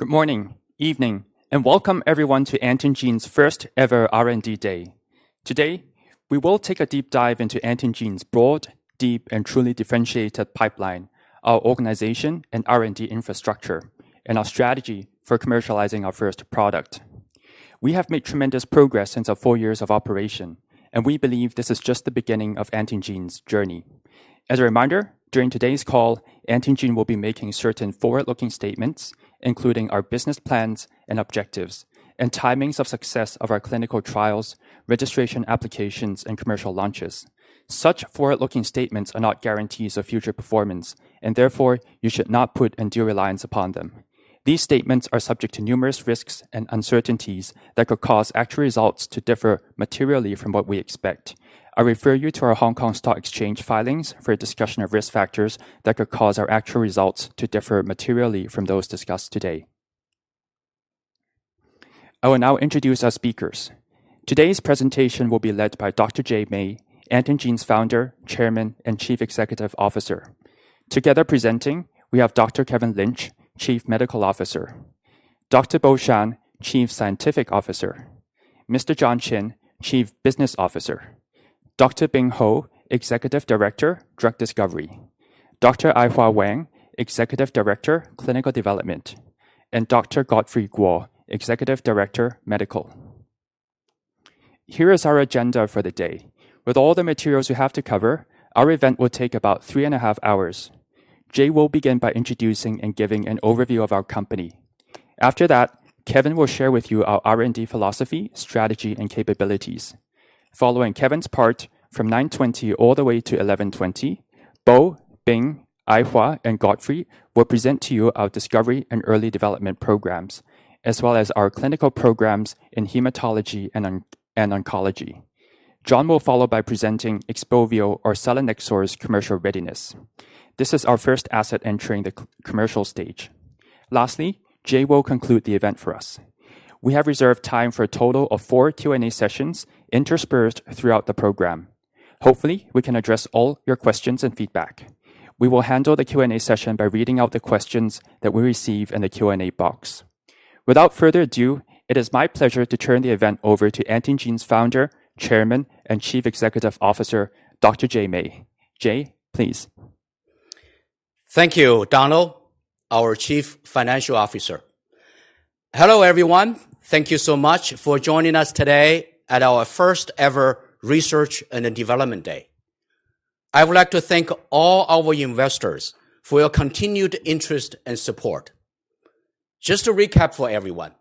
Good morning, evening, and welcome everyone to Antengene's first ever R&D Day. Today, we will take a deep dive into Antengene's broad, deep, and truly differentiated pipeline, our organization and R&D infrastructure, and our strategy for commercializing our first product. We have made tremendous progress since our four years of operation, and we believe this is just the beginning of Antengene's journey. As a reminder, during today's call, Antengene will be making certain forward-looking statements, including our business plans and objectives and timings of success of our clinical trials, registration applications, and commercial launches. Such forward-looking statements are not guarantees of future performance, and therefore, you should not put undue reliance upon them. These statements are subject to numerous risks and uncertainties that could cause actual results to differ materially from what we expect. I refer you to our Hong Kong Stock Exchange filings for a discussion of risk factors that could cause our actual results to differ materially from those discussed today. I will now introduce our speakers. Today's presentation will be led by Dr. Jay Mei, Antengene's Founder, Chairman, and Chief Executive Officer. Together presenting, we have Dr. Kevin Lynch, Chief Medical Officer. Dr. Bo Shan, Chief Scientific Officer. Mr. John Chin, Chief Business Officer. Dr. Bing Hou, Executive Director, Drug Discovery. Dr. Aihua Wang, Executive Director, Clinical Development, and Dr. Godfrey Guo, Executive Director, Medical. Here is our agenda for the day. With all the materials we have to cover, our event will take about three and a half hours. Jay will begin by introducing and giving an overview of our company. After that, Kevin will share with you our R&D philosophy, strategy, and capabilities. Following Kevin's part from 9:20AM all the way to 11:20AM, Bo, Bing, Aihua, and Godfrey will present to you our discovery and early development programs, as well as our clinical programs in hematology and oncology. John will follow by presenting XPOVIO or selinexor's commercial readiness. This is our first asset entering the commercial stage. Lastly, Jay will conclude the event for us. We have reserved time for a total of four Q&A sessions interspersed throughout the program. Hopefully, we can address all your questions and feedback. We will handle the Q&A session by reading out the questions that we receive in the Q&A box. Without further ado, it is my pleasure to turn the event over to Antengene's Founder, Chairman, and Chief Executive Officer, Dr. Jay Mei. Jay, please. Thank you, Donald, our Chief Financial Officer. Hello, everyone. Thank you so much for joining us today at our first ever Research and Development Day. I would like to thank all our investors for your continued interest and support. Just to recap for everyone,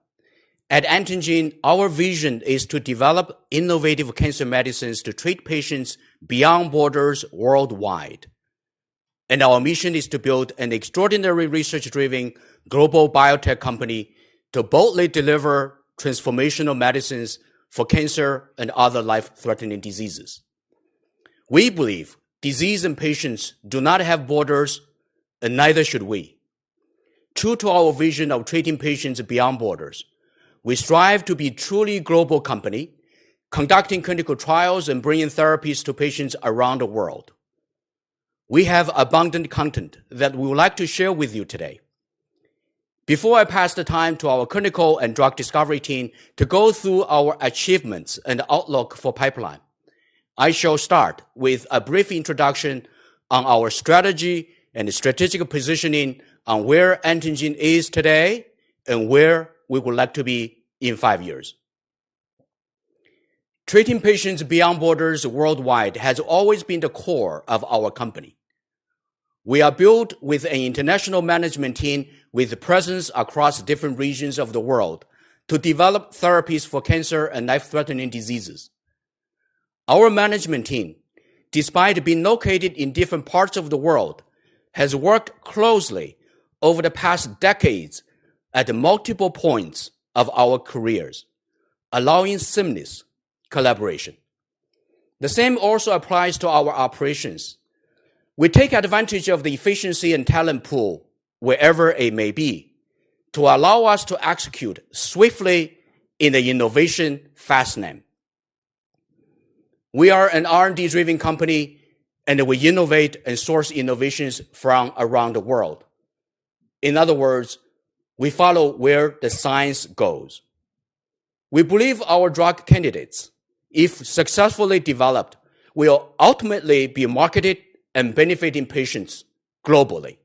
at Antengene, our vision is to develop innovative cancer medicines to treat patients beyond borders worldwide. Our mission is to build an extraordinary research-driven global biotech company to boldly deliver transformational medicines for cancer and other life-threatening diseases. We believe disease and patients do not have borders, and neither should we. True to our vision of treating patients beyond borders, we strive to be a truly global company, conducting clinical trials and bringing therapies to patients around the world. We have abundant content that we would like to share with you today. Before I pass the time to our clinical and drug discovery team to go through our achievements and outlook for pipeline, I shall start with a brief introduction on our strategy and strategic positioning on where Antengene is today and where we would like to be in five years. Treating patients beyond borders worldwide has always been the core of our company. We are built with an international management team with a presence across different regions of the world to develop therapies for cancer and life-threatening diseases. Our management team, despite being located in different parts of the world, has worked closely over the past decades at multiple points of our careers, allowing seamless collaboration. The same also applies to our operations. We take advantage of the efficiency and talent pool, wherever it may be, to allow us to execute swiftly in the innovation fast lane. We are an R&D driven company, and we innovate and source innovations from around the world. In other words, we follow where the science goes. We believe our drug candidates, if successfully developed, will ultimately be marketed and benefiting patients globally.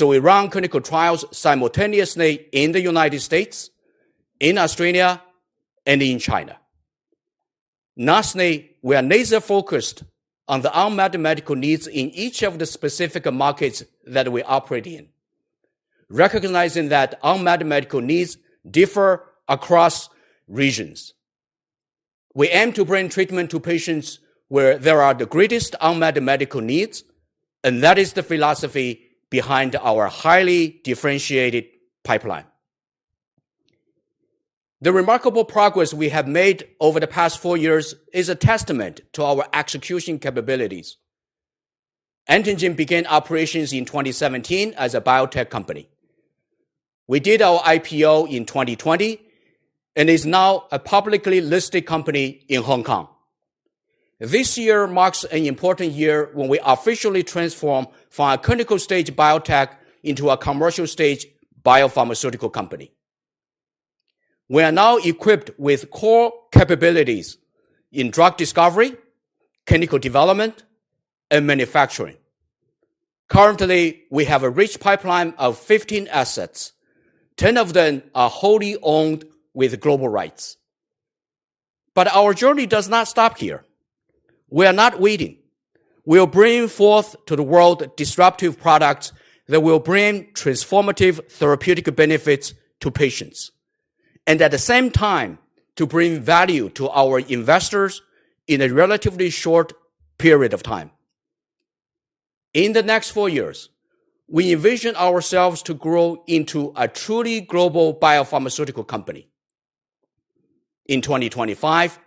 We run clinical trials simultaneously in the United States, in Australia, and in China. Lastly, we are laser-focused on the unmet medical needs in each of the specific markets that we operate in, recognizing that unmet medical needs differ across regions. We aim to bring treatment to patients where there are the greatest unmet medical needs, and that is the philosophy behind our highly differentiated pipeline. The remarkable progress we have made over the past four years is a testament to our execution capabilities. Antengene began operations in 2017 as a biotech company. We did our IPO in 2020 and we are now a publicly listed company in Hong Kong. This year marks an important year when we officially transform from a clinical-stage biotech into a commercial-stage biopharmaceutical company. We are now equipped with core capabilities in drug discovery, clinical development, and manufacturing. Currently, we have a rich pipeline of 15 assets, 10 of them are wholly owned with global rights. Our journey does not stop here. We are not waiting. We are bringing forth to the world disruptive products that will bring transformative therapeutic benefits to patients, and at the same time, to bring value to our investors in a relatively short period of time. In the next four years, we envision ourselves to grow into a truly global biopharmaceutical company. In 2025,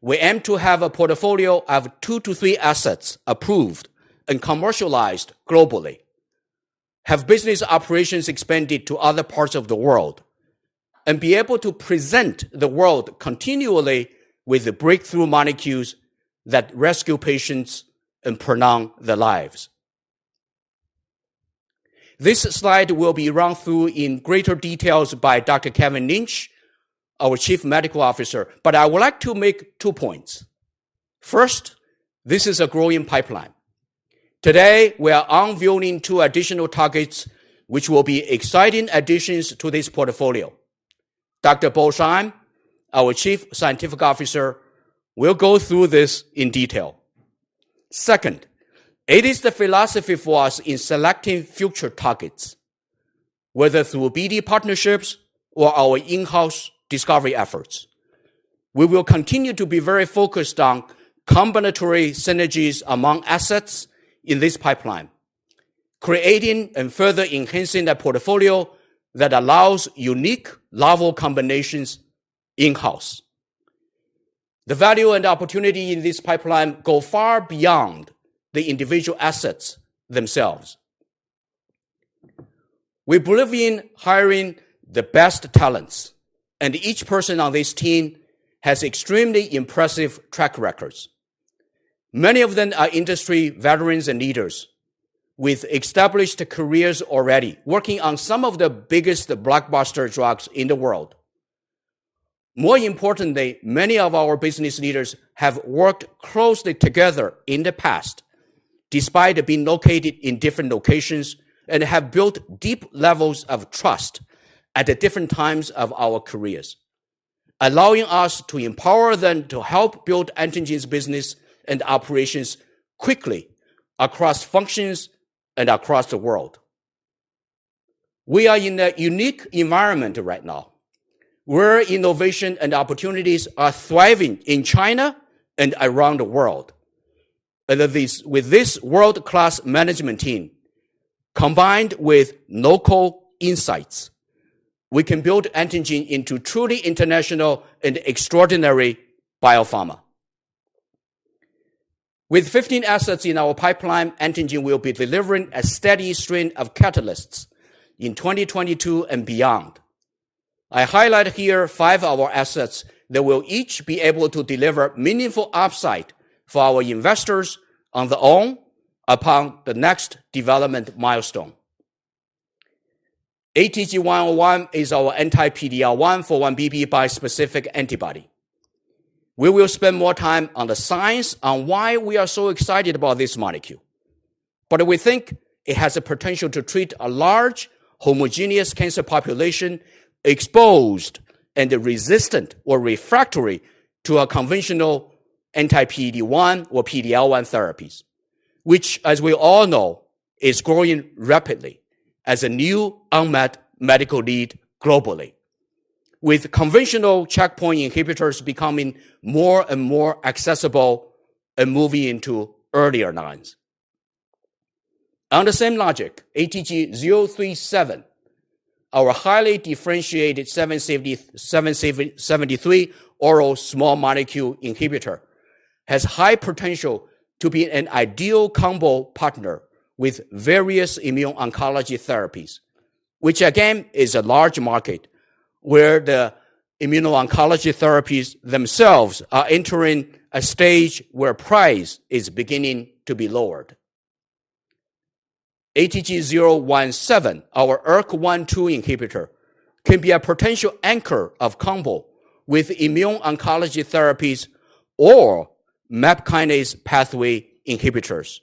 we aim to have a portfolio of two to three assets approved and commercialized globally, have business operations expanded to other parts of the world, and be able to present the world continually with the breakthrough molecules that rescue patients and prolong their lives. This slide will be run through in greater details by Dr. Kevin Lynch, our Chief Medical Officer. I would like to make two points. First, this is a growing pipeline. Today, we are unveiling two additional targets which will be exciting additions to this portfolio. Dr. Bo Shan, our Chief Scientific Officer, will go through this in detail. Second, it is the philosophy for us in selecting future targets, whether through BD partnerships or our in-house discovery efforts. We will continue to be very focused on combinatory synergies among assets in this pipeline, creating and further enhancing a portfolio that allows unique novel combinations in-house. The value and opportunity in this pipeline go far beyond the individual assets themselves. We believe in hiring the best talents, and each person on this team has extremely impressive track records. Many of them are industry veterans and leaders with established careers already, working on some of the biggest blockbuster drugs in the world. More importantly, many of our business leaders have worked closely together in the past, despite being located in different locations, and have built deep levels of trust at the different times of our careers, allowing us to empower them to help build Antengene's business and operations quickly across functions and across the world. We are in a unique environment right now, where innovation and opportunities are thriving in China and around the world. With this world-class management team, combined with local insights, we can build Antengene into truly international and extraordinary biopharma. With 15 assets in our pipeline, Antengene will be delivering a steady stream of catalysts in 2022 and beyond. I highlight here five of our assets that will each be able to deliver meaningful upside for our investors on their own upon the next development milestone. ATG-101 is our anti-PD-L1/4-1BB bispecific antibody. We will spend more time on the science on why we are so excited about this molecule. We think it has the potential to treat a large homogeneous cancer population exposed and resistant or refractory to a conventional anti-PD-1 or PD-L1 therapies, which as we all know, is growing rapidly as a new unmet medical need globally. With conventional checkpoint inhibitors becoming more and more accessible and moving into earlier lines. On the same logic, ATG-037, our highly differentiated CD73 oral small molecule inhibitor, has high potential to be an ideal combo partner with various immuno-oncology therapies, which again, is a large market where the immuno-oncology therapies themselves are entering a stage where price is beginning to be lowered. ATG-017, our ERK1/2 inhibitor, can be a potential anchor of combo with immune oncology therapies or MAP kinase pathway inhibitors,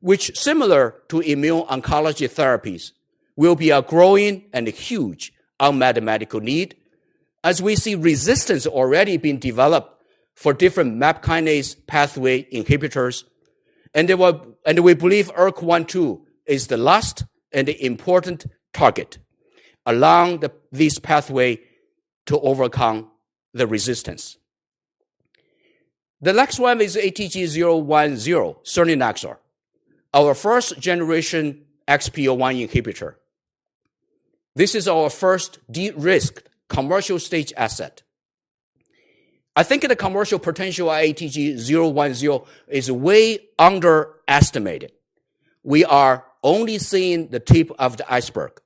which similar to immune oncology therapies, will be a growing and huge unmet medical need as we see resistance already been developed for different MAP kinase pathway inhibitors. We believe ERK1/2 is the last and important target along this pathway to overcome the resistance. The next one is ATG-010 selinexor, our first generation XPO1 inhibitor. This is our first de-risked commercial stage asset. I think the commercial potential of ATG-010 is way underestimated. We are only seeing the tip of the iceberg.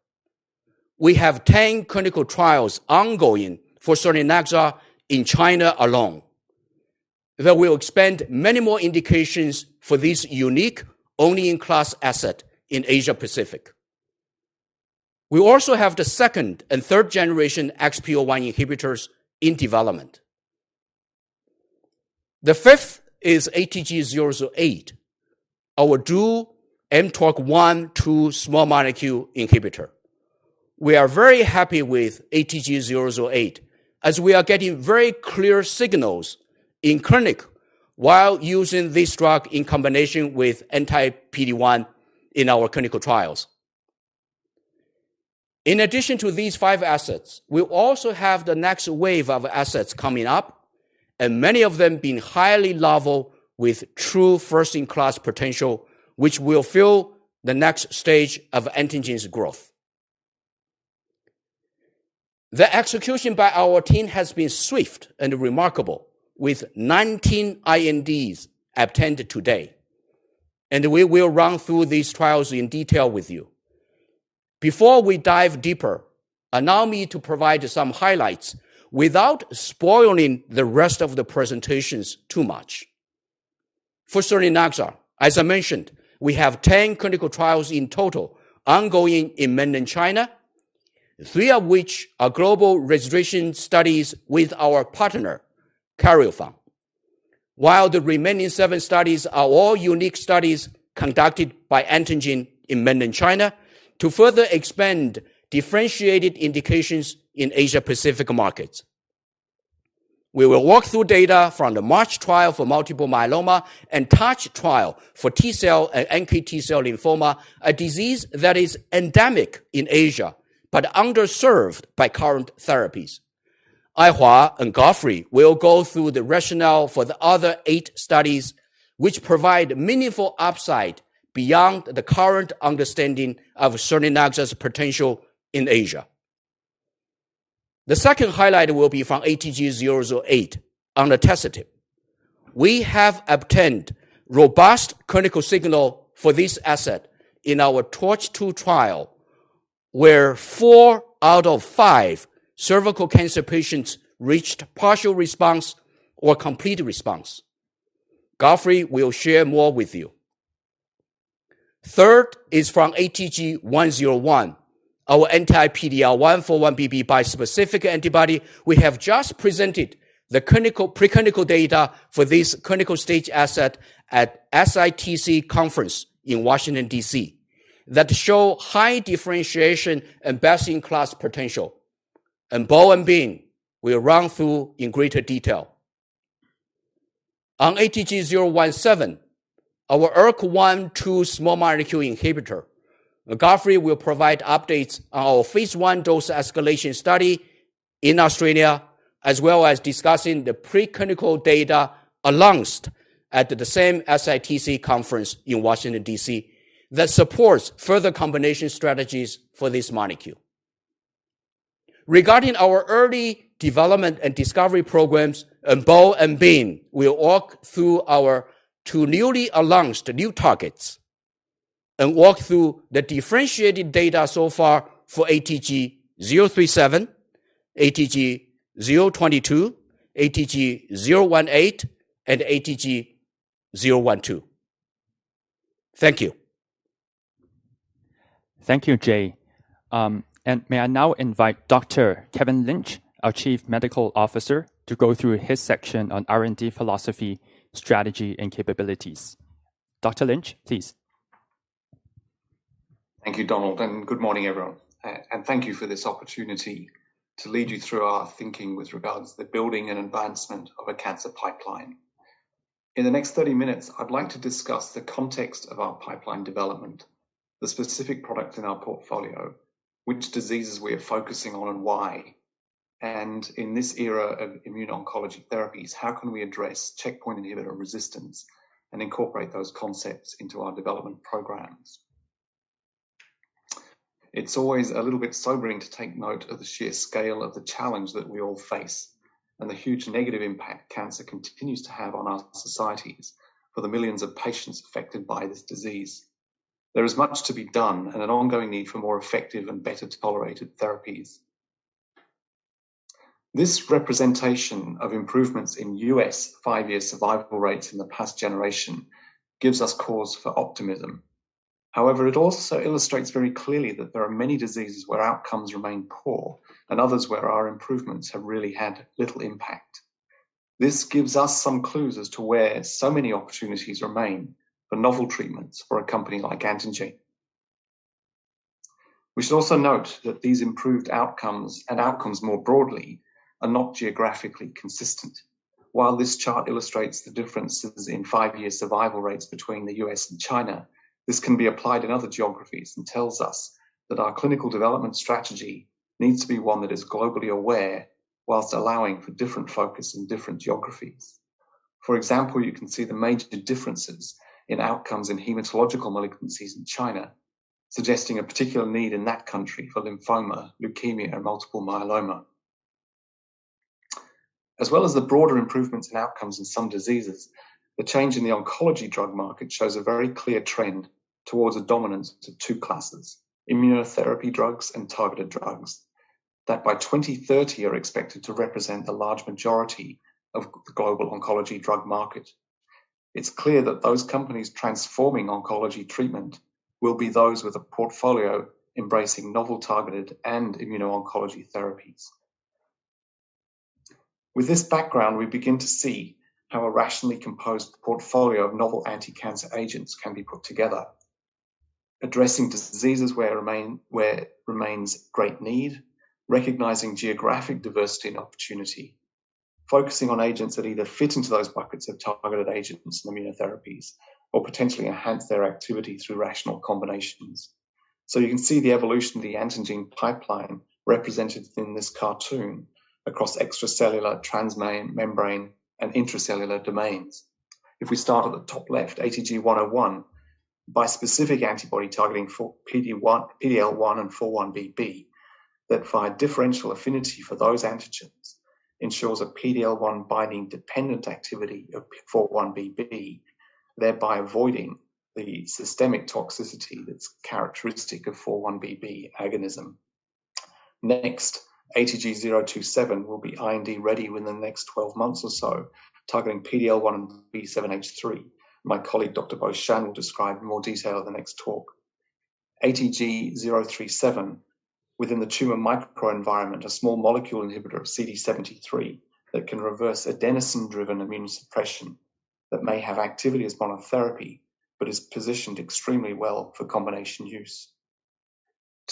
We have 10 clinical trials ongoing for selinexor in China alone. That will expand many more indications for this unique, only-in-class asset in Asia-Pacific. We also have the second and third generation XPO1 inhibitors in development. The fifth is ATG-008, our dual mTORC1/2 small molecule inhibitor. We are very happy with ATG-008, as we are getting very clear signals in clinic while using this drug in combination with anti-PD-1 in our clinical trials. In addition to these five assets, we also have the next wave of assets coming up, and many of them being highly novel with true first-in-class potential, which will fill the next stage of Antengene's growth. The execution by our team has been swift and remarkable, with 19 INDs obtained today, and we will run through these trials in detail with you. Before we dive deeper, allow me to provide some highlights without spoiling the rest of the presentations too much. For selinexor, as I mentioned, we have 10 clinical trials in total ongoing in mainland China, three of which are global registration studies with our partner, Karyopharm. While the remaining seven studies are all unique studies conducted by Antengene in mainland China to further expand differentiated indications in Asia-Pacific markets. We will walk through data from the MARCH trial for multiple myeloma and TOUCH trial for T-cell, NK/T cell lymphoma, a disease that is endemic in Asia but underserved by current therapies. Aihua and Godfrey will go through the rationale for the other eight studies, which provide meaningful upside beyond the current understanding of selinexor's potential in Asia. The second highlight will be from ATG-008, onatasertib. We have obtained robust clinical signal for this asset in our TORCH-2 trial, where four out of five cervical cancer patients reached partial response or complete response. Godfrey will share more with you. Third is from ATG-101, our anti-PD-L1 4-1BB bispecific antibody. We have just presented the preclinical data for this clinical stage asset at SITC conference in Washington, D.C., that show high differentiation and best-in-class potential. Bo and Bing will run through in greater detail. On ATG-017, our ERK1/2 small molecule inhibitor. Godfrey will provide updates on our phase I dose escalation study in Australia, as well as discussing the preclinical data announced at the same SITC conference in Washington, D.C., that supports further combination strategies for this molecule. Regarding our early development and discovery programs, Bo and Bing will walk through our two newly announced targets and walk through the differentiated data so far for ATG-037, ATG-022, ATG-018, and ATG-012. Thank you. Thank you, Jay. May I now invite Dr. Kevin Lynch, our Chief Medical Officer, to go through his section on R&D philosophy, strategy, and capabilities. Dr. Lynch, please. Thank you, Donald, and good morning, everyone. And thank you for this opportunity to lead you through our thinking with regards to the building and advancement of a cancer pipeline. In the next 30 minutes, I'd like to discuss the context of our pipeline development, the specific products in our portfolio, which diseases we are focusing on and why. In this era of immune oncology therapies, how can we address checkpoint inhibitor resistance and incorporate those concepts into our development programs. It's always a little bit sobering to take note of the sheer scale of the challenge that we all face and the huge negative impact cancer continues to have on our societies for the millions of patients affected by this disease. There is much to be done and an ongoing need for more effective and better-tolerated therapies. This representation of improvements in U.S. five-year survival rates in the past generation gives us cause for optimism. However, it also illustrates very clearly that there are many diseases where outcomes remain poor and others where our improvements have really had little impact. This gives us some clues as to where so many opportunities remain for novel treatments for a company like Antengene. We should also note that these improved outcomes and outcomes more broadly are not geographically consistent. While this chart illustrates the differences in five-year survival rates between the U.S. and China, this can be applied in other geographies and tells us that our clinical development strategy needs to be one that is globally aware while allowing for different focus in different geographies. For example, you can see the major differences in outcomes in hematological malignancies in China, suggesting a particular need in that country for lymphoma, leukemia, or multiple myeloma. As well as the broader improvements in outcomes in some diseases, the change in the oncology drug market shows a very clear trend towards a dominance to two classes, immunotherapy drugs and targeted drugs, that by 2030 are expected to represent the large majority of the global oncology drug market. It's clear that those companies transforming oncology treatment will be those with a portfolio embracing novel targeted and immuno-oncology therapies. With this background, we begin to see how a rationally composed portfolio of novel anticancer agents can be put together, addressing diseases where remains great need, recognizing geographic diversity and opportunity, focusing on agents that either fit into those buckets of targeted agents and immunotherapies or potentially enhance their activity through rational combinations. You can see the evolution of the Antengene pipeline represented in this cartoon across extracellular, membrane, and intracellular domains. If we start at the top left, ATG-101, bispecific antibody targeting PD-L1 and 4-1BB that via differential affinity for those antigens ensures a PD-L1 binding-dependent activity of 4-1BB, thereby avoiding the systemic toxicity that's characteristic of 4-1BB agonism. Next, ATG-027 will be IND-ready within the next 12 months or so, targeting PD-L1 and B7H3. My colleague, Dr. Bo Shan, will describe in more detail in the next talk. ATG-037, within the tumor microenvironment, a small molecule inhibitor of CD73 that can reverse adenosine-driven immunosuppression that may have activity as monotherapy but is positioned extremely well for combination use.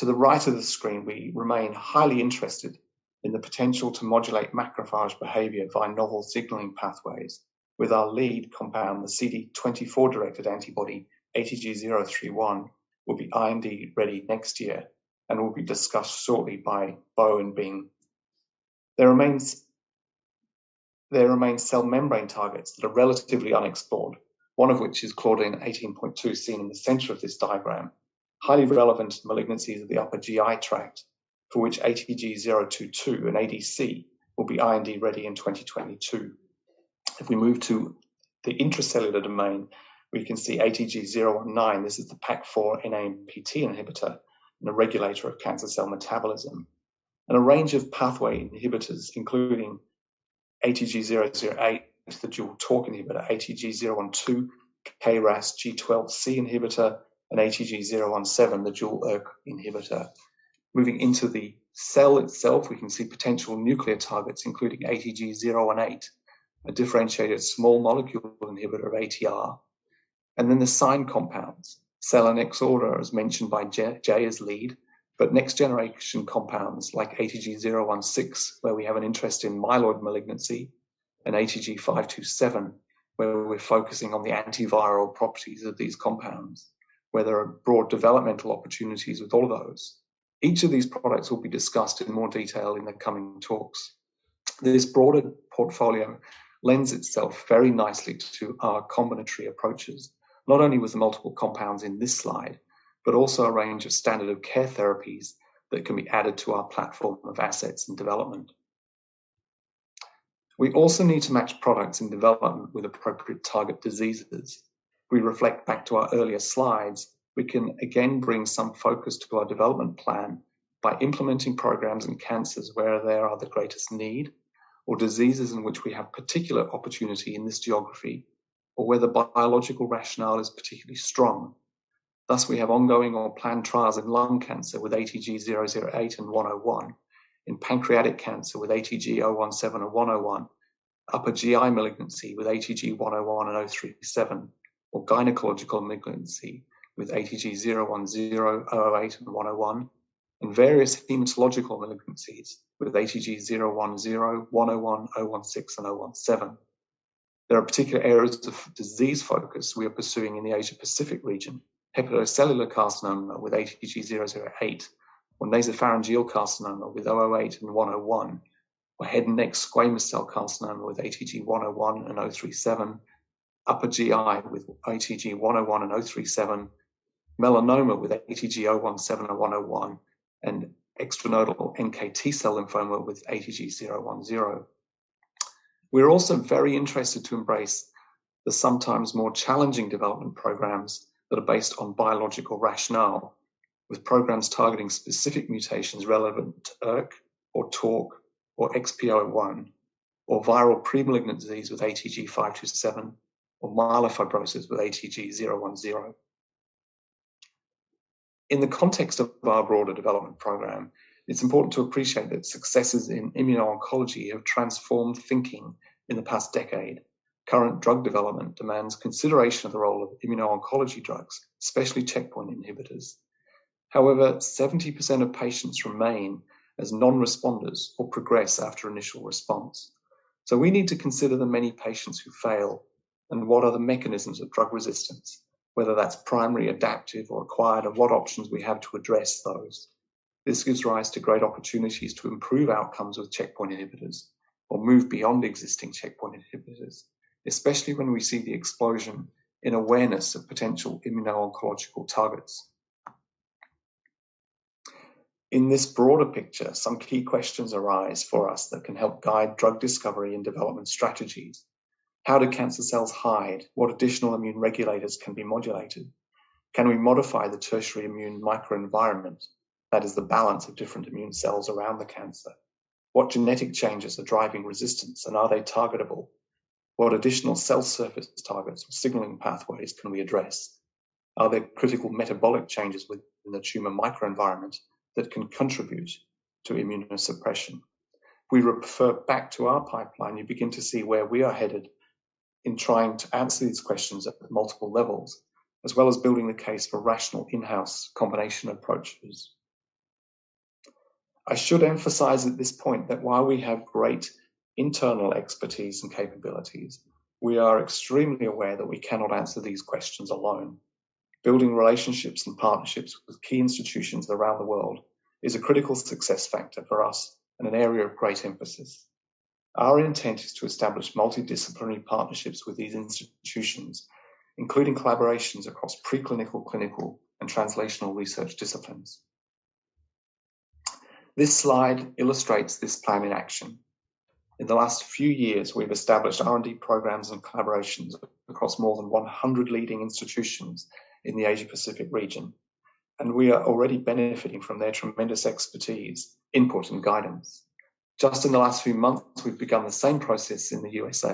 To the right of the screen, we remain highly interested in the potential to modulate macrophage behavior via novel signaling pathways with our lead compound, the CD24-directed antibody, ATG-031, will be IND-ready next year and will be discussed shortly by Bo Shan and Bing Hou. There remain cell membrane targets that are relatively unexplored, one of which is Claudin 18.2 seen in the center of this diagram. Highly relevant malignancies of the upper GI tract for which ATG-022, an ADC, will be IND-ready in 2022. If we move to the intracellular domain, we can see ATG-019. This is the PAK4/NAMPT inhibitor and a regulator of cancer cell metabolism. A range of pathway inhibitors, including ATG-008 is the dual mTORC inhibitor, ATG-012, KRAS G12C inhibitor, and ATG-017, the dual ERK inhibitor. Moving into the cell itself, we can see potential nuclear targets, including ATG-018, a differentiated small molecule inhibitor of ATR. Then the SINE compounds, selinexor as mentioned by Jay as lead, but next-generation compounds like ATG-016, where we have an interest in myeloid malignancy, and ATG-527, where we're focusing on the antiviral properties of these compounds, where there are broad developmental opportunities with all of those. Each of these products will be discussed in more detail in the coming talks. This broader portfolio lends itself very nicely to our combinatory approaches, not only with the multiple compounds in this slide, but also a range of standard-of-care therapies that can be added to our platform of assets and development. We also need to match products in development with appropriate target diseases. If we reflect back to our earlier slides, we can again bring some focus to our development plan by implementing programs in cancers where there are the greatest need or diseases in which we have particular opportunity in this geography or where the biological rationale is particularly strong. Thus, we have ongoing or planned trials in lung cancer with ATG-008 and ATG-101, in pancreatic cancer with ATG-017 and ATG-101, upper GI malignancy with ATG-101 and ATG-037, or gynecological malignancy with ATG-010, ATG-008, and ATG-101, and various hematological malignancies with ATG-010, ATG-101, ATG-016, and ATG-017. There are particular areas of disease focus we are pursuing in the Asia-Pacific region, hepatocellular carcinoma with ATG-008, or nasopharyngeal carcinoma with ATG-008 and ATG-101, or head and neck squamous cell carcinoma with ATG-101 and ATG-037, upper GI with ATG-101 and ATG-037, melanoma with ATG-017 and ATG-101, and extranodal NKT cell lymphoma with ATG-010. We're also very interested to embrace the sometimes more challenging development programs that are based on biological rationale, with programs targeting specific mutations relevant to ERK or mTORC or XPO1, or viral premalignant disease with ATG-527, or myelofibrosis with ATG-010. In the context of our broader development program, it's important to appreciate that successes in immuno-oncology have transformed thinking in the past decade. Current drug development demands consideration of the role of immuno-oncology drugs, especially checkpoint inhibitors. However, 70% of patients remain as non-responders or progress after initial response. We need to consider the many patients who fail and what are the mechanisms of drug resistance, whether that's primary, adaptive, or acquired, and what options we have to address those. This gives rise to great opportunities to improve outcomes with checkpoint inhibitors or move beyond existing checkpoint inhibitors, especially when we see the explosion in awareness of potential immuno-oncological targets. In this broader picture, some key questions arise for us that can help guide drug discovery and development strategies. How do cancer cells hide? What additional immune regulators can be modulated? Can we modify the tertiary immune microenvironment, that is the balance of different immune cells around the cancer? What genetic changes are driving resistance, and are they targetable? What additional cell surface targets or signaling pathways can we address? Are there critical metabolic changes within the tumor microenvironment that can contribute to immunosuppression? If we refer back to our pipeline, you begin to see where we are headed in trying to answer these questions at multiple levels, as well as building the case for rational in-house combination approaches. I should emphasize at this point that while we have great internal expertise and capabilities, we are extremely aware that we cannot answer these questions alone. Building relationships and partnerships with key institutions around the world is a critical success factor for us and an area of great emphasis. Our intent is to establish multidisciplinary partnerships with these institutions, including collaborations across preclinical, clinical, and translational research disciplines. This slide illustrates this plan in action. In the last few years, we've established R&D programs and collaborations across more than 100 leading institutions in the Asia-Pacific region, and we are already benefiting from their tremendous expertise, input, and guidance. Just in the last few months, we've begun the same process in the U.S.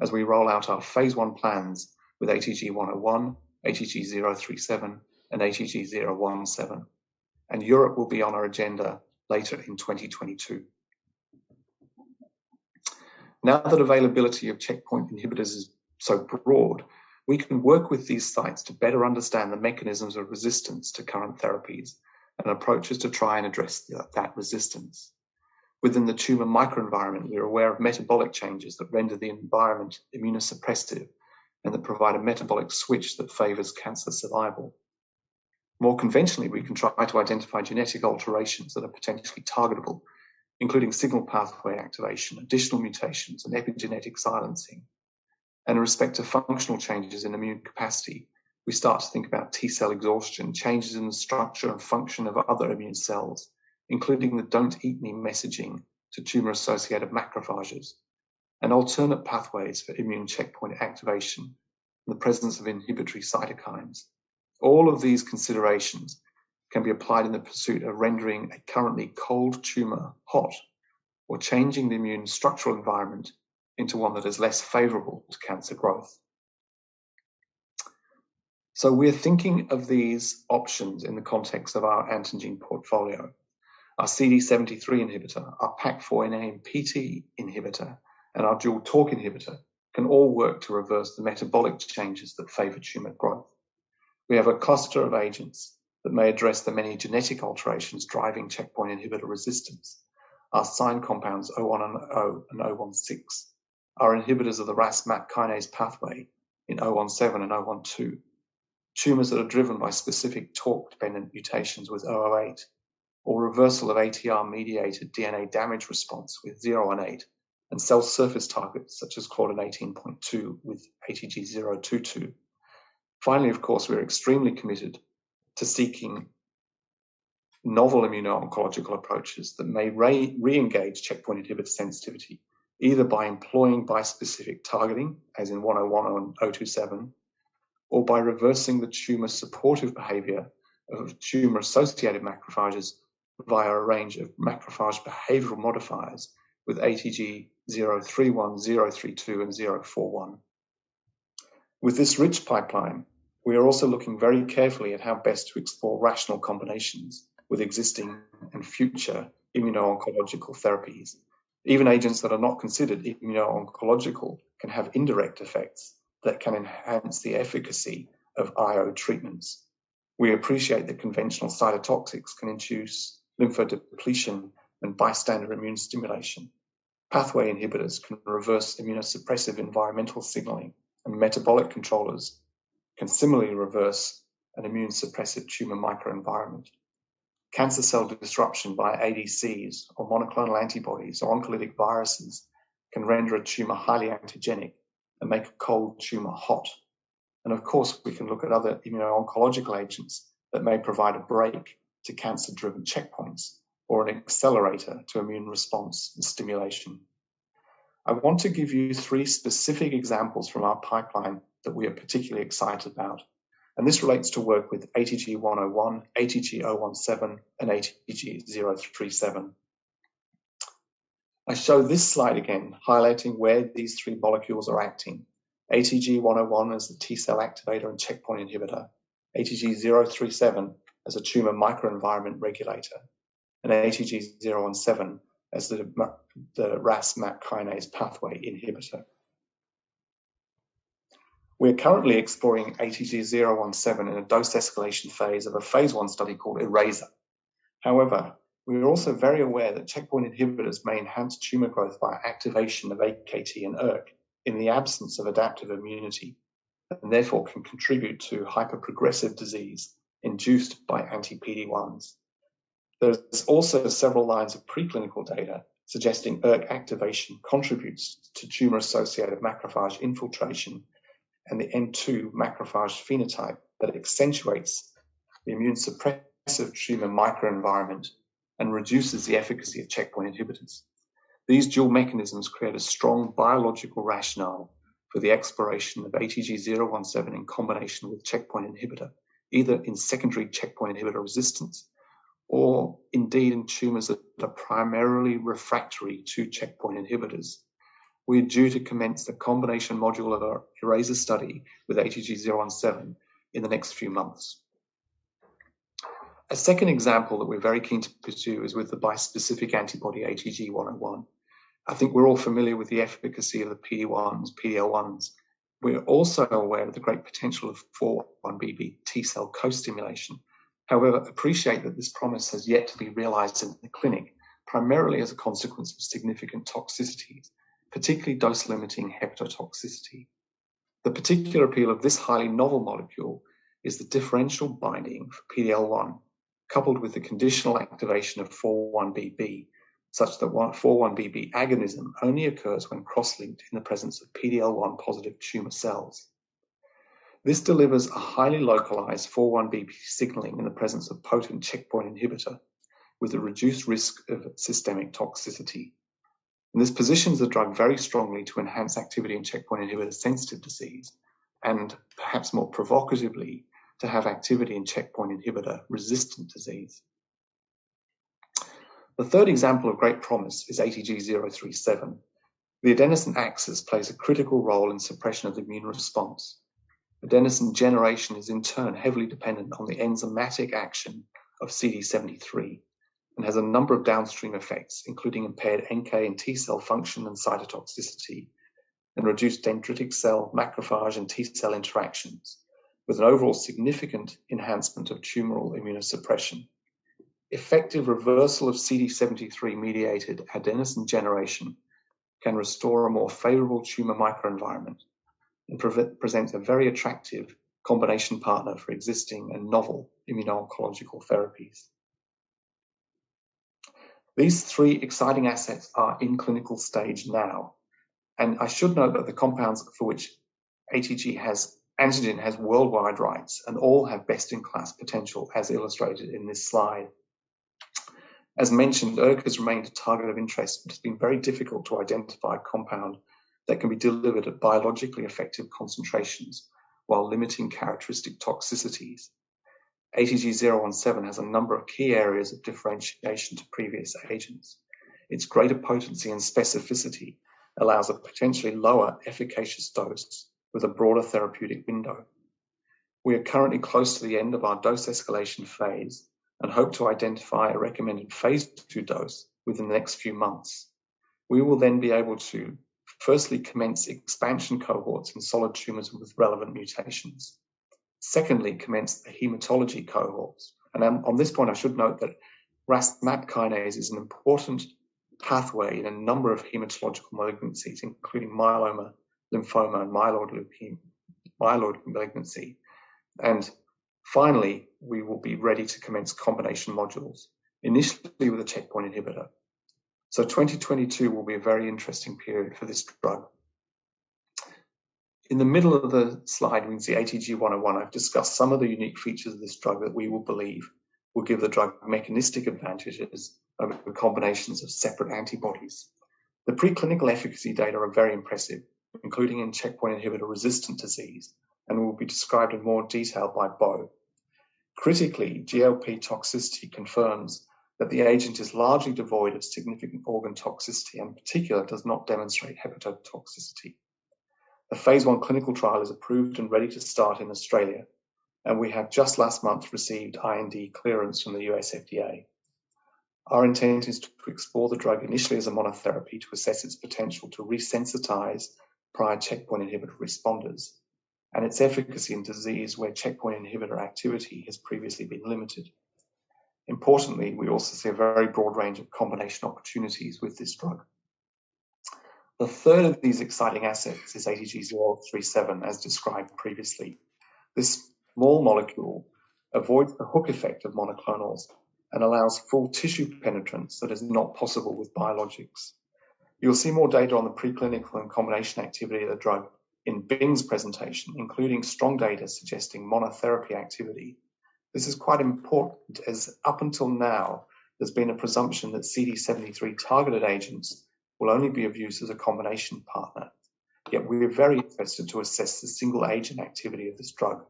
as we roll out our phase I plans with ATG-101, ATG-037, and ATG-017, and Europe will be on our agenda later in 2022. Now that availability of checkpoint inhibitors is so broad, we can work with these sites to better understand the mechanisms of resistance to current therapies and approaches to try and address that resistance. Within the tumor microenvironment, we are aware of metabolic changes that render the environment immunosuppressive and that provide a metabolic switch that favors cancer survival. More conventionally, we can try to identify genetic alterations that are potentially targetable, including signaling pathway activation, additional mutations, and epigenetic silencing. In respect to functional changes in immune capacity, we start to think about T-cell exhaustion, changes in the structure and function of other immune cells, including the "don't eat me" messaging to tumor-associated macrophages, and alternate pathways for immune checkpoint activation in the presence of inhibitory cytokines. All of these considerations can be applied in the pursuit of rendering a currently cold tumor hot or changing the immune structural environment into one that is less favorable to cancer growth. We're thinking of these options in the context of our antigen portfolio. Our CD73 inhibitor, our PAK4 NAMPT inhibitor, and our dual mTORC inhibitor can all work to reverse the metabolic changes that favor tumor growth. We have a cluster of agents that may address the many genetic alterations driving checkpoint inhibitor resistance. Our SINE compounds ATG-010 and ATG-016, our inhibitors of the Ras/MAPK kinase pathway in ATG-017 and ATG-012, tumors that are driven by specific TORC-dependent mutations with ATG-018, or reversal of ATR-mediated DNA damage response with ATG-018, and cell surface targets such as Claudin 18.2 with ATG-022. Finally, of course, we're extremely committed to seeking novel immuno-oncological approaches that may re-engage checkpoint inhibitor sensitivity, either by employing bispecific targeting, as in ATG-101 and ATG-027, or by reversing the tumor-supportive behavior of tumor-associated macrophages via a range of macrophage behavioral modifiers with ATG-031, ATG-032, and ATG-041. With this rich pipeline, we are also looking very carefully at how best to explore rational combinations with existing and future immuno-oncological therapies. Even agents that are not considered immuno-oncological can have indirect effects that can enhance the efficacy of IO treatments. We appreciate that conventional cytotoxics can induce lymphodepletion and bystander immune stimulation. Pathway inhibitors can reverse immunosuppressive environmental signaling, and metabolic controllers can similarly reverse an immunosuppressive tumor microenvironment. Cancer cell disruption by ADCs or monoclonal antibodies or oncolytic viruses can render a tumor highly antigenic and make a cold tumor hot. Of course, we can look at other immuno-oncological agents that may provide a break to cancer-driven checkpoints or an accelerator to immune response and stimulation. I want to give you three specific examples from our pipeline that we are particularly excited about, and this relates to work with ATG-101, ATG-017, and ATG-037. I show this slide again highlighting where these three molecules are acting, ATG-101 as a T-cell activator and checkpoint inhibitor, ATG-037 as a tumor microenvironment regulator, and ATG-017 as the Ras/MAPK kinase pathway inhibitor. We're currently exploring ATG-017 in a dose escalation phase of a phase I study called ERASER. However, we're also very aware that checkpoint inhibitors may enhance tumor growth via activation of AKT and ERK in the absence of adaptive immunity and therefore can contribute to hyperprogressive disease induced by anti-PD-1s. There's also several lines of preclinical data suggesting ERK activation contributes to tumor-associated macrophage infiltration and the M2 macrophage phenotype that accentuates the immunosuppressive tumor microenvironment and reduces the efficacy of checkpoint inhibitors. These dual mechanisms create a strong biological rationale for the exploration of ATG-017 in combination with checkpoint inhibitor, either in secondary checkpoint inhibitor resistance or indeed in tumors that are primarily refractory to checkpoint inhibitors. We're due to commence the combination module of our ERASER study with ATG-017 in the next few months. A second example that we're very keen to pursue is with the bispecific antibody ATG-101. I think we're all familiar with the efficacy of the PD-1s, PD-L1s. We're also aware of the great potential of 4-1BB T-cell co-stimulation. However, we appreciate that this promise has yet to be realized in the clinic, primarily as a consequence of significant toxicities, particularly dose-limiting hepatotoxicity. The particular appeal of this highly novel molecule is the differential binding for PD-L1, coupled with the conditional activation of 4-1BB, such that 4-1BB agonism only occurs when cross-linked in the presence of PD-L1 positive tumor cells. This delivers a highly localized 4-1BB signaling in the presence of potent checkpoint inhibitor with a reduced risk of systemic toxicity. This positions the drug very strongly to enhance activity in checkpoint inhibitor-sensitive disease, and perhaps more provocatively, to have activity in checkpoint inhibitor-resistant disease. The third example of great promise is ATG-037. The adenosine axis plays a critical role in suppression of the immune response. Adenosine generation is in turn heavily dependent on the enzymatic action of CD73 and has a number of downstream effects, including impaired NK and T-cell function and cytotoxicity, and reduced dendritic cell, macrophage, and T-cell interactions, with an overall significant enhancement of tumoral immunosuppression. Effective reversal of CD73-mediated adenosine generation can restore a more favorable tumor microenvironment and presents a very attractive combination partner for existing and novel immuno-oncological therapies. These three exciting assets are in clinical stage now, and I should note that the compounds for which Antengene has worldwide rights, and all have best-in-class potential as illustrated in this slide. As mentioned, ERK has remained a target of interest, but it's been very difficult to identify a compound that can be delivered at biologically effective concentrations while limiting characteristic toxicities. ATG-017 has a number of key areas of differentiation to previous agents. Its greater potency and specificity allows a potentially lower efficacious dose with a broader therapeutic window. We are currently close to the end of our dose escalation phase and hope to identify a recommended phase II dose within the next few months. We will then be able to firstly commence expansion cohorts in solid tumors with relevant mutations. Secondly, commence the hematology cohorts, and then on this point, I should note that Ras/MAPK is an important pathway in a number of hematological malignancies, including myeloma, lymphoma, and myeloid leukemia, myeloid malignancy. Finally, we will be ready to commence combination modules, initially with a checkpoint inhibitor. 2022 will be a very interesting period for this drug. In the middle of the slide, we can see ATG-101. I've discussed some of the unique features of this drug that we will believe will give the drug mechanistic advantages over combinations of separate antibodies. The preclinical efficacy data are very impressive, including in checkpoint inhibitor-resistant disease and will be described in more detail by Bo Shan. Critically, GLP toxicity confirms that the agent is largely devoid of significant organ toxicity, and in particular, does not demonstrate hepatotoxicity. The phase I clinical trial is approved and ready to start in Australia, and we have just last month received IND clearance from the U.S. FDA. Our intent is to explore the drug initially as a monotherapy to assess its potential to resensitize prior checkpoint inhibitor responders and its efficacy in disease where checkpoint inhibitor activity has previously been limited. Importantly, we also see a very broad range of combination opportunities with this drug. The third of these exciting assets is ATG-037, as described previously. This small molecule avoids the hook effect of monoclonals and allows full tissue penetrance that is not possible with biologics. You'll see more data on the preclinical and combination activity of the drug in Bing's presentation, including strong data suggesting monotherapy activity. This is quite important as up until now, there's been a presumption that CD73-targeted agents will only be of use as a combination partner, yet we were very interested to assess the single agent activity of this drug.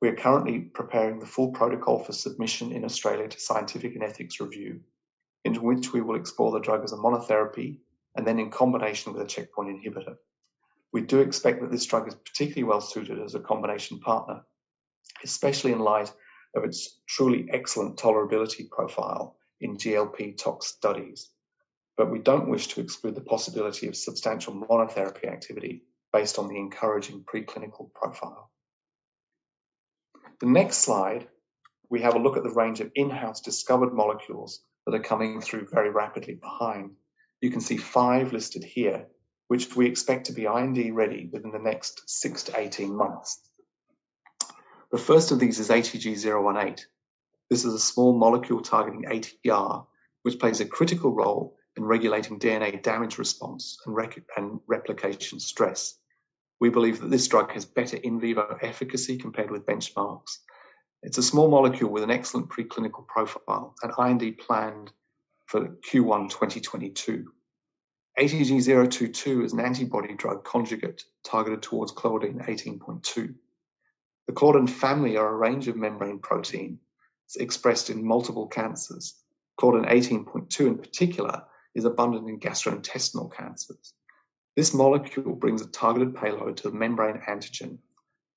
We are currently preparing the full protocol for submission in Australia to scientific and ethics review, into which we will explore the drug as a monotherapy and then in combination with a checkpoint inhibitor. We do expect that this drug is particularly well-suited as a combination partner, especially in light of its truly excellent tolerability profile in GLP tox studies. We don't wish to exclude the possibility of substantial monotherapy activity based on the encouraging preclinical profile. The next slide, we have a look at the range of in-house discovered molecules that are coming through very rapidly behind. You can see five listed here, which we expect to be IND-ready within the next six to 18 months. The first of these is ATG-018. This is a small molecule targeting ATR, which plays a critical role in regulating DNA damage response and replication stress. We believe that this drug has better in vivo efficacy compared with benchmarks. It's a small molecule with an excellent preclinical profile and IND planned for Q1 2022. ATG-022 is an antibody drug conjugate targeted towards Claudin 18.2. The claudin family are a range of membrane protein. It's expressed in multiple cancers. Claudin 18.2 in particular is abundant in gastrointestinal cancers. This molecule brings a targeted payload to the membrane antigen.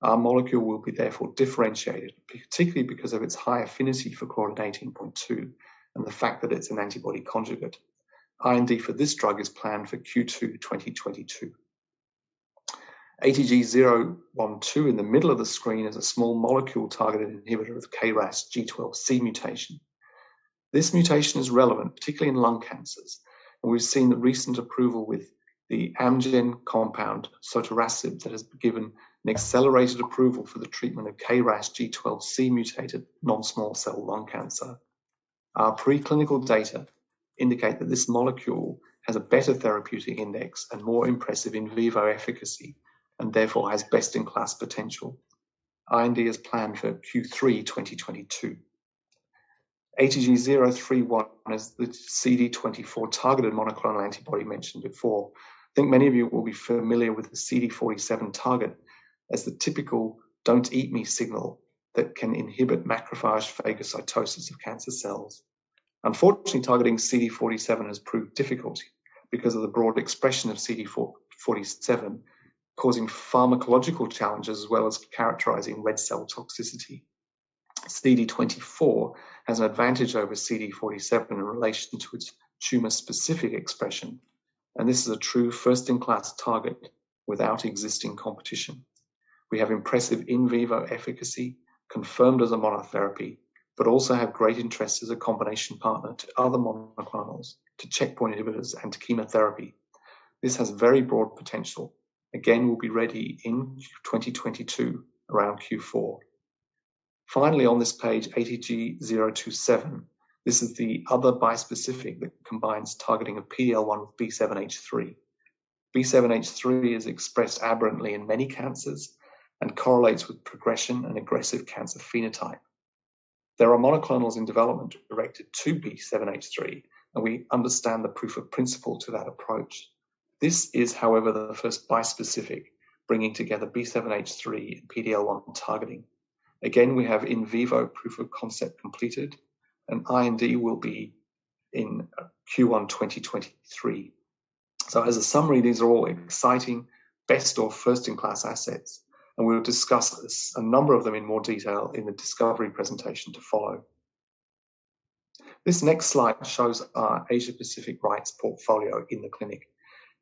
Our molecule will be therefore differentiated, particularly because of its high affinity for Claudin 18.2 and the fact that it's an antibody conjugate. IND for this drug is planned for Q2 2022. ATG-012 in the middle of the screen is a small molecule-targeted inhibitor of KRAS G12C mutation. This mutation is relevant particularly in lung cancers, and we've seen the recent approval with the Amgen compound, sotorasib, that has been given an accelerated approval for the treatment of KRAS G12C mutated non-small cell lung cancer. Our preclinical data indicate that this molecule has a better therapeutic index and more impressive in vivo efficacy and therefore has best-in-class potential. IND is planned for Q3 2022. ATG-031 is the CD24 targeted monoclonal antibody mentioned before. I think many of you will be familiar with the CD47 target as the typical don't-eat-me signal that can inhibit macrophage phagocytosis of cancer cells. Unfortunately, targeting CD47 has proved difficult because of the broad expression of CD47 causing pharmacological challenges as well as characterizing red cell toxicity. CD24 has an advantage over CD47 in relation to its tumor-specific expression, and this is a true first-in-class target without existing competition. We have impressive in vivo efficacy confirmed as a monotherapy but also have great interest as a combination partner to other monoclonals, to checkpoint inhibitors, and to chemotherapy. This has very broad potential. Again, we'll be ready in 2022 around Q4. Finally on this page, ATG-027. This is the other bispecific that combines targeting of PD-L1 with B7H3. B7H3 is expressed aberrantly in many cancers and correlates with progression and aggressive cancer phenotype. There are monoclonals in development directed to B7H3, and we understand the proof of principle to that approach. This is, however, the first bispecific bringing together B7H3 and PD-L1 targeting. Again, we have in vivo proof of concept completed, and IND will be in Q1 2023. As a summary, these are all exciting best or first-in-class assets, and we'll discuss this, a number of them in more detail in the discovery presentation to follow. This next slide shows our Asia Pacific rights portfolio in the clinic.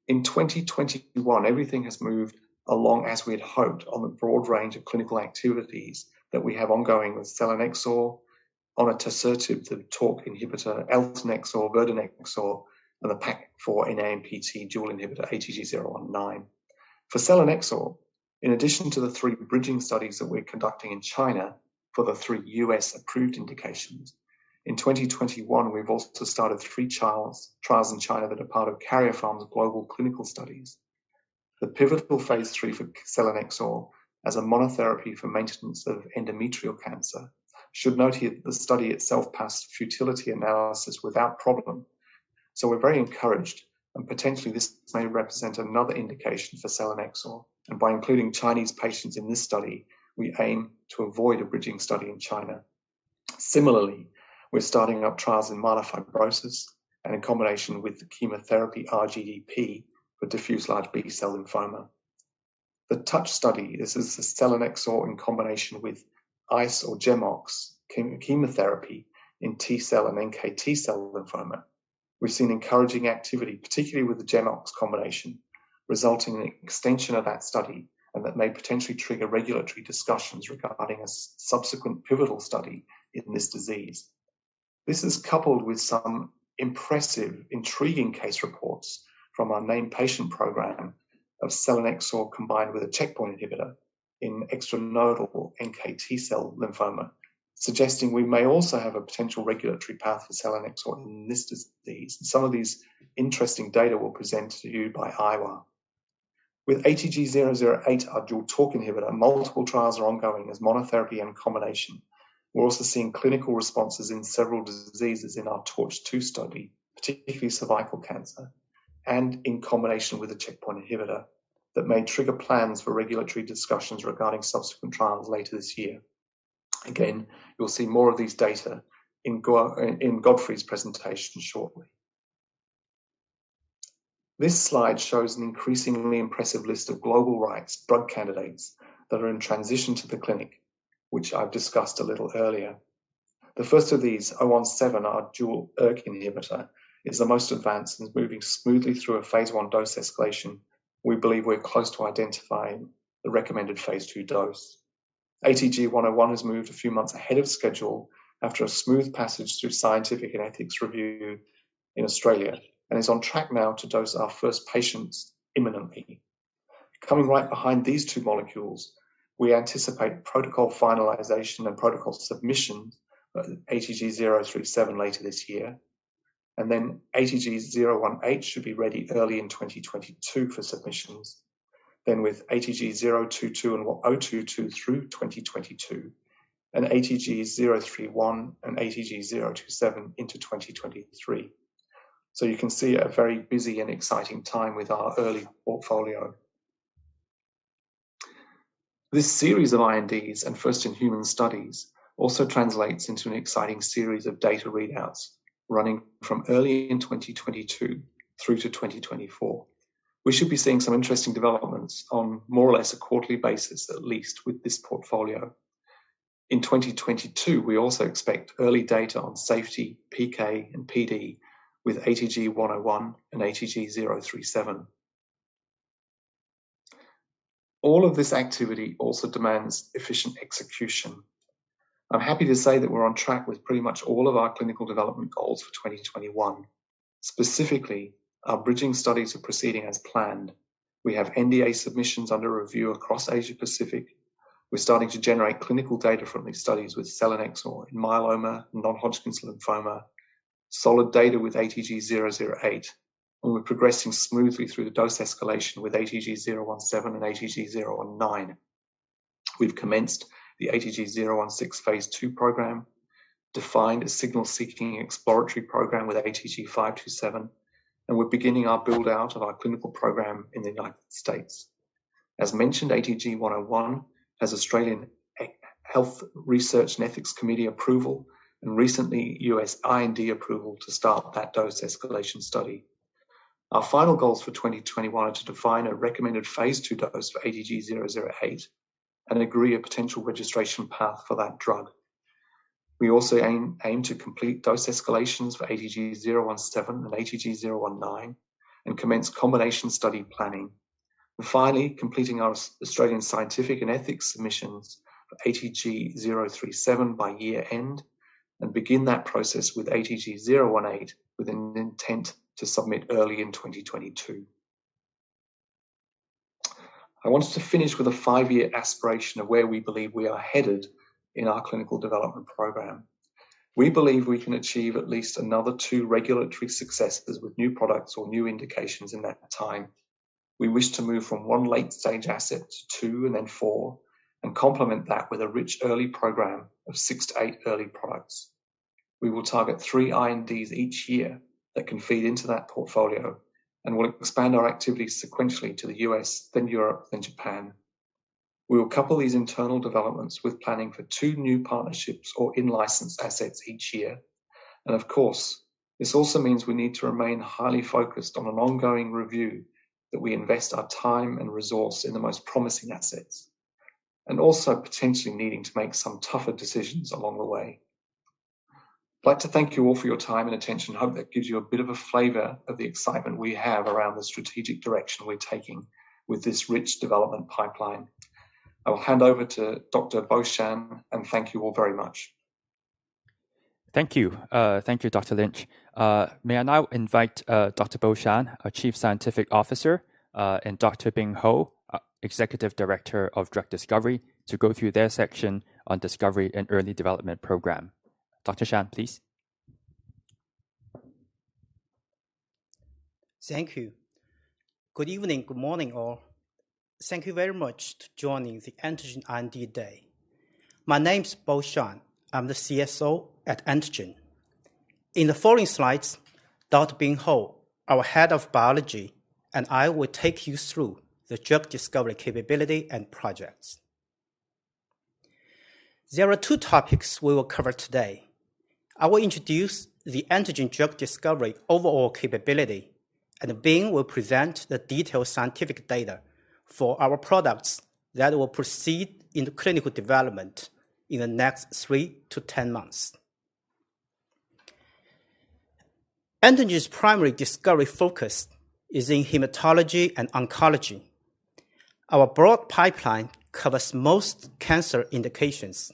In 2021, everything has moved along as we had hoped on the broad range of clinical activities that we have ongoing with selinexor, onatasertib, the mTORC inhibitor, eltanexor, verdinexor, and the PAK4/NAMPT dual inhibitor, ATG-019. For selinexor, in addition to the three bridging studies that we're conducting in China for the three U.S.-approved indications, in 2021, we've also started three trials in China that are part of Karyopharm's global clinical studies, the pivotal phase III for selinexor as a monotherapy for maintenance of endometrial cancer. Should note here the study itself passed futility analysis without problem, so we're very encouraged and potentially this may represent another indication for selinexor. By including Chinese patients in this study, we aim to avoid a bridging study in China. Similarly, we're starting up trials in myelofibrosis and in combination with the chemotherapy R-GDP for diffuse large B-cell lymphoma. The TOUCH study, this is the selinexor in combination with ICE or GemOx chemotherapy in T-cell and NK/T-cell lymphoma. We've seen encouraging activity, particularly with the GemOx combination, resulting in extension of that study and that may potentially trigger regulatory discussions regarding a subsequent pivotal study in this disease. This is coupled with some impressive, intriguing case reports from our main patient program of selinexor combined with a checkpoint inhibitor in extranodal NK/T-cell lymphoma, suggesting we may also have a potential regulatory path for selinexor in this disease. Some of these interesting data were presented to you by Aihua Wang. With ATG-008, our dual mTORC inhibitor, multiple trials are ongoing as monotherapy and combination. We're also seeing clinical responses in several diseases in our TORCH-2 study, particularly cervical cancer and in combination with a checkpoint inhibitor that may trigger plans for regulatory discussions regarding subsequent trials later this year. Again, you'll see more of these data in Godfrey Guo's presentation shortly. This slide shows an increasingly impressive list of global rights drug candidates that are in transition to the clinic, which I've discussed a little earlier. The first of these, ATG-017, our dual ERK inhibitor, is the most advanced and is moving smoothly through a phase I dose escalation. We believe we're close to identifying the recommended phase II dose. ATG-101 has moved a few months ahead of schedule. After a smooth passage through scientific and ethics review in Australia and is on track now to dose our first patients imminently. Coming right behind these two molecules, we anticipate protocol finalization and protocol submissions of ATG-037 later this year, and then ATG-018 should be ready early in 2022 for submissions. With ATG-022 into 2022 through 2022, and ATG-031 and ATG-027 into 2023. You can see a very busy and exciting time with our early portfolio. This series of INDs and first-in-human studies also translates into an exciting series of data readouts running from early in 2022 through to 2024. We should be seeing some interesting developments on more or less a quarterly basis, at least with this portfolio. In 2022, we also expect early data on safety, PK, and PD with ATG-101 and ATG-037. All of this activity also demands efficient execution. I'm happy to say that we're on track with pretty much all of our clinical development goals for 2021. Specifically, our bridging studies are proceeding as planned. We have NDA submissions under review across Asia Pacific. We're starting to generate clinical data from these studies with selinexor in myeloma and non-Hodgkin's lymphoma, solid data with ATG-008, and we're progressing smoothly through the dose escalation with ATG-017 and ATG-019. We've commenced the ATG-016 phase II program, defined a signal-seeking exploratory program with ATG-527, and we're beginning our build-out of our clinical program in the United States. As mentioned, ATG-101 has Australian Health Research and Ethics Committee approval, and recently, U.S. IND approval to start that dose escalation study. Our final goals for 2021 are to define a recommended phase II dose for ATG-008 and agree a potential registration path for that drug. We also aim to complete dose escalations for ATG-017 and ATG-019 and commence combination study planning. Finally, completing our Australian scientific and ethics submissions for ATG-037 by year-end, and begin that process with ATG-018 with an intent to submit early in 2022. I wanted to finish with a five-year aspiration of where we believe we are headed in our clinical development program. We believe we can achieve at least another two regulatory successes with new products or new indications in that time. We wish to move from one late-stage asset to two and then four and complement that with a rich early program of six to eight early products. We will target three INDs each year that can feed into that portfolio, and we'll expand our activities sequentially to the U.S., then Europe, then Japan. We will couple these internal developments with planning for two new partnerships or in-licensed assets each year. Of course, this also means we need to remain highly focused on an ongoing review that we invest our time and resource in the most promising assets, and also potentially needing to make some tougher decisions along the way. I'd like to thank you all for your time and attention. Hope that gives you a bit of a flavor of the excitement we have around the strategic direction we're taking with this rich development pipeline. I will hand over to Dr. Bo Shan and thank you all very much. Thank you. Thank you, Dr. Lynch. May I now invite Dr. Bo Shan, our Chief Scientific Officer, and Dr. Bing Hou, our Executive Director of Drug Discovery, to go through their section on discovery and early development program. Dr. Shan, please. Thank you. Good evening, good morning, all. Thank you very much for joining the Antengene R&D Day. My name's Bo Shan. I'm the CSO at Antengene. In the following slides, Dr. Bing Hou, our Head of Biology, and I will take you through the drug discovery capability and projects. There are two topics we will cover today. I will introduce the Antengene drug discovery overall capability, and Bing will present the detailed scientific data for our products that will proceed into clinical development in the next three to 10 months. Antengene's primary discovery focus is in hematology and oncology. Our broad pipeline covers most cancer indications.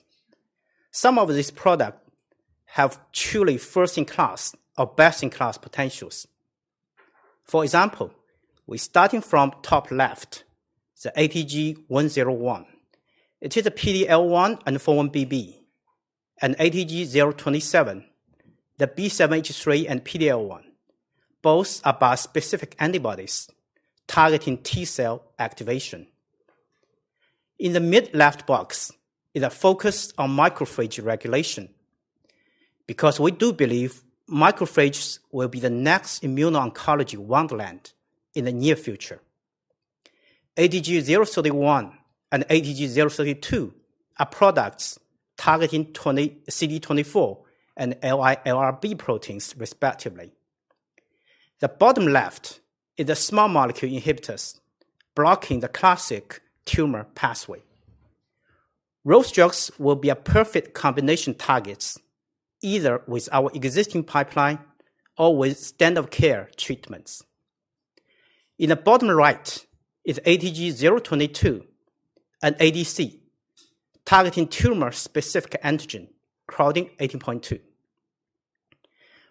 Some of these products have truly first-in-class or best-in-class potentials. For example, we're starting from top left, the ATG-101. It is a PD-L1 and 4-1BB. ATG-027, the B7H3 and PD-L1. Both are bispecific antibodies targeting T-cell activation. In the middle-left box is a focus on macrophage regulation, because we do believe macrophages will be the next immuno-oncology wonderland in the near future. ATG-031 and ATG-032 are products targeting CD24 and LILRB proteins respectively. The bottom left is the small molecule inhibitors blocking the classic tumor pathway. Those drugs will be a perfect combination targets, either with our existing pipeline or with standard care treatments. In the bottom right is ATG-022 an ADC targeting tumor-specific antigen, CLDN18.2.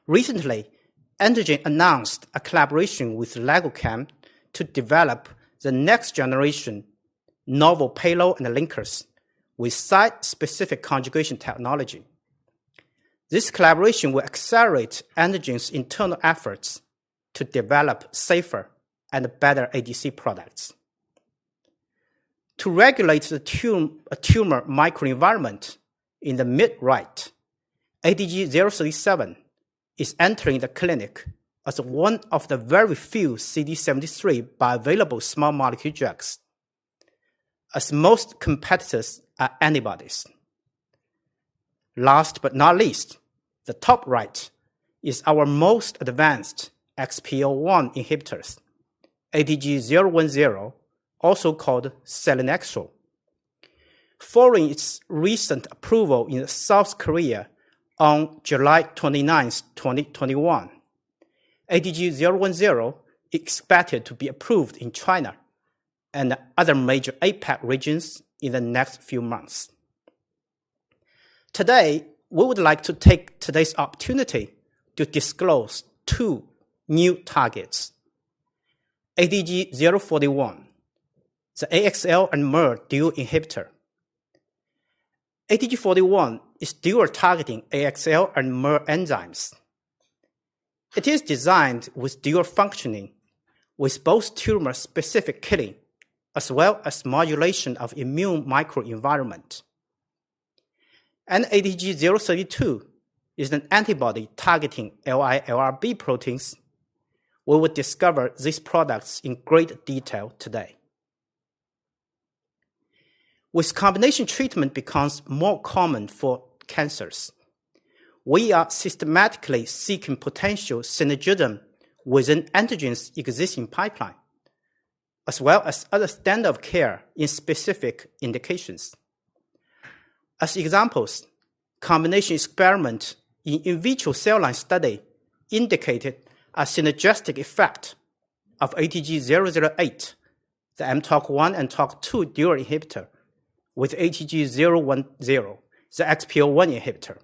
Recently, Antengene announced a collaboration with LegoChem to develop the next generation novel payload and linkers with site-specific conjugation technology. This collaboration will accelerate Antengene's internal efforts to develop safer and better ADC products. To regulate the tumor microenvironment in the mid right, ATG-037 is entering the clinic as one of the very few CD73 bioavailable small molecule drugs, as most competitors are antibodies. Last but not least, the top right is our most advanced XPO1 inhibitors, ATG-010, also called selinexor. Following its recent approval in South Korea on July 29, 2021, ATG-010 expected to be approved in China and other major APAC regions in the next few months. Today, we would like to take today's opportunity to disclose two new targets. ATG-041, the AXL and MER dual inhibitor. ATG-041 is dual targeting AXL and MER enzymes. It is designed with dual functioning with both tumor-specific killing as well as modulation of immune microenvironment. ATG-032 is an antibody targeting LILRB proteins. We will discover these products in great detail today. As combination treatments become more common for cancers, we are systematically seeking potential synergism within Antengene's existing pipeline, as well as other standard of care in specific indications. As examples, combination experiments in in vitro cell line studies indicated a synergistic effect of ATG-008, the mTORC1 and mTORC2 dual inhibitor with ATG-010, the XPO1 inhibitor.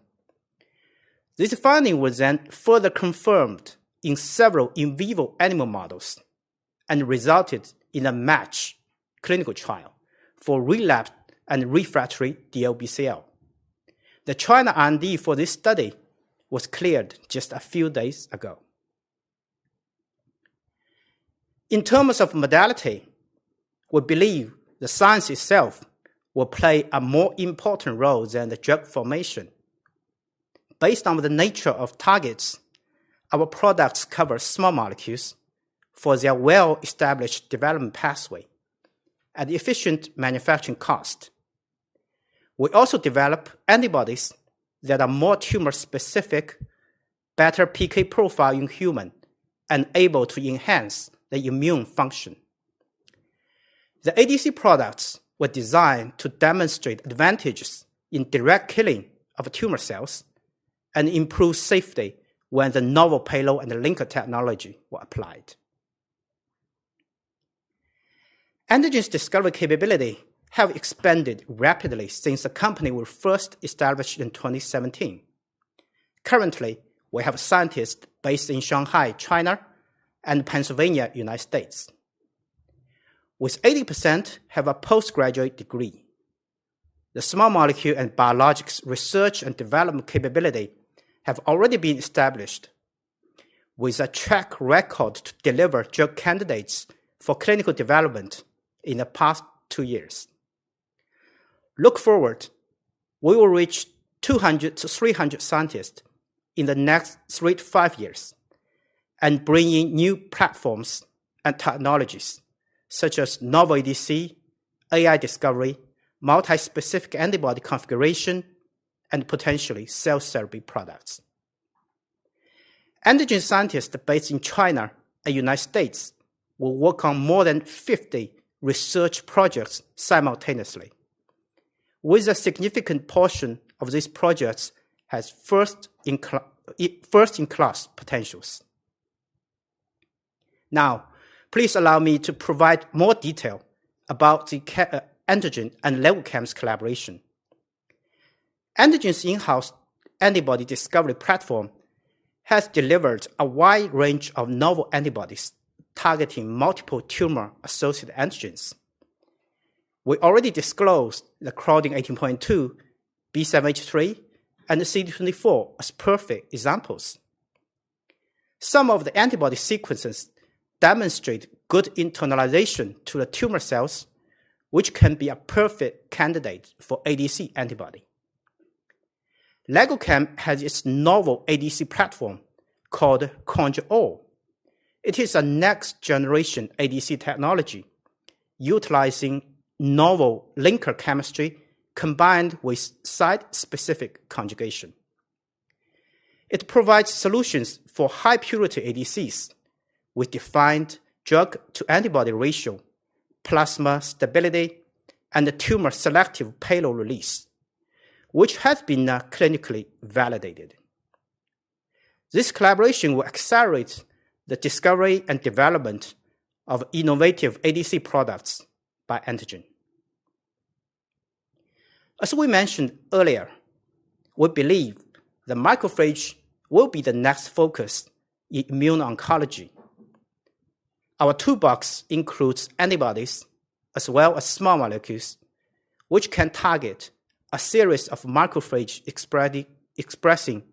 This finding was then further confirmed in several in vivo animal models and resulted in a MATCH clinical trial for relapsed and refractory DLBCL. The China IND for this study was cleared just a few days ago. In terms of modality, we believe the science itself will play a more important role than the drug formulation. Based on the nature of targets, our products cover small molecules for their well-established development pathway and efficient manufacturing cost. We also develop antibodies that are more tumor-specific, better PK profile in human, and able to enhance the immune function. The ADC products were designed to demonstrate advantages in direct killing of tumor cells and improve safety when the novel payload and the linker technology were applied. Antengene's discovery capability has expanded rapidly since the company was first established in 2017. Currently, we have scientists based in Shanghai, China, and Pennsylvania, United States, with 80% having a post-graduate degree. The small molecule and biologics research and development capability has already been established with a track record to deliver drug candidates for clinical development in the past two years. Looking forward, we will reach 200-300 scientists in the next three to five years and bring in new platforms and technologies such as novel ADC, AI discovery, multi-specific antibody configuration, and potentially cell therapy products. Antengene scientists based in China and United States will work on more than 50 research projects simultaneously, with a significant portion of these projects have first-in-class potentials. Now, please allow me to provide more detail about the Antengene and LegoChem's collaboration. Antengene's in-house antibody discovery platform has delivered a wide range of novel antibodies targeting multiple tumor-associated antigens. We already disclosed the CLDN18.2, B7H3, and the CD24 as perfect examples. Some of the antibody sequences demonstrate good internalization to the tumor cells, which can be a perfect candidate for ADC antibody. LegoChem has its novel ADC platform called ConjuAll. It is a next-generation ADC technology utilizing novel linker chemistry combined with site-specific conjugation. It provides solutions for high purity ADCs with defined drug to antibody ratio, plasma stability, and the tumor selective payload release, which has been now clinically validated. This collaboration will accelerate the discovery and development of innovative ADC products by antigen. As we mentioned earlier, we believe the macrophage will be the next focus in immune oncology. Our toolbox includes antibodies as well as small molecules, which can target a series of macrophage-expressing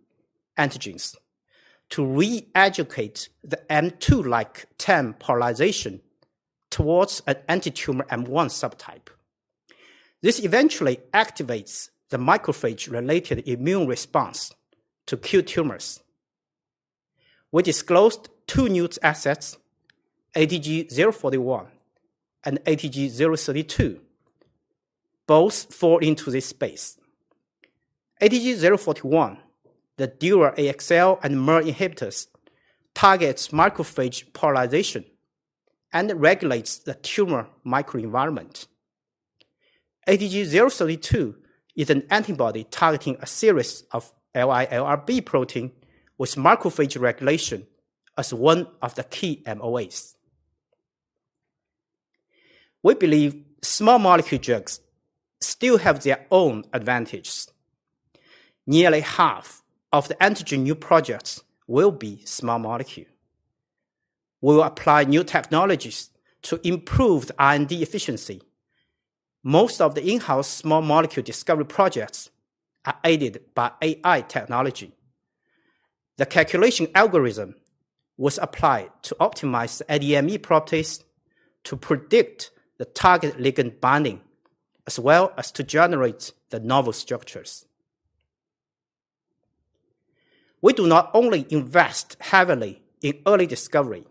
antigens to re-educate the M2-like TAM polarization towards an antitumor M1 subtype. This eventually activates the macrophage-related immune response to kill tumors. We disclosed two new assets, ATG-041 and ATG-032. Both fall into this space. ATG-041, the dual AXL and MER inhibitors, targets macrophage polarization and regulates the tumor microenvironment. ATG-032 is an antibody targeting a series of LILRB protein with macrophage regulation as one of the key MOAs. We believe small molecule drugs still have their own advantages. Nearly half of the Antengene new projects will be small molecule. We will apply new technologies to improve R&D efficiency. Most of the in-house small molecule discovery projects are aided by AI technology. The calculation algorithm was applied to optimize the ADME properties to predict the target ligand binding, as well as to generate the novel structures. We do not only invest heavily in early discovery.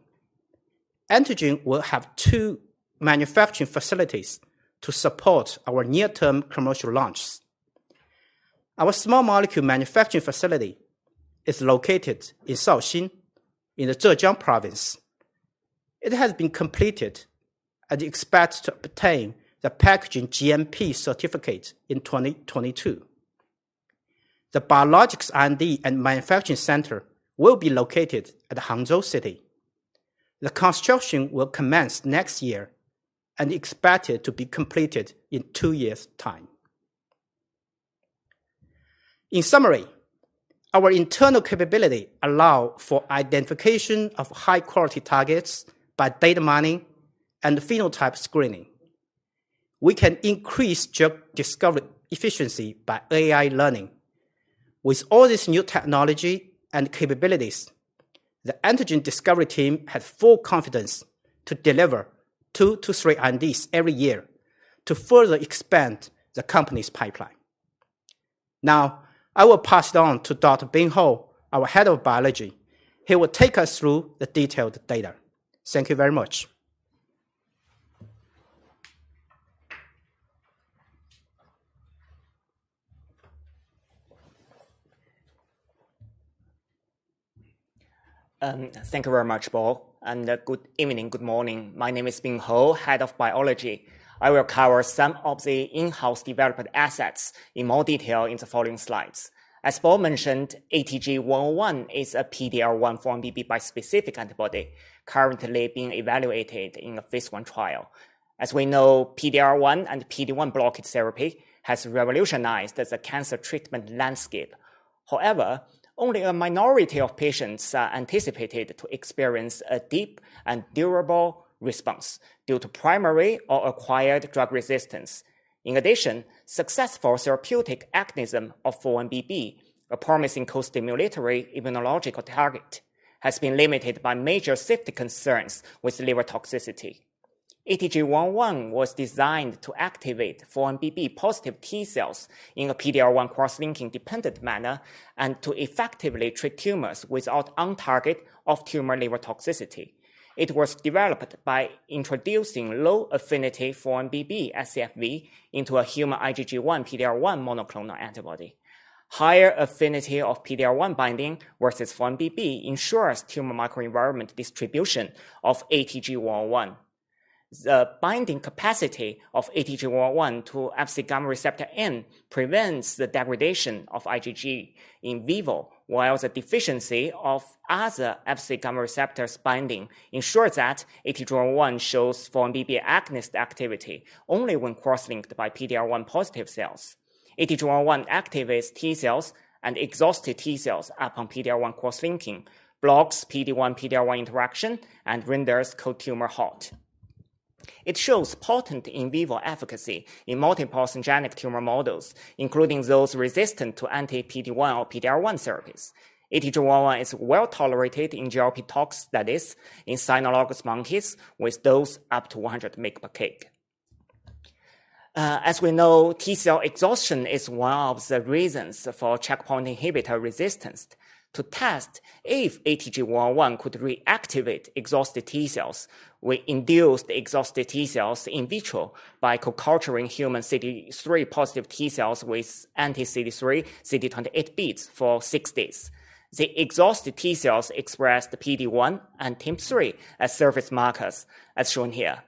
Antengene will have two manufacturing facilities to support our near-term commercial launch. Our small molecule manufacturing facility is located in Shaoxing in the Zhejiang Province. It has been completed and expects to obtain the packaging GMP certificate in 2022. The biologics R&D and manufacturing center will be located at Hangzhou City. The construction will commence next year and expected to be completed in two years' time. In summary, our internal capabilities allow for identification of high-quality targets by data mining and phenotype screening. We can increase drug discovery efficiency by AI learning. With all this new technology and capabilities, the antigen discovery team has full confidence to deliver two to three R&Ds every year to further expand the company's pipeline. Now, I will pass it on to Dr. Bing Hou, our head of biology. He will take us through the detailed data. Thank you very much. Thank you very much, Paul, and good evening, good morning. My name is Bing Hou, Head of Biology. I will cover some of the in-house development assets in more detail in the following slides. As Paul mentioned, ATG-101 is a PD-L1/4-1BB bispecific antibody currently being evaluated in a phase I trial. As we know, PD-L1 and PD-1 blockade therapy has revolutionized the cancer treatment landscape. However, only a minority of patients are anticipated to experience a deep and durable response due to primary or acquired drug resistance. In addition, successful therapeutic agonism of 4-1BB, a promising costimulatory immunological target, has been limited by major safety concerns with liver toxicity. ATG-101 was designed to activate 4-1BB positive T-cells in a PD-L1 cross-linking dependent manner and to effectively treat tumors without on-target off-tumor liver toxicity. It was developed by introducing low affinity 4-1BB scFv into a human IgG1 PD-L1 monoclonal antibody. Higher affinity of PD-L1 binding versus 4-1BB ensures tumor microenvironment distribution of ATG-101. The binding capacity of ATG-101 to FcRn prevents the degradation of IgG in vivo, while the deficiency of other Fc gamma receptors binding ensures that ATG-101 shows 4-1BB agonist activity only when cross-linked by PD-L1 positive cells. ATG-101 activates T-cells and exhausted T-cells upon PD-L1 cross-linking, blocks PD-1 PD-L1 interaction, and renders cold tumor hot. It shows potent in vivo efficacy in multiple syngeneic tumor models, including those resistant to anti-PD-1 or PD-L1 therapies. ATG-101 is well-tolerated in GLP tox studies in cynomolgus monkeys with dose up to 100 mg/kg. As we know, T-cell exhaustion is one of the reasons for checkpoint inhibitor resistance. To test if ATG-101 could reactivate exhausted T-cells, we induced exhausted T-cells in vitro by co-culturing human CD3 positive T-cells with anti-CD3/CD28 beads for 6 days. The exhausted T-cells expressed PD-1 and TIM-3 as surface markers, as shown here.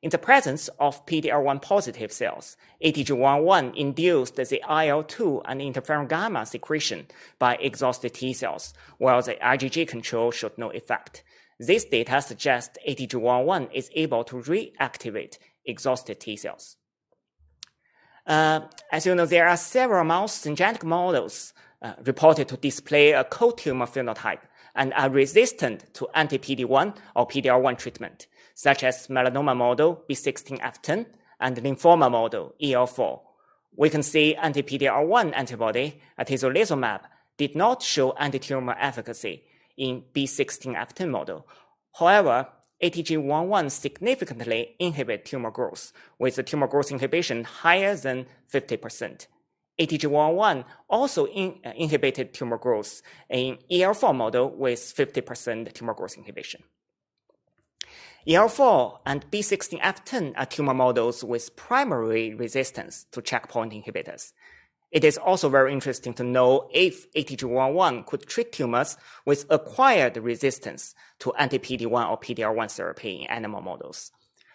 In the presence of PD-L1 positive cells, ATG-101 induced the IL-2 and interferon gamma secretion by exhausted T-cells, while the IgG control showed no effect. This data suggests ATG-101 is able to reactivate exhausted T-cells. As you know, there are several mouse syngeneic models reported to display a cold tumor phenotype and are resistant to anti-PD-1 or PD-L1 treatment, such as melanoma model B16-F10 and lymphoma model EL4. We can see anti-PD-L1 antibody, atezolizumab, did not show anti-tumor efficacy in B16-F10 model. However, ATG-101 significantly inhibit tumor growth, with the tumor growth inhibition higher than 50%. ATG-101 also inhibited tumor growth in EL4 model with 50% tumor growth inhibition. EL4 and B16-F10 are tumor models with primary resistance to checkpoint inhibitors. It is also very interesting to know if ATG-101 could treat tumors with acquired resistance to anti-PD-1 or PD-L1 therapy in animal models.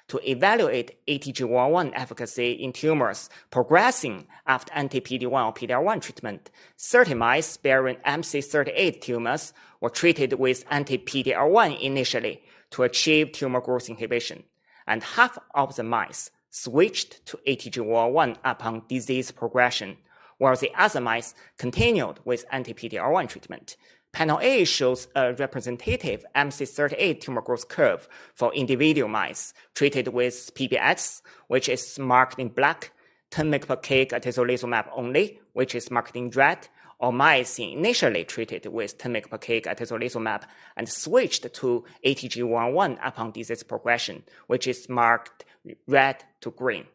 To evaluate ATG-101 efficacy in tumors progressing after anti-PD-1 or PD-L1 treatment, 30 mice bearing MC38 tumors were treated with anti-PD-L1 initially to achieve tumor growth inhibition. Half of the mice switched to ATG-101 upon disease progression, while the other mice continued with anti-PD-L1 treatment. Panel A shows a representative MC38 tumor growth curve for individual mice treated with PBS, which is marked in black, 10 mg/kg atezolizumab only, which is marked in red, or mice initially treated with 10 mg/kg atezolizumab and switched to ATG-101 upon disease progression, which is marked red to green.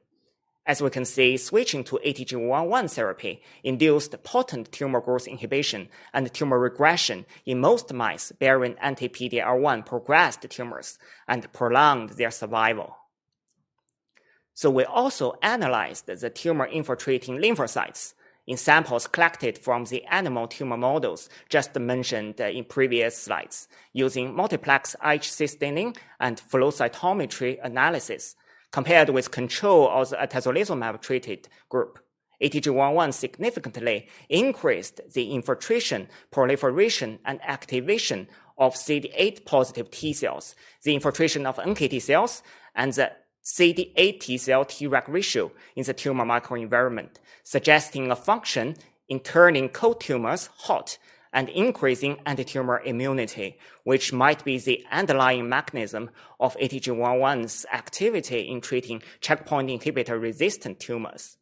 As we can see, switching to ATG-101 therapy induced potent tumor growth inhibition and tumor regression in most mice bearing anti-PD-L1 progressed tumors and prolonged their survival. We also analyzed the tumor-infiltrating lymphocytes in samples collected from the animal tumor models just mentioned in previous slides using multiplex IHC staining and flow cytometry analysis compared with control of the atezolizumab-treated group. ATG-101 significantly increased the infiltration, proliferation, and activation of CD8+ T cells, the infiltration of NKT cells, and the CD8 T-cell/Treg ratio in the tumor microenvironment, suggesting a function in turning cold tumors hot and increasing anti-tumor immunity, which might be the underlying mechanism of ATG-101's activity in treating checkpoint inhibitor-resistant tumors.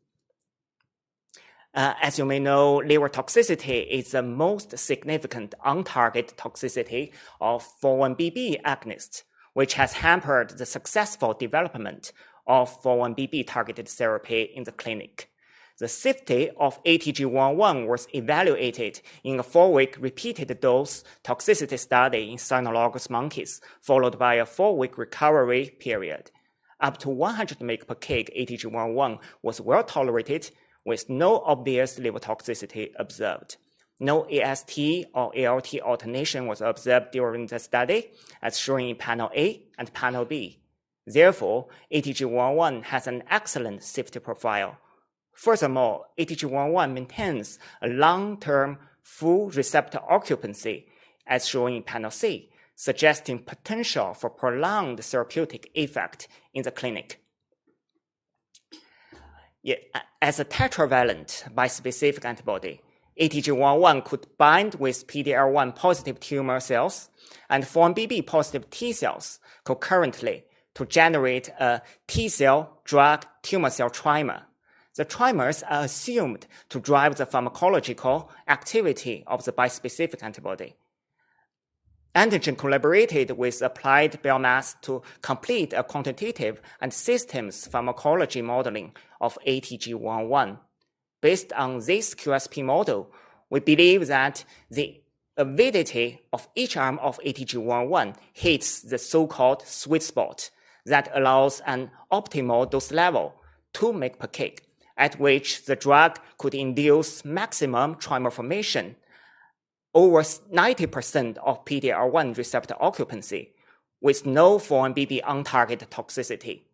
As you may know, liver toxicity is the most significant on-target toxicity of 4-1BB agonists, which has hampered the successful development of 4-1BB targeted therapy in the clinic. The safety of ATG-101 was evaluated in a four-week repeated dose toxicity study in cynomolgus monkeys, followed by a four-week recovery period. Up to 100 mg/kg ATG-101 was well-tolerated, with no obvious liver toxicity observed. No AST or ALT elevation was observed during the study, as shown in panel A and panel B. Therefore, ATG-101 has an excellent safety profile. Furthermore, ATG-101 maintains a long-term full receptor occupancy, as shown in panel C, suggesting potential for prolonged therapeutic effect in the clinic. As a tetravalent bispecific antibody, ATG-101 could bind with PD-L1 positive tumor cells and 4-1BB positive T-cells concurrently to generate a T-cell drug tumor cell trimer. The trimers are assumed to drive the pharmacological activity of the bispecific antibody. Antengene collaborated with Applied BioMath to complete a quantitative and systems pharmacology modeling of ATG-101. Based on this QSP model, we believe that the avidity of each arm of ATG-101 hits the so-called sweet spot that allows an optimal dose level, 2 mg/kg, at which the drug could induce maximum trimer formation, over 90% of PD-L1 receptor occupancy with no 4-1BB on-target toxicity.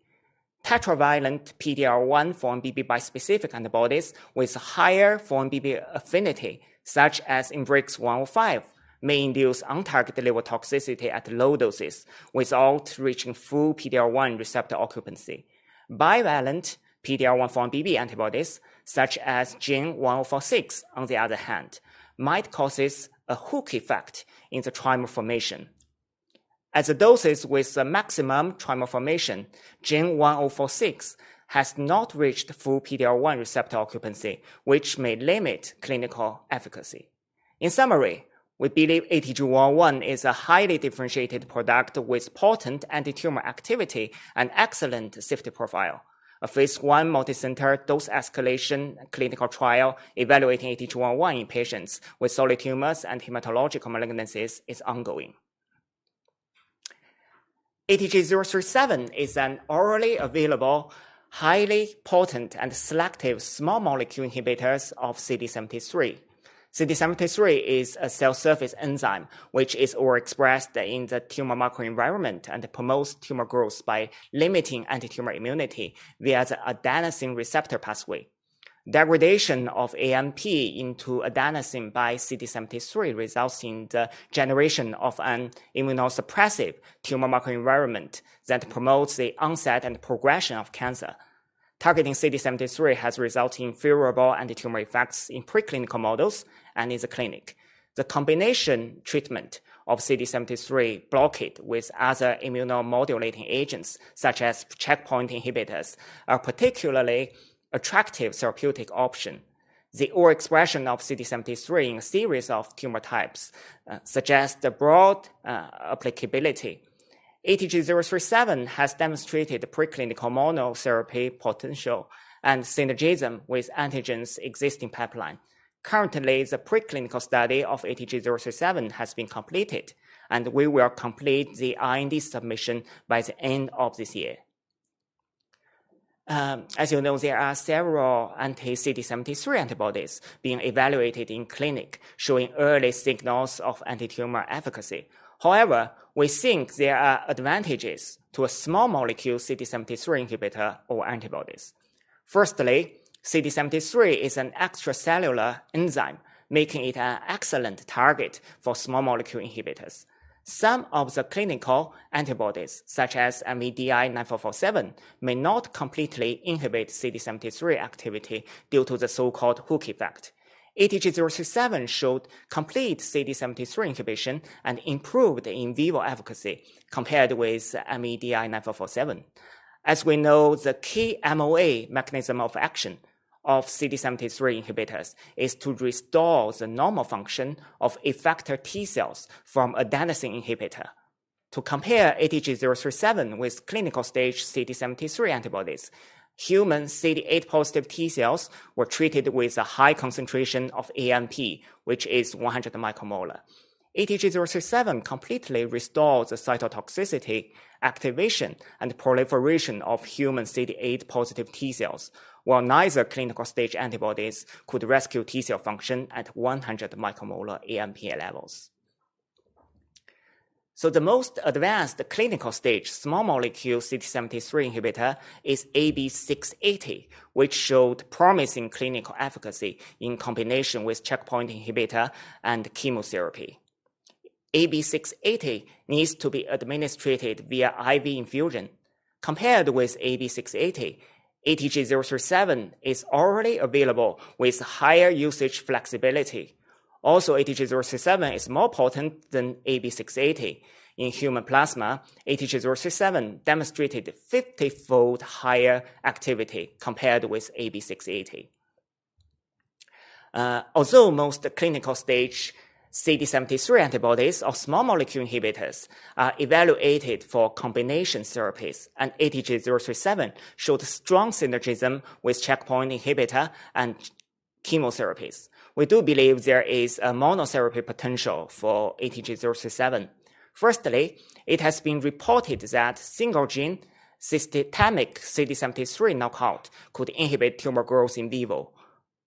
Tetravalent PD-L1 4-1BB bispecific antibodies with higher 4-1BB affinity, such as INBRX-105, may induce on-target liver toxicity at low doses without reaching full PD-L1 receptor occupancy. Bivalent PD-L1 4-1BB antibodies, such as GEN1046, on the other hand, might cause a hook effect in the trimer formation. At the doses with the maximum trimer formation, GEN1046 has not reached full PD-L1 receptor occupancy, which may limit clinical efficacy. In summary, we believe ATG-101 is a highly differentiated product with potent anti-tumor activity and excellent safety profile. A phase I multi-center dose escalation clinical trial evaluating ATG-101 in patients with solid tumors and hematological malignancies is ongoing. ATG-037 is an orally available, highly potent, and selective small molecule inhibitor of CD73. CD73 is a cell surface enzyme which is overexpressed in the tumor microenvironment and promotes tumor growth by limiting antitumor immunity via the adenosine receptor pathway. Degradation of AMP into adenosine by CD73 results in the generation of an immunosuppressive tumor microenvironment that promotes the onset and progression of cancer. Targeting CD73 has resulted in favorable antitumor effects in preclinical models and in the clinic. The combination treatment of CD73 blockade with other immunomodulating agents, such as checkpoint inhibitors, are particularly attractive therapeutic option. The overexpression of CD73 in a series of tumor types suggests the broad applicability. ATG-037 has demonstrated the preclinical monotherapy potential and synergism with Antengene's existing pipeline. Currently, the preclinical study of ATG-037 has been completed, and we will complete the IND submission by the end of this year. As you know, there are several anti-CD73 antibodies being evaluated in clinic, showing early signals of antitumor efficacy. However, we think there are advantages to a small molecule CD73 inhibitor or antibodies. Firstly, CD73 is an extracellular enzyme, making it an excellent target for small molecule inhibitors. Some of the clinical antibodies, such as MEDI9447, may not completely inhibit CD73 activity due to the so-called hook effect. ATG-037 showed complete CD73 inhibition and improved in vivo efficacy compared with MEDI9447. As we know, the key MOA, mechanism of action, of CD73 inhibitors is to restore the normal function of effector T cells from adenosine inhibitor. To compare ATG-037 with clinical stage CD73 antibodies, human CD8 positive T cells were treated with a high concentration of AMP, which is 100 micromolar. ATG-037 completely restored the cytotoxicity, activation, and proliferation of human CD8 positive T cells, while neither clinical stage antibodies could rescue T cell function at 100 micromolar AMP levels. The most advanced clinical stage small molecule CD73 inhibitor is AB680, which showed promising clinical efficacy in combination with checkpoint inhibitor and chemotherapy. AB680 needs to be administered via IV infusion. Compared with AB680, ATG-037 is already available with higher usage flexibility. Also, ATG-037 is more potent than AB680. In human plasma, ATG-037 demonstrated 50-fold higher activity compared with AB680. Although most clinical stage CD73 antibodies or small molecule inhibitors are evaluated for combination therapies, and ATG-037 showed strong synergism with checkpoint inhibitor and chemotherapies, we do believe there is a monotherapy potential for ATG-037. Firstly, it has been reported that single gene systemic CD73 knockout could inhibit tumor growth in vivo.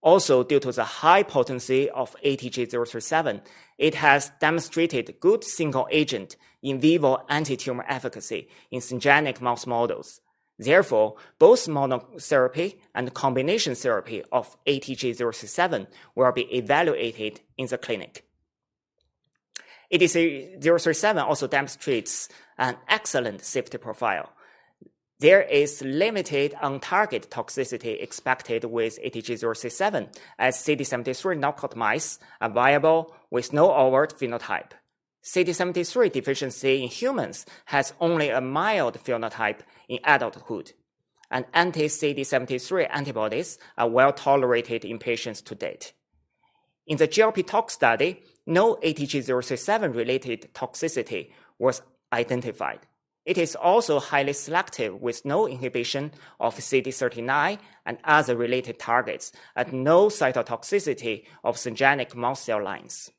Also, due to the high potency of ATG-037, it has demonstrated good single agent in vivo antitumor efficacy in syngeneic mouse models. Therefore, both monotherapy and combination therapy of ATG-037 will be evaluated in the clinic. ATG-037 also demonstrates an excellent safety profile. There is limited on-target toxicity expected with ATG-037, as CD73 knockout mice are viable with no overt phenotype. CD73 deficiency in humans has only a mild phenotype in adulthood, and anti-CD73 antibodies are well-tolerated in patients to date. In the GLP tox study, no ATG-037-related toxicity was identified. It is also highly selective with no inhibition of CD39 and other related targets and no cytotoxicity of syngeneic mouse cell lines.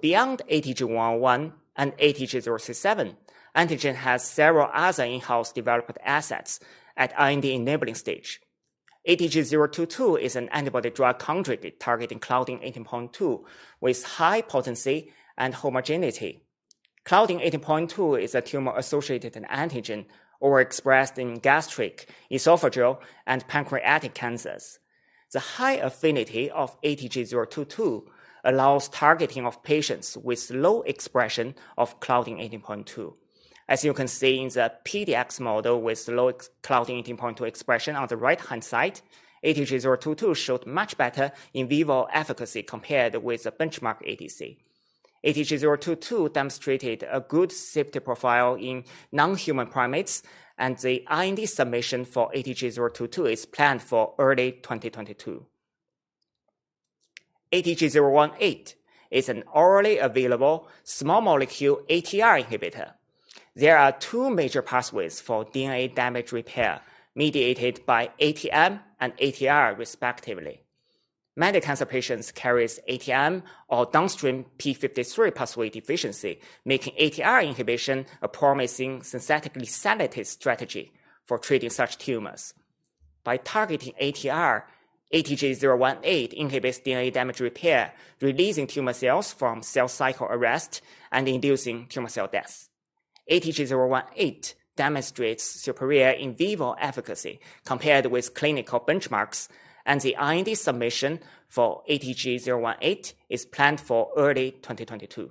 Beyond ATG-101 and ATG-037, Antengene has several other in-house development assets at IND-enabling stage. ATG-022 is an antibody-drug conjugate targeting Claudin 18.2 with high potency and homogeneity. Claudin 18.2 is a tumor-associated antigen overexpressed in gastric, esophageal, and pancreatic cancers. The high affinity of ATG-022 allows targeting of patients with low expression of Claudin 18.2. As you can see in the PDX model with low Claudin 18.2 expression on the right-hand side, ATG-022 showed much better in vivo efficacy compared with the benchmark ADC. ATG-022 demonstrated a good safety profile in non-human primates, and the IND submission for ATG-022 is planned for early 2022. ATG-018 is an orally available small molecule ATR inhibitor. There are two major pathways for DNA damage repair mediated by ATM and ATR respectively. Many cancer patients carry ATM or downstream P53 pathway deficiency, making ATR inhibition a promising synthetically selective strategy for treating such tumors. By targeting ATR, ATG-018 inhibits DNA damage repair, releasing tumor cells from cell cycle arrest and inducing tumor cell death. ATG-018 demonstrates superior in vivo efficacy compared with clinical benchmarks, and the IND submission for ATG-018 is planned for early 2022.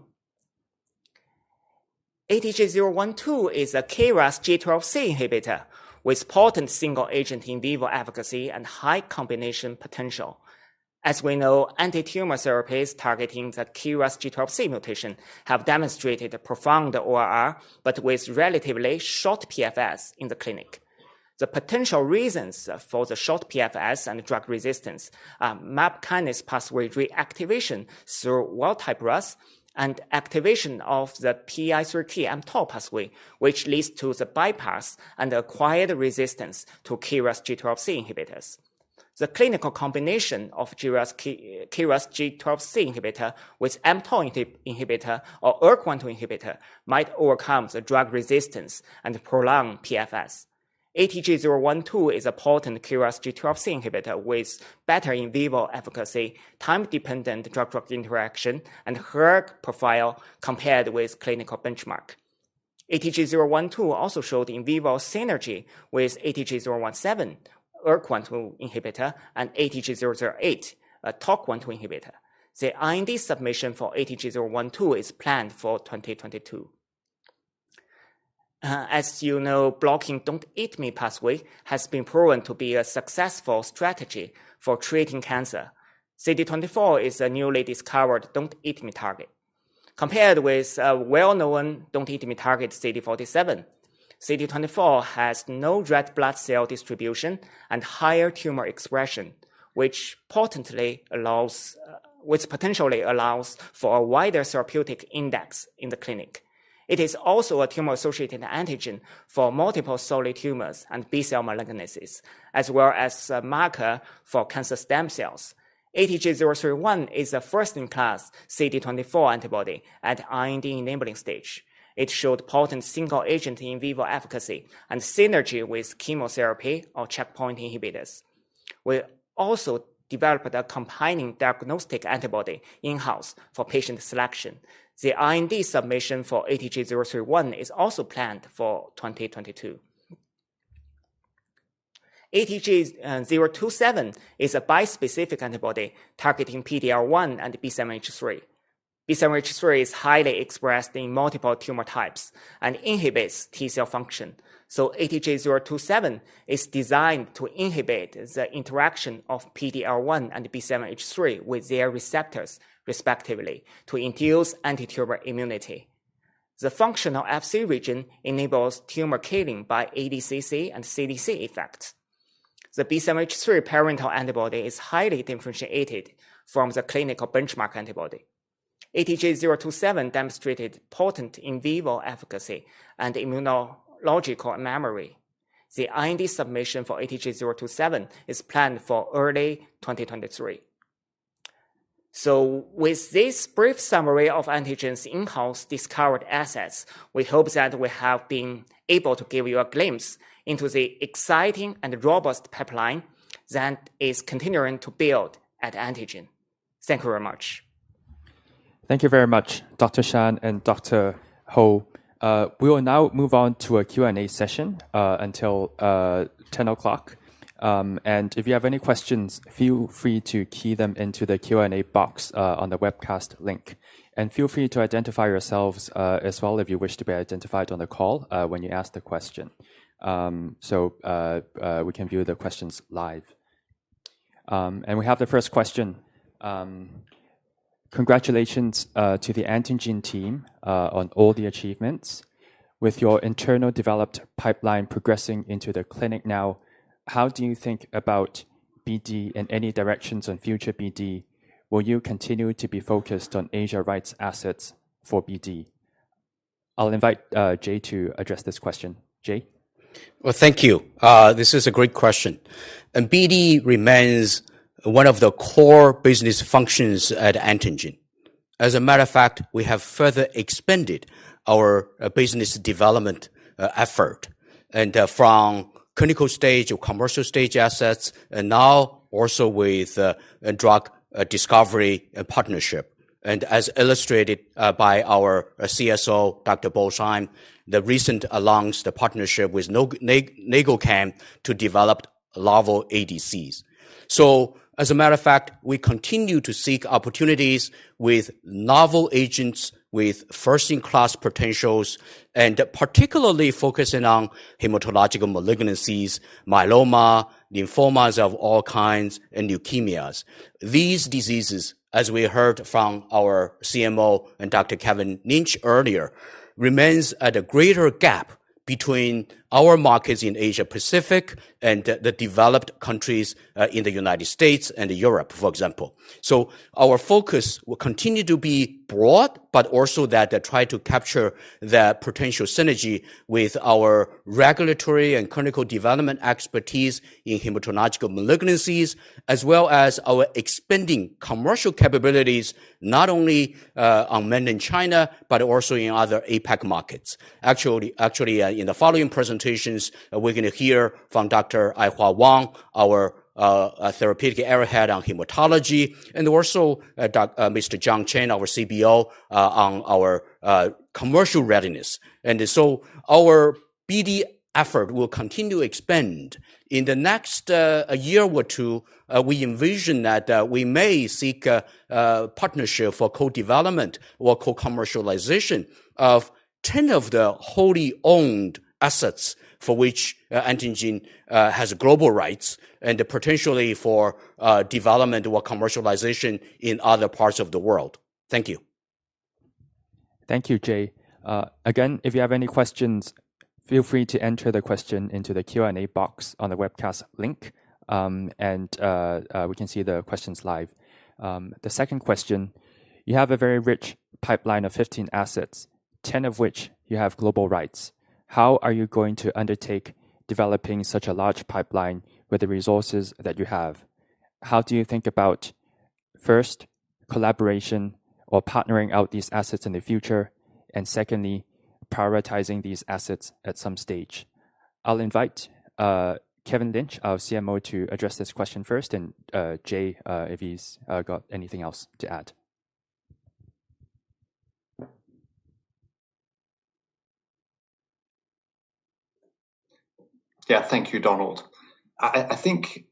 ATG-012 is a KRAS G12C inhibitor with potent single-agent in vivo efficacy and high combination potential. As we know, antitumor therapies targeting the KRAS G12C mutation have demonstrated a profound ORR, but with relatively short PFS in the clinic. The potential reasons for the short PFS and drug resistance are MAP kinase pathway reactivation through wild type RAS and activation of the PI3K-mTOR pathway, which leads to the bypass and acquired resistance to KRAS G12C inhibitors. The clinical combination of KRAS G12C inhibitor with mTOR inhibitor or ERK1/2 inhibitor might overcome the drug resistance and prolong PFS. ATG-012 is a potent KRAS G12C inhibitor with better in vivo efficacy, time-dependent drug-drug interaction, and hERG profile compared with clinical benchmark. ATG-012 also showed in vivo synergy with ATG-017, ERK1/2 inhibitor, and ATG-008, a mTORC1 inhibitor. The IND submission for ATG-012 is planned for 2022. As you know, blocking don't eat me pathway has been proven to be a successful strategy for treating cancer. CD24 is a newly discovered don't eat me target. Compared with a well-known don't eat me target, CD47, CD24 has no red blood cell distribution and higher tumor expression, which potentially allows for a wider therapeutic index in the clinic. It is also a tumor-associated antigen for multiple solid tumors and B-cell malignancies, as well as a marker for cancer stem cells. ATG-031 is a first-in-class CD24 antibody at IND-enabling stage. It showed potent single-agent in vivo efficacy and synergy with chemotherapy or checkpoint inhibitors. We also developed a companion diagnostic antibody in-house for patient selection. The IND submission for ATG-031 is also planned for 2022. ATG-027 is a bispecific antibody targeting PD-L1 and B7H3. B7H3 is highly expressed in multiple tumor types and inhibits T-cell function. ATG-027 is designed to inhibit the interaction of PD-L1 and B7H3 with their receptors, respectively, to induce antitumor immunity. The functional FC region enables tumor killing by ADCC and CDC effects. The B7H3 parental antibody is highly differentiated from the clinical benchmark antibody. ATG-027 demonstrated potent in vivo efficacy and immunological memory. The IND submission for ATG-027 is planned for early 2023. With this brief summary of Antengene's in-house discovered assets, we hope that we have been able to give you a glimpse into the exciting and robust pipeline that is continuing to build at Antengene. Thank you very much. Thank you very much, Dr. Shan and Dr. Hou. We will now move on to a Q&A session until ten o'clock. If you have any questions, feel free to key them into the Q&A box on the webcast link. Feel free to identify yourselves as well if you wish to be identified on the call when you ask the question, so we can view the questions live. We have the first question. Congratulations to the Antengene team on all the achievements. With your internal developed pipeline progressing into the clinic now, how do you think about BD and any directions on future BD? Will you continue to be focused on Asia rights assets for BD? I'll invite Jay to address this question. Jay? Well, thank you. This is a great question. BD remains one of the core business functions at Antengene. As a matter of fact, we have further expanded our business development effort and from clinical stage or commercial stage assets and now also with a drug discovery partnership. As illustrated by our CSO, Dr. Bo Shan, the recent announced partnership with LegoChem Biosciences to develop novel ADCs. As a matter of fact, we continue to seek opportunities with novel agents, with first-in-class potentials, and particularly focusing on hematological malignancies, myeloma, lymphomas of all kinds, and leukemias. These diseases, as we heard from our CMO and Dr. Kevin Lynch earlier, remains at a greater gap. Between our markets in Asia Pacific and the developed countries in the United States and Europe, for example. Our focus will continue to be broad, but also that to try to capture the potential synergy with our regulatory and clinical development expertise in hematological malignancies as well as our expanding commercial capabilities, not only on mainland China, but also in other APAC markets. Actually, in the following presentations, we're going to hear from Dr. Aihua Wang, our therapeutic area head on hematology, and also Mr. John Chin, our CBO, on our commercial readiness. Our BD effort will continue to expand. In the next year or two, we envision that we may seek a partnership for co-development or co-commercialization of 10 of the wholly owned assets for which Antengene has global rights and potentially for development or commercialization in other parts of the world. Thank you. Thank you, Jay. Again, if you have any questions, feel free to enter the question into the Q&A box on the webcast link, and we can see the questions live. The second question, you have a very rich pipeline of 15 assets, 10 of which you have global rights. How are you going to undertake developing such a large pipeline with the resources that you have? How do you think about, first, collaboration or partnering out these assets in the future, and secondly, prioritizing these assets at some stage? I'll invite Kevin Lynch, our CMO, to address this question first and, Jay, if he's got anything else to add. Yeah. Thank you, Donald. I think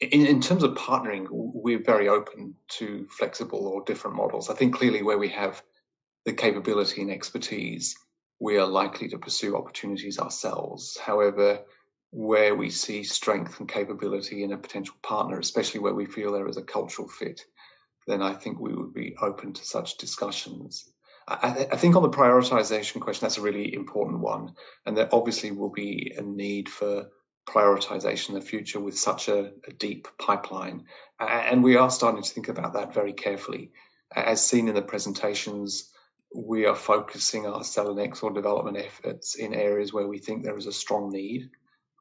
in terms of partnering, we're very open to flexible or different models. I think clearly where we have the capability and expertise, we are likely to pursue opportunities ourselves. However, where we see strength and capability in a potential partner, especially where we feel there is a cultural fit, then I think we would be open to such discussions. I think on the prioritization question, that's a really important one, and there obviously will be a need for prioritization in the future with such a deep pipeline. We are starting to think about that very carefully. As seen in the presentations, we are focusing our selinexor development efforts in areas where we think there is a strong need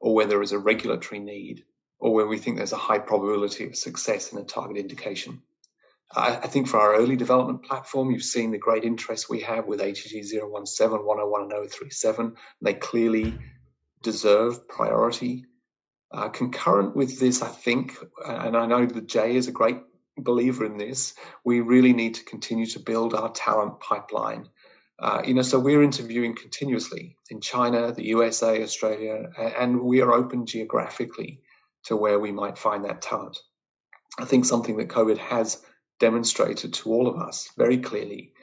or where there is a regulatory need, or where we think there's a high probability of success in a target indication. I think for our early development platform, you've seen the great interest we have with ATG-017, ATG-101, and ATG-037. They clearly deserve priority. Concurrent with this, I think, and I know that Jay is a great believer in this, we really need to continue to build our talent pipeline. You know, so we're interviewing continuously in China, the USA, Australia, and we are open geographically to where we might find that talent. I think something that COVID has demonstrated to all of us very clearly,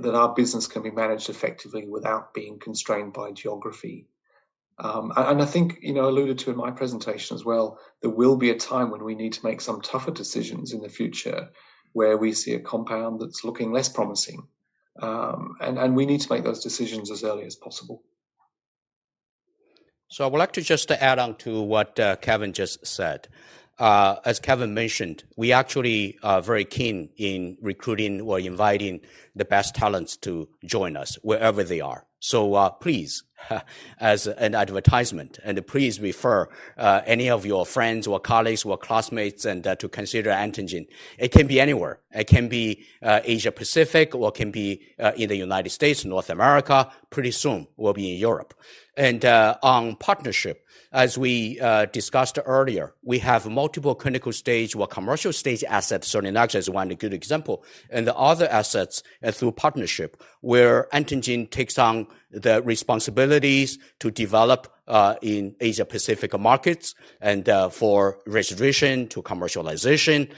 that our business can be managed effectively without being constrained by geography. I think, you know, I alluded to in my presentation as well, there will be a time when we need to make some tougher decisions in the future where we see a compound that's looking less promising. We need to make those decisions as early as possible. I would like to just add on to what Kevin just said. As Kevin mentioned, we actually are very keen in recruiting or inviting the best talents to join us wherever they are. Please, as an advertisement, please refer any of your friends or colleagues or classmates to consider Antengene. It can be anywhere. It can be Asia Pacific, or it can be in the United States, North America. Pretty soon, we'll be in Europe. On partnership, as we discussed earlier, we have multiple clinical stage or commercial stage assets. Selinexor is one good example. The other assets through partnership, where Antengene takes on the responsibilities to develop in Asia Pacific markets and for registration to commercialization.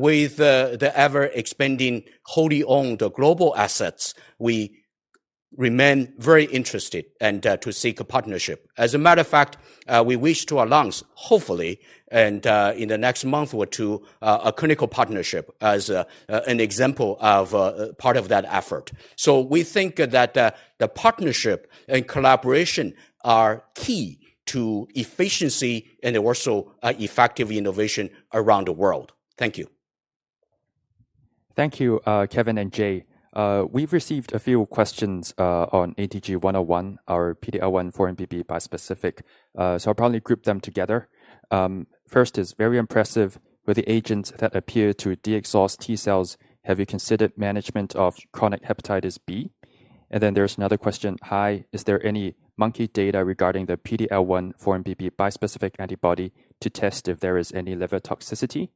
With the ever-expanding wholly owned global assets, we remain very interested and to seek a partnership. As a matter of fact, we wish to announce, hopefully, in the next month or two, a clinical partnership as an example of part of that effort. We think that the partnership and collaboration are key to efficiency and also effective innovation around the world. Thank you. Thank you, Kevin and Jay. We've received a few questions on ATG-101, our PD-L1/4-1BB bispecific, so I'll probably group them together. First, very impressive were the agents that appeared to de-exhaust T-cells. Have you considered management of chronic hepatitis B? There's another question: Hi, is there any monkey data regarding the PD-L1/4-1BB bispecific antibody to test if there is any liver toxicity?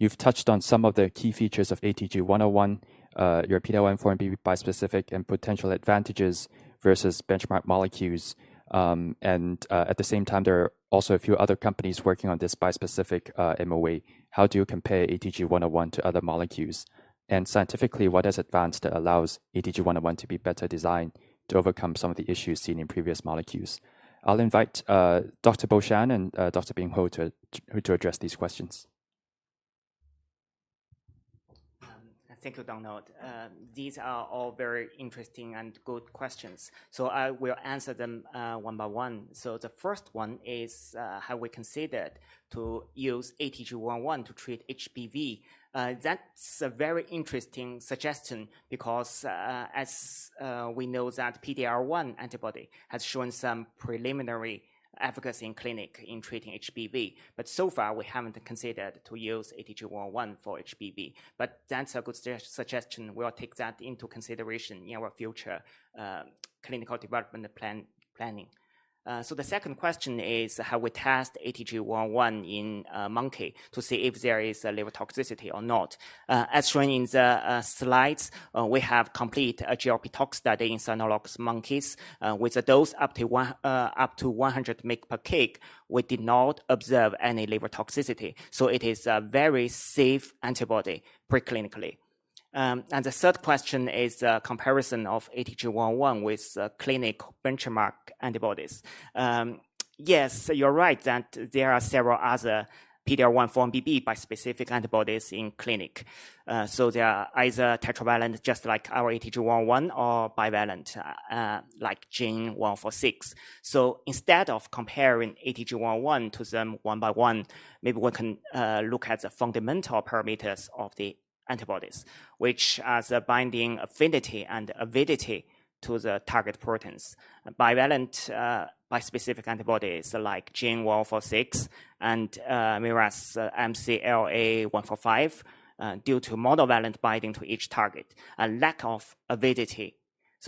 You've touched on some of the key features of ATG-101, your PD-L1/4-1BB bispecific and potential advantages versus benchmark molecules. At the same time, there are also a few other companies working on this bispecific MOA. How do you compare ATG-101 to other molecules? Scientifically, what has advanced that allows ATG-101 to be better designed to overcome some of the issues seen in previous molecules? I'll invite Dr. Bo Shan and Dr. Bing Hou to address these questions. Thank you, Donald. These are all very interesting and good questions, so I will answer them one by one. The first one is how we consider to use ATG-101 to treat HBV. That's a very interesting suggestion because we know that PD-1 antibody has shown some preliminary efficacy in clinic in treating HBV. So far, we haven't considered to use ATG-101 for HBV. That's a good suggestion. We'll take that into consideration in our future clinical development planning. The second question is how we test ATG-101 in monkey to see if there is a liver toxicity or not. As shown in the slides, we have complete GLP tox study in cynomolgus monkeys with a dose up to 100 mg/kg. We did not observe any liver toxicity, so it is a very safe antibody preclinically. The third question is a comparison of ATG-101 with clinical benchmark antibodies. Yes, you're right that there are several other PD-L1/4-1BB bispecific antibodies in clinic. They are either tetravalent just like our ATG-101 or bivalent like GEN-1046. Instead of comparing ATG-101 to them one by one, maybe we can look at the fundamental parameters of the antibodies, which has a binding affinity and avidity to the target proteins. Bivalent bispecific antibodies like GEN-1046 and Merus MCLA-145 due to monovalent binding to each target, a lack of avidity.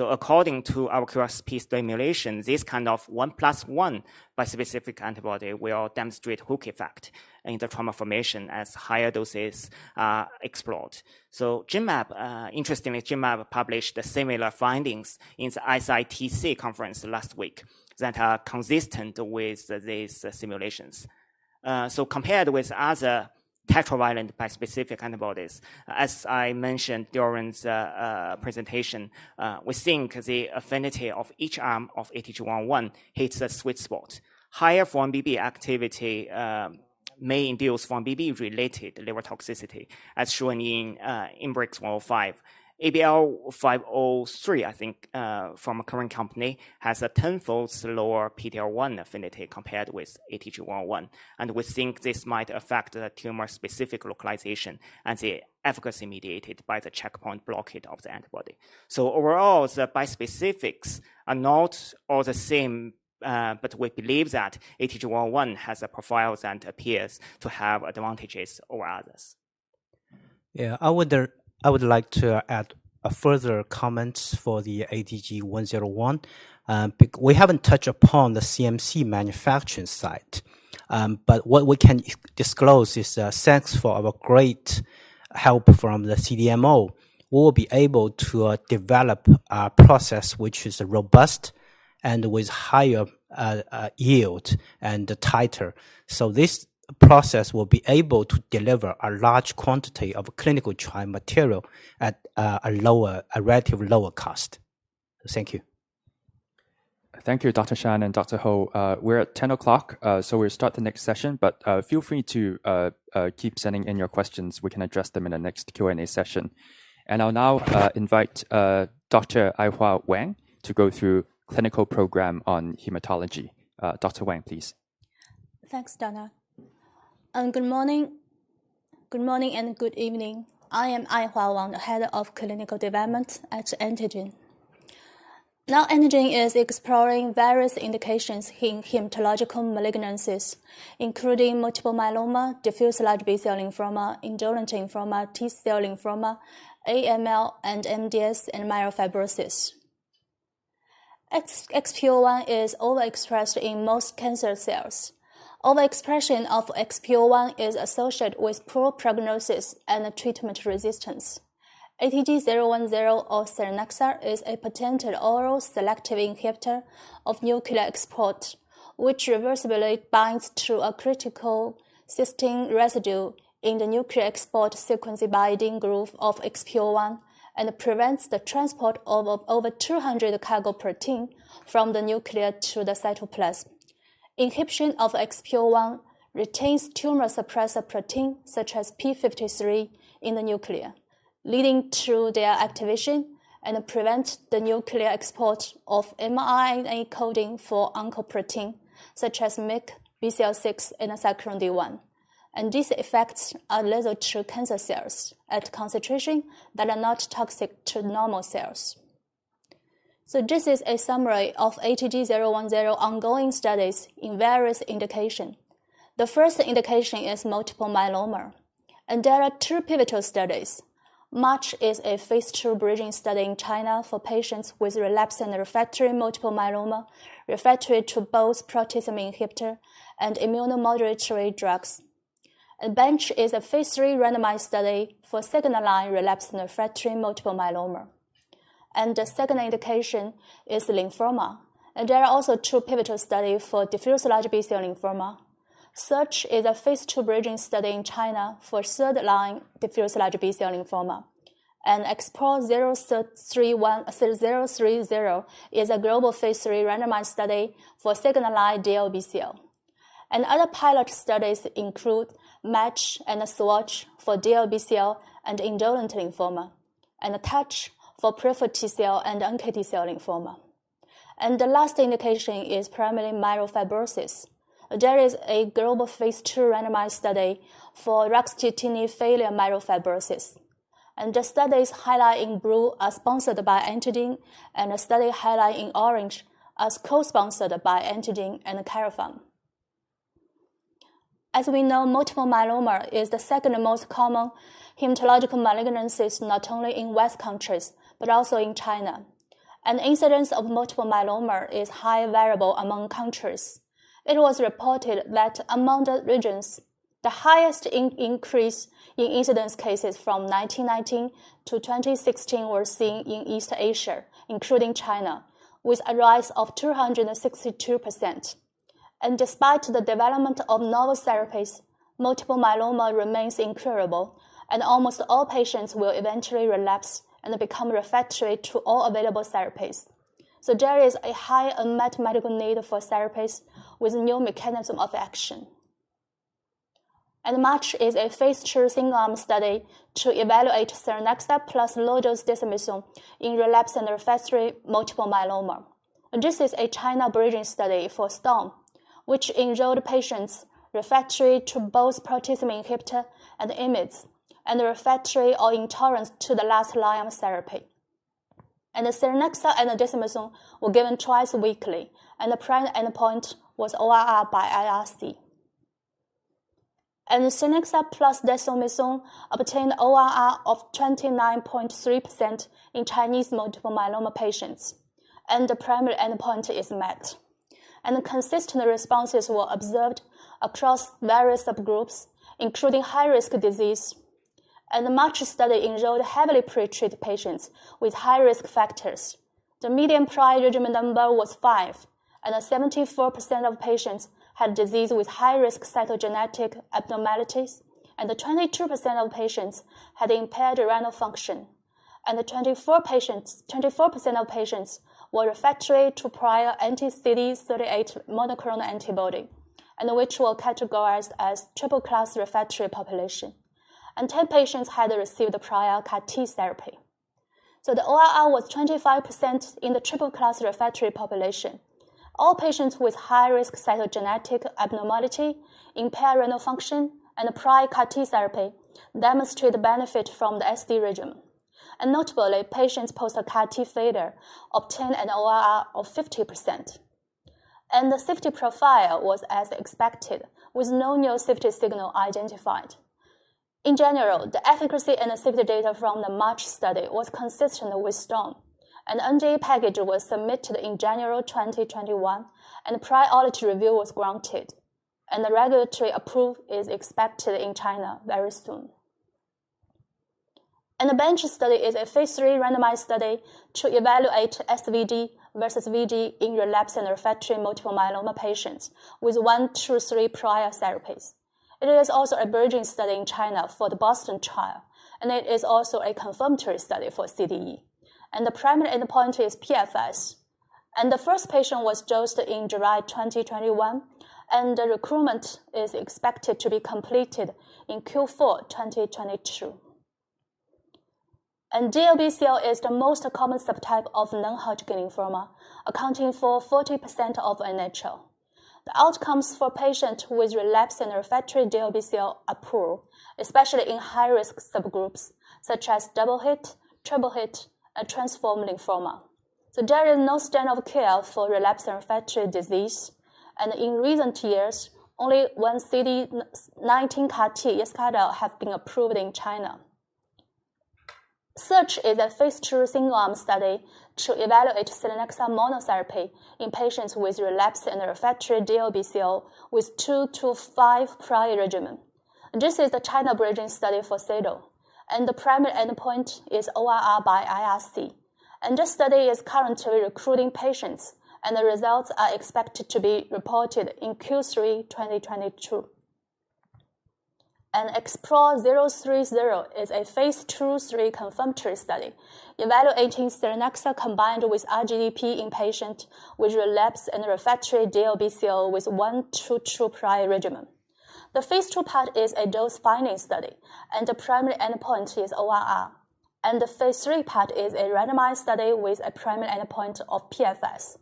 According to our QSP simulation, this kind of one plus one bispecific antibody will demonstrate hook effect in the tumor formation as higher doses are explored. Genmab interestingly, Genmab published similar findings in the SITC conference last week that are consistent with these simulations. Compared with other tetravalent bispecific antibodies, as I mentioned during the presentation, we think the affinity of each arm of ATG-101 hits a sweet spot. Higher 4-1BB activity may induce 4-1BB related liver toxicity as shown in Inhibrx INBRX-105. ABL503, I think, from a Korean company, has a tenfold lower PD-L1 affinity compared with ATG-101. We think this might affect the tumor-specific localization and the efficacy mediated by the checkpoint blockade of the antibody. Overall, the bispecific are not all the same, but we believe that ATG-101 has a profile that appears to have advantages over others. Yeah. I would like to add a further comment for the ATG-101. We haven't touched upon the CMC manufacturing site. What we can disclose is, thanks for our great help from the CDMO. We'll be able to develop a process which is robust and with higher yield and tighter. This process will be able to deliver a large quantity of clinical trial material at a relatively lower cost. Thank you. Thank you, Dr. Shan and Dr. Hou. We're at 10:00, so we'll start the next session. But, feel free to keep sending in your questions. We can address them in the next Q&A session. I'll now invite Dr. Aihua Wang to go through clinical program on hematology. Dr. Wang, please. Thanks, Donald. Good morning. Good morning and good evening. I am Aihua Wang, head of clinical development at Antengene. Now, Antengene is exploring various indications in hematological malignancies, including multiple myeloma, diffuse large B-cell lymphoma, indolent lymphoma, T-cell lymphoma, AML, MDS, and myelofibrosis. XPO1 is overexpressed in most cancer cells. Overexpression of XPO1 is associated with poor prognosis and treatment resistance. ATG-010 or selinexor is a potent oral selective inhibitor of nuclear export, which reversibly binds to a critical cysteine residue in the nuclear export sequence binding groove of XPO1 and prevents the transport of over 200 cargo protein from the nuclear to the cytoplasm. Inhibition of XPO1 retains tumor suppressor protein such as P53 in the nuclear, leading to their activation and prevent the nuclear export of mRNA coding for oncoprotein such as Myc, Bcl-xL, and Cyclin D1. These effects are lethal to cancer cells at concentrations that are not toxic to normal cells. This is a summary of ATG-010 ongoing studies in various indications. The first indication is multiple myeloma, and there are two pivotal studies. MARCH is a phase II bridging study in China for patients with relapsed and refractory multiple myeloma refractory to both proteasome inhibitor and immunomodulatory drugs. BENCH is a phase III randomized study for second-line relapsed and refractory multiple myeloma. The second indication is lymphoma. There are also two pivotal studies for diffuse large B-cell lymphoma. SEARCH is a phase II bridging study in China for third-line diffuse large B-cell lymphoma. XPORT-DLBCL-030 XPORT-DLBCL-030 is a global phase III randomized study for second-line DLBCL. Other pilot studies include MATCH and SWATCH for DLBCL and indolent lymphoma, and TOUCH for peripheral T-cell and NK/T-cell lymphoma. The last indication is primary myelofibrosis. There is a global phase II randomized study for ruxolitinib-failure myelofibrosis. The studies highlighted in blue are sponsored by Antengene and the study highlighted in orange is co-sponsored by Antengene and Karyopharm. As we know, multiple myeloma is the second most common hematological malignancies, not only in western countries, but also in China. Incidence of multiple myeloma is highly variable among countries. It was reported that among the regions, the highest increase in incidence cases from 1919 to 2016 were seen in East Asia, including China, with a rise of 262%. Despite the development of novel therapies, multiple myeloma remains incurable and almost all patients will eventually relapse and become refractory to all available therapies. There is a high unmet medical need for therapies with new mechanism of action. MATCH is a phase II single arm study to evaluate selinexor plus low-dose dexamethasone in relapsed and refractory multiple myeloma. This is a China bridging study for STORM, which enrolled patients refractory to both proteasome inhibitor and IMiDs, and refractory or intolerant to the last line of therapy. The selinexor and dexamethasone were given twice weekly, and the primary endpoint was ORR by IRC. Selinexor plus dexamethasone obtained ORR of 29.3% in Chinese multiple myeloma patients, and the primary endpoint is met. Consistent responses were observed across various subgroups, including high-risk disease. The MATCH study enrolled heavily pre-treated patients with high-risk factors. The median prior regimen number was 5, and 74% of patients had disease with high-risk cytogenetic abnormalities, and 22% of patients had impaired renal function. Twenty-four percent of patients were refractory to prior anti-CD38 monoclonal antibody, and which were categorized as triple-class refractory population. Ten patients had received prior CAR-T therapy. The ORR was 25% in the triple-class refractory population. All patients with high-risk cytogenetic abnormality, impaired renal function, and prior CAR-T therapy demonstrate benefit from the SD regimen. Notably, patients post CAR-T failure obtained an ORR of 50%. The safety profile was as expected, with no new safety signal identified. In general, the efficacy and safety data from the MATCH study was consistent with STORM. An NDA package was submitted in January 2021, and priority review was granted, and the regulatory approval is expected in China very soon. The BENCH study is a phase III randomized study to evaluate SVD versus VD in relapsed and refractory multiple myeloma patients with 1 to 3 prior therapies. It is also a bridging study in China for the BOSTON trial, and it is also a confirmatory study for CDE. The primary endpoint is PFS. The first patient was dosed in July 2021, and the recruitment is expected to be completed in Q4 2022. DLBCL is the most common subtype of non-Hodgkin lymphoma, accounting for 40% of NHL. The outcomes for patients with relapsed and refractory DLBCL are poor, especially in high-risk subgroups such as double hit, triple hit, and transformed lymphoma. There is no standard of care for relapsed and refractory disease, and in recent years, only one CD19 CAR-T is kind of have been approved in China. SEARCH is a phase II single arm study to evaluate selinexor monotherapy in patients with relapsed and refractory DLBCL with 2-5 prior regimen. This is the China bridging study for SADAL, and the primary endpoint is ORR by IRC. This study is currently recruiting patients, and the results are expected to be reported in Q3 2022. XPORT-DLBCL-030 is a phase II/III confirmatory study evaluating selinexor combined with R-GDP in patients with relapsed and refractory DLBCL with 1-2 prior regimen. The phase II part is a dose-finding study, and the primary endpoint is ORR. The phase III part is a randomized study with a primary endpoint of PFS.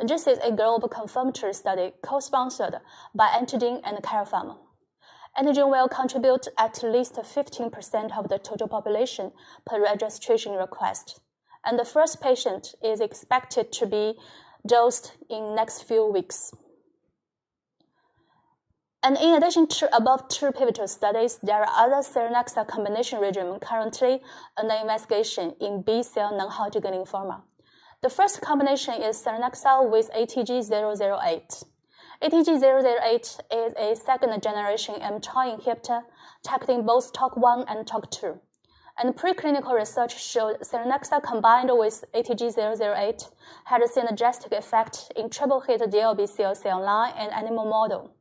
This is a global confirmatory study co-sponsored by Antengene and Karyopharm. Antengene will contribute at least 15% of the total population per registration request, and the first patient is expected to be dosed in the next few weeks. In addition to the above two pivotal studies, there are other selinexor combination regimens currently under investigation in B-cell non-Hodgkin lymphoma. The first combination is selinexor with ATG-008. ATG-008 is a second-generation mTOR kinase inhibitor targeting both mTORC1 and mTORC2. Preclinical research showed selinexor combined with ATG-008 had a synergistic effect in triple-hit DLBCL cell line and animal model.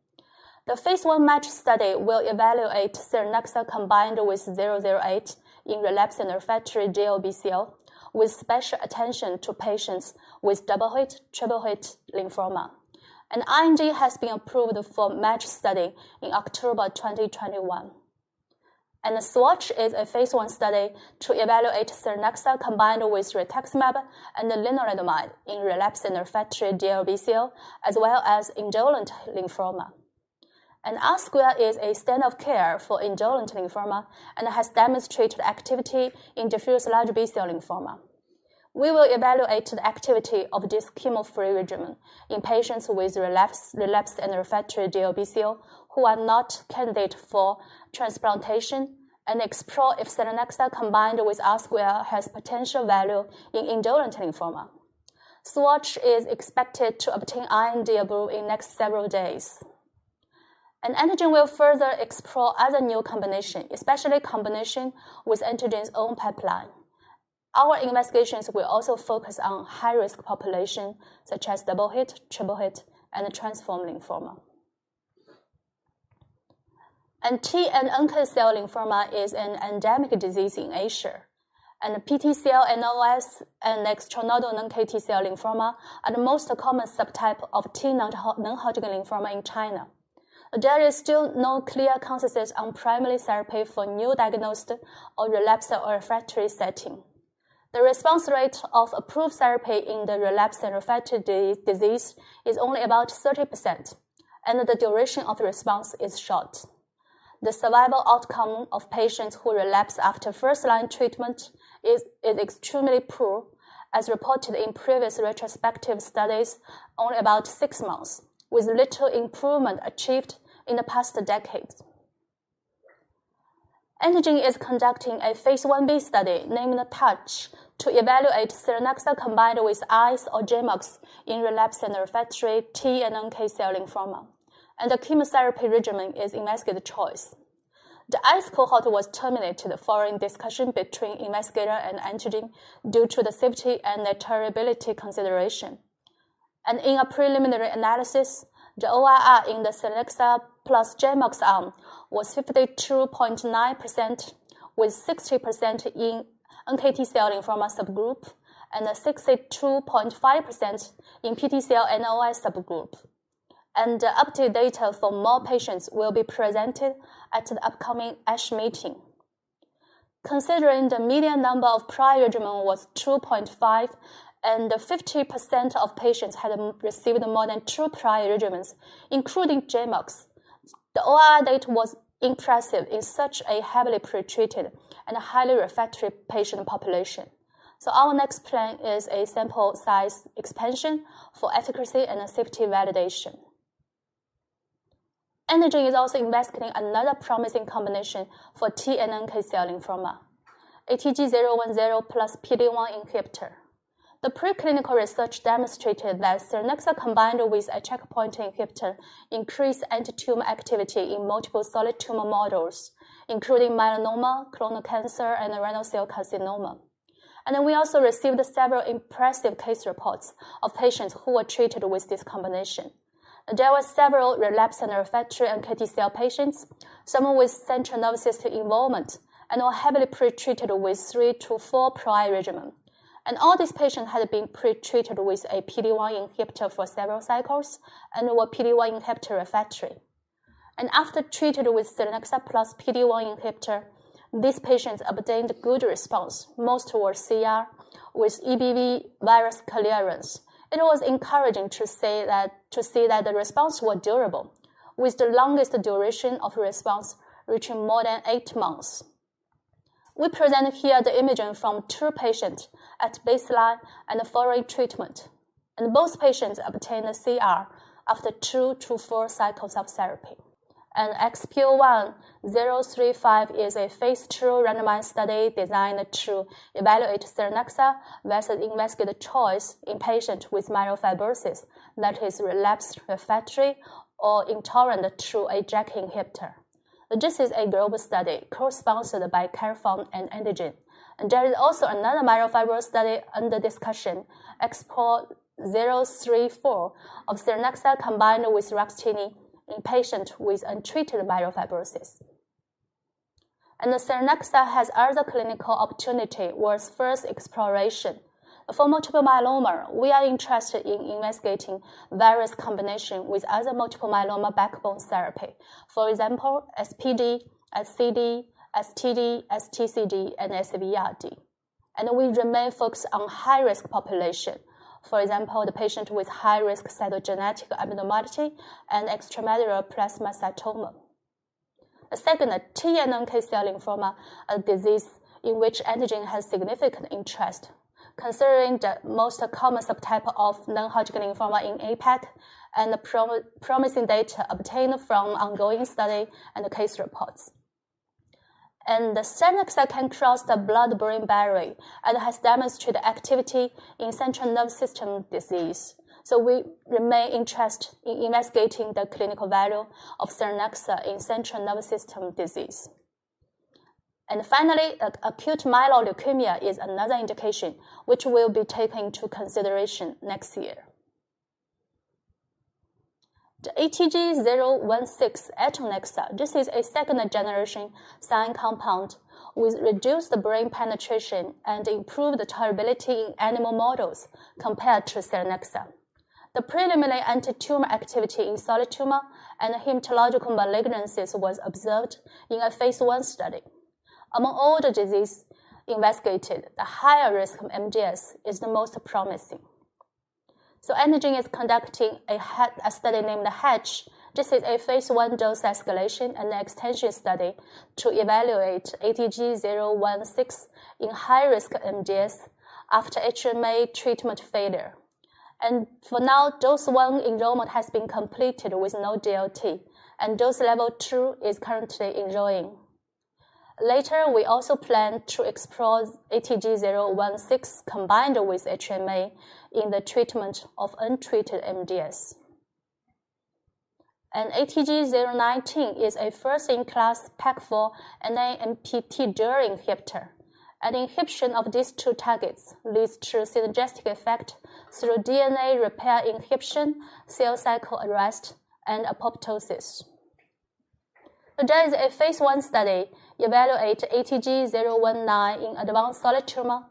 The phase I MATCH study will evaluate selinexor combined with ATG-008 in relapsed and refractory DLBCL, with special attention to patients with double-hit, triple-hit lymphoma. An IND has been approved for MATCH study in October 2021. The SWATCH is a phase I study to evaluate selinexor combined with rituximab and lenalidomide in relapsed and refractory DLBCL, as well as indolent lymphoma. R-squared is a standard of care for indolent lymphoma and has demonstrated activity in diffuse large B-cell lymphoma. We will evaluate the activity of this chemo-free regimen in patients with relapse, relapsed and refractory DLBCL who are not candidate for transplantation and explore if selinexor combined with R-squared has potential value in indolent lymphoma. SWATCH is expected to obtain IND approval in next several days. Antengene will further explore other new combination, especially combination with Antengene's own pipeline. Our investigations will also focus on high-risk population such as double hit, triple hit, and transformed lymphoma. T and NK cell lymphoma is an endemic disease in Asia, and PTCL, NOS, and extranodal NK/T cell lymphoma are the most common subtype of T non-Hodgkin lymphoma in China. There is still no clear consensus on primary therapy for newly diagnosed or relapsed or refractory setting. The response rate of approved therapy in the relapsed and refractory disease is only about 30%, and the duration of the response is short. The survival outcome of patients who relapse after first-line treatment is extremely poor, as reported in previous retrospective studies, only about six months, with little improvement achieved in the past decades. Antengene is conducting a phase I-B study named TOUCH to evaluate selinexor combined with ICE or GEMOX in relapsed and refractory T and NK cell lymphoma, and the chemotherapy regimen is investigator's choice. The ICE cohort was terminated following discussion between investigator and Antengene due to the safety and tolerability consideration. In a preliminary analysis, the ORR in the selinexor plus GemOx arm was 52.9% with 60% in NK/T cell lymphoma subgroup and 62.5% in PTCL NOS subgroup. Updated data for more patients will be presented at the upcoming ASH meeting. Considering the median number of prior regimen was 2.5 and 50% of patients had received more than two prior regimens, including GemOx, the ORR data was impressive in such a heavily pretreated and highly refractory patient population. Our next plan is a sample size expansion for efficacy and safety validation. Antengene is also investigating another promising combination for T/NK cell lymphoma, ATG-010 plus PD-1 inhibitor. The preclinical research demonstrated that selinexor combined with a checkpoint inhibitor increase anti-tumor activity in multiple solid tumor models, including melanoma, colorectal cancer, and renal cell carcinoma. Then we also received several impressive case reports of patients who were treated with this combination. There were several relapsed and refractory NK/T cell patients, some with central nervous system involvement and were heavily pretreated with three to four prior regimen. All these patients had been pretreated with a PD-1 inhibitor for several cycles and were PD-1 inhibitor refractory. After treated with selinexor plus PD-1 inhibitor, these patients obtained good response. Most were CR with EBV virus clearance. It was encouraging to see that the response was durable, with the longest duration of response reaching more than 8 months. We present here the imaging from two patients at baseline and following treatment, and both patients obtained a CR after two to four cycles of therapy. XPORT-MF-035 is a phase II randomized study designed to evaluate selinexor versus investigator's choice in patients with myelofibrosis, that is relapsed, refractory, or intolerant to a JAK inhibitor. This is a global study co-sponsored by Karyopharm and Antengene. There is also another myelofibrosis study under discussion, XPORT-MF-034 of selinexor combined with ruxolitinib in patients with untreated myelofibrosis. The selinexor has other clinical opportunity worth first exploration. For multiple myeloma, we are interested in investigating various combination with other multiple myeloma backbone therapy. For example, SPD, SCD, STD, STCD, and SVRD. We remain focused on high-risk population. For example, the patient with high-risk cytogenetic abnormality and extramedullary plasmacytoma. Second, T and NK cell lymphoma, a disease in which Antengene has significant interest, considering the most common subtype of non-Hodgkin lymphoma in APAC and promising data obtained from ongoing study and case reports. The selinexor can cross the blood-brain barrier and has demonstrated activity in central nervous system disease. We remain interested in investigating the clinical value of selinexor in central nervous system disease. Finally, acute myeloid leukemia is another indication which we'll be taking into consideration next year. The ATG-016 eltanexor, this is a second-generation SINE compound with reduced brain penetration and improved tolerability in animal models compared to selinexor. The preliminary anti-tumor activity in solid tumor and hematological malignancies was observed in a phase I study. Among all the disease investigated, the higher risk of MDS is the most promising. Antengene is conducting a study named the HEDGE. This is a phase I dose escalation and extension study to evaluate ATG-016 in high-risk MDS after HMA treatment failure. For now, dose 1 enrollment has been completed with no DLT, and dose level 2 is currently enrolling. Later, we also plan to explore ATG-016 combined with HMA in the treatment of untreated MDS. ATG-019 is a first-in-class PAK4 and NAMPT dual inhibitor. Inhibition of these two targets leads to synergistic effect through DNA repair inhibition, cell cycle arrest, and apoptosis. There is a phase I study to evaluate ATG-019 in advanced solid tumors.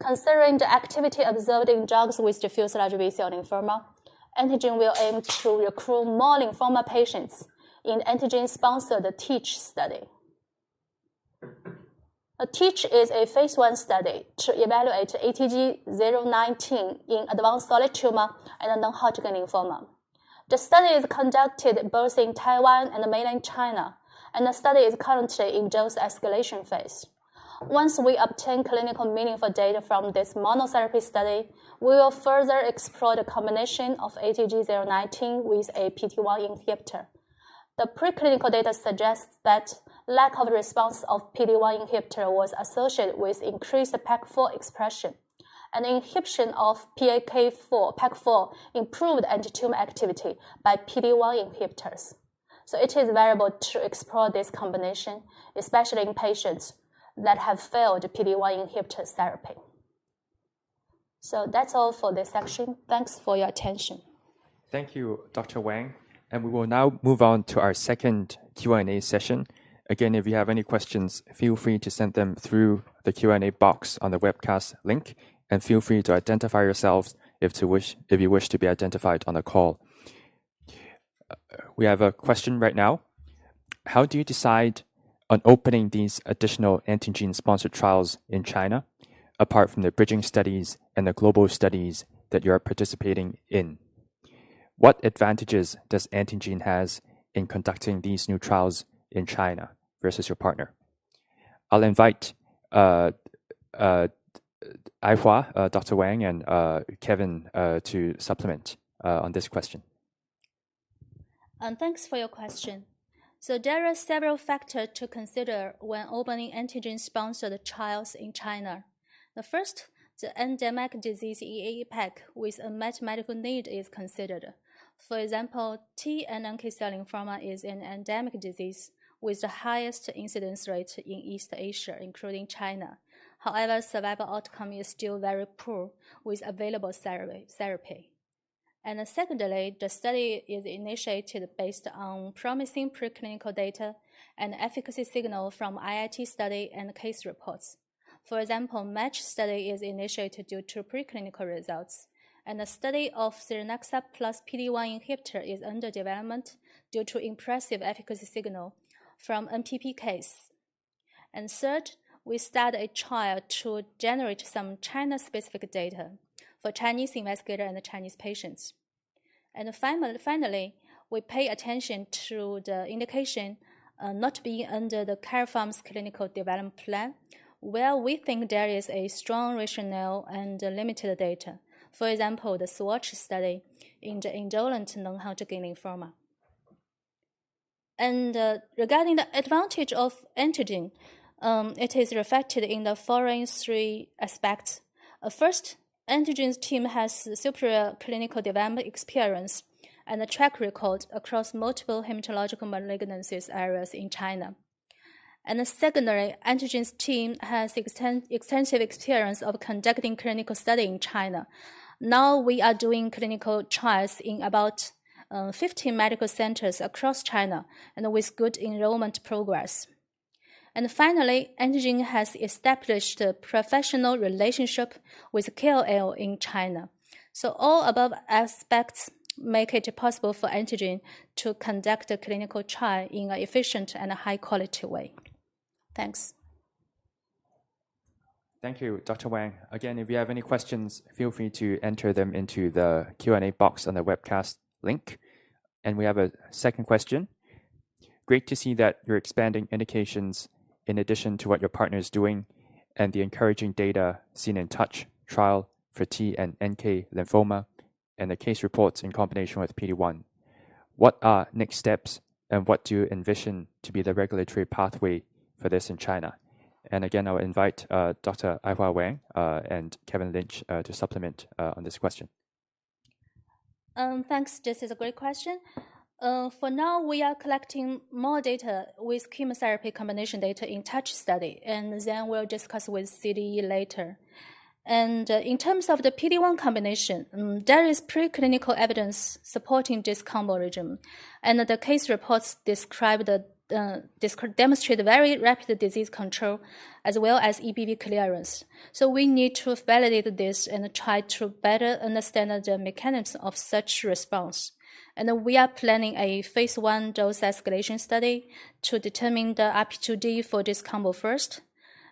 Considering the activity observed in drugs with diffuse large B-cell lymphoma, Antengene will aim to recruit more lymphoma patients in Antengene-sponsored TEACH study. TEACH is a phase I study to evaluate ATG-019 in advanced solid tumors and non-Hodgkin lymphoma. The study is conducted both in Taiwan and Mainland China, and the study is currently in dose escalation phase. Once we obtain clinically meaningful data from this monotherapy study, we will further explore the combination of ATG-019 with a PD-1 inhibitor. The preclinical data suggests that lack of response of PD-1 inhibitor was associated with increased PAK4 expression. An inhibition of PAK4 improved anti-tumor activity by PD-L1 inhibitors. It is viable to explore this combination, especially in patients that have failed PD-L1 inhibitors therapy. That's all for this section. Thanks for your attention. Thank you, Dr. Wang. We will now move on to our second Q&A session. Again, if you have any questions, feel free to send them through the Q&A box on the webcast link. Feel free to identify yourselves if you wish to be identified on the call. We have a question right now. How do you decide on opening these additional Antengene-sponsored trials in China, apart from the bridging studies and the global studies that you are participating in? What advantages does Antengene have in conducting these new trials in China versus your partner? I'll invite Aihua Dr. Wang and Kevin to supplement on this question. Thanks for your question. There are several factors to consider when opening Antengene-sponsored trials in China. The first, the endemic disease in APAC with a huge medical need is considered. For example, T/NK cell lymphoma is an endemic disease with the highest incidence rate in East Asia, including China. However, survival outcome is still very poor with available therapy. Secondly, the study is initiated based on promising preclinical data and efficacy signal from IIT study and case reports. For example, MATCH study is initiated due to preclinical results, and a study of selinexor plus PD-1 inhibitor is under development due to impressive efficacy signal from an IIT case. Third, we start a trial to generate some China-specific data for Chinese investigators and Chinese patients. Finally, we pay attention to the indication not being under the Karyopharm's clinical development plan, where we think there is a strong rationale and limited data. For example, the SWATCH study in the indolent non-Hodgkin lymphoma. Regarding the advantage of Antengene, it is reflected in the following three aspects. First, Antengene's team has superior clinical development experience and a track record across multiple hematological malignancies areas in China. Secondly, Antengene's team has extensive experience of conducting clinical study in China. Now, we are doing clinical trials in about 50 medical centers across China and with good enrollment progress. Finally, Antengene has established a professional relationship with KOL in China. All above aspects make it possible for Antengene to conduct a clinical trial in an efficient and high-quality way. Thanks. Thank you, Dr. Wang. Again, if you have any questions, feel free to enter them into the Q&A box on the webcast link. We have a second question. Great to see that you're expanding indications in addition to what your partner is doing and the encouraging data seen in TOUCH trial for T and NK lymphoma and the case reports in combination with PD-1. What are next steps, and what do you envision to be the regulatory pathway for this in China? Again, I'll invite Dr. Aihua Wang and Kevin Lynch to supplement on this question. Thanks. This is a great question. For now, we are collecting more data with chemotherapy combination data in TOUCH study, and then we'll discuss with CDE later. In terms of the PD-1 combination, there is preclinical evidence supporting this combo regimen, and the case reports describe the demonstrate very rapid disease control as well as EBV clearance. We need to validate this and try to better understand the mechanics of such response. We are planning a phase I dose escalation study to determine the RP2D for this combo first,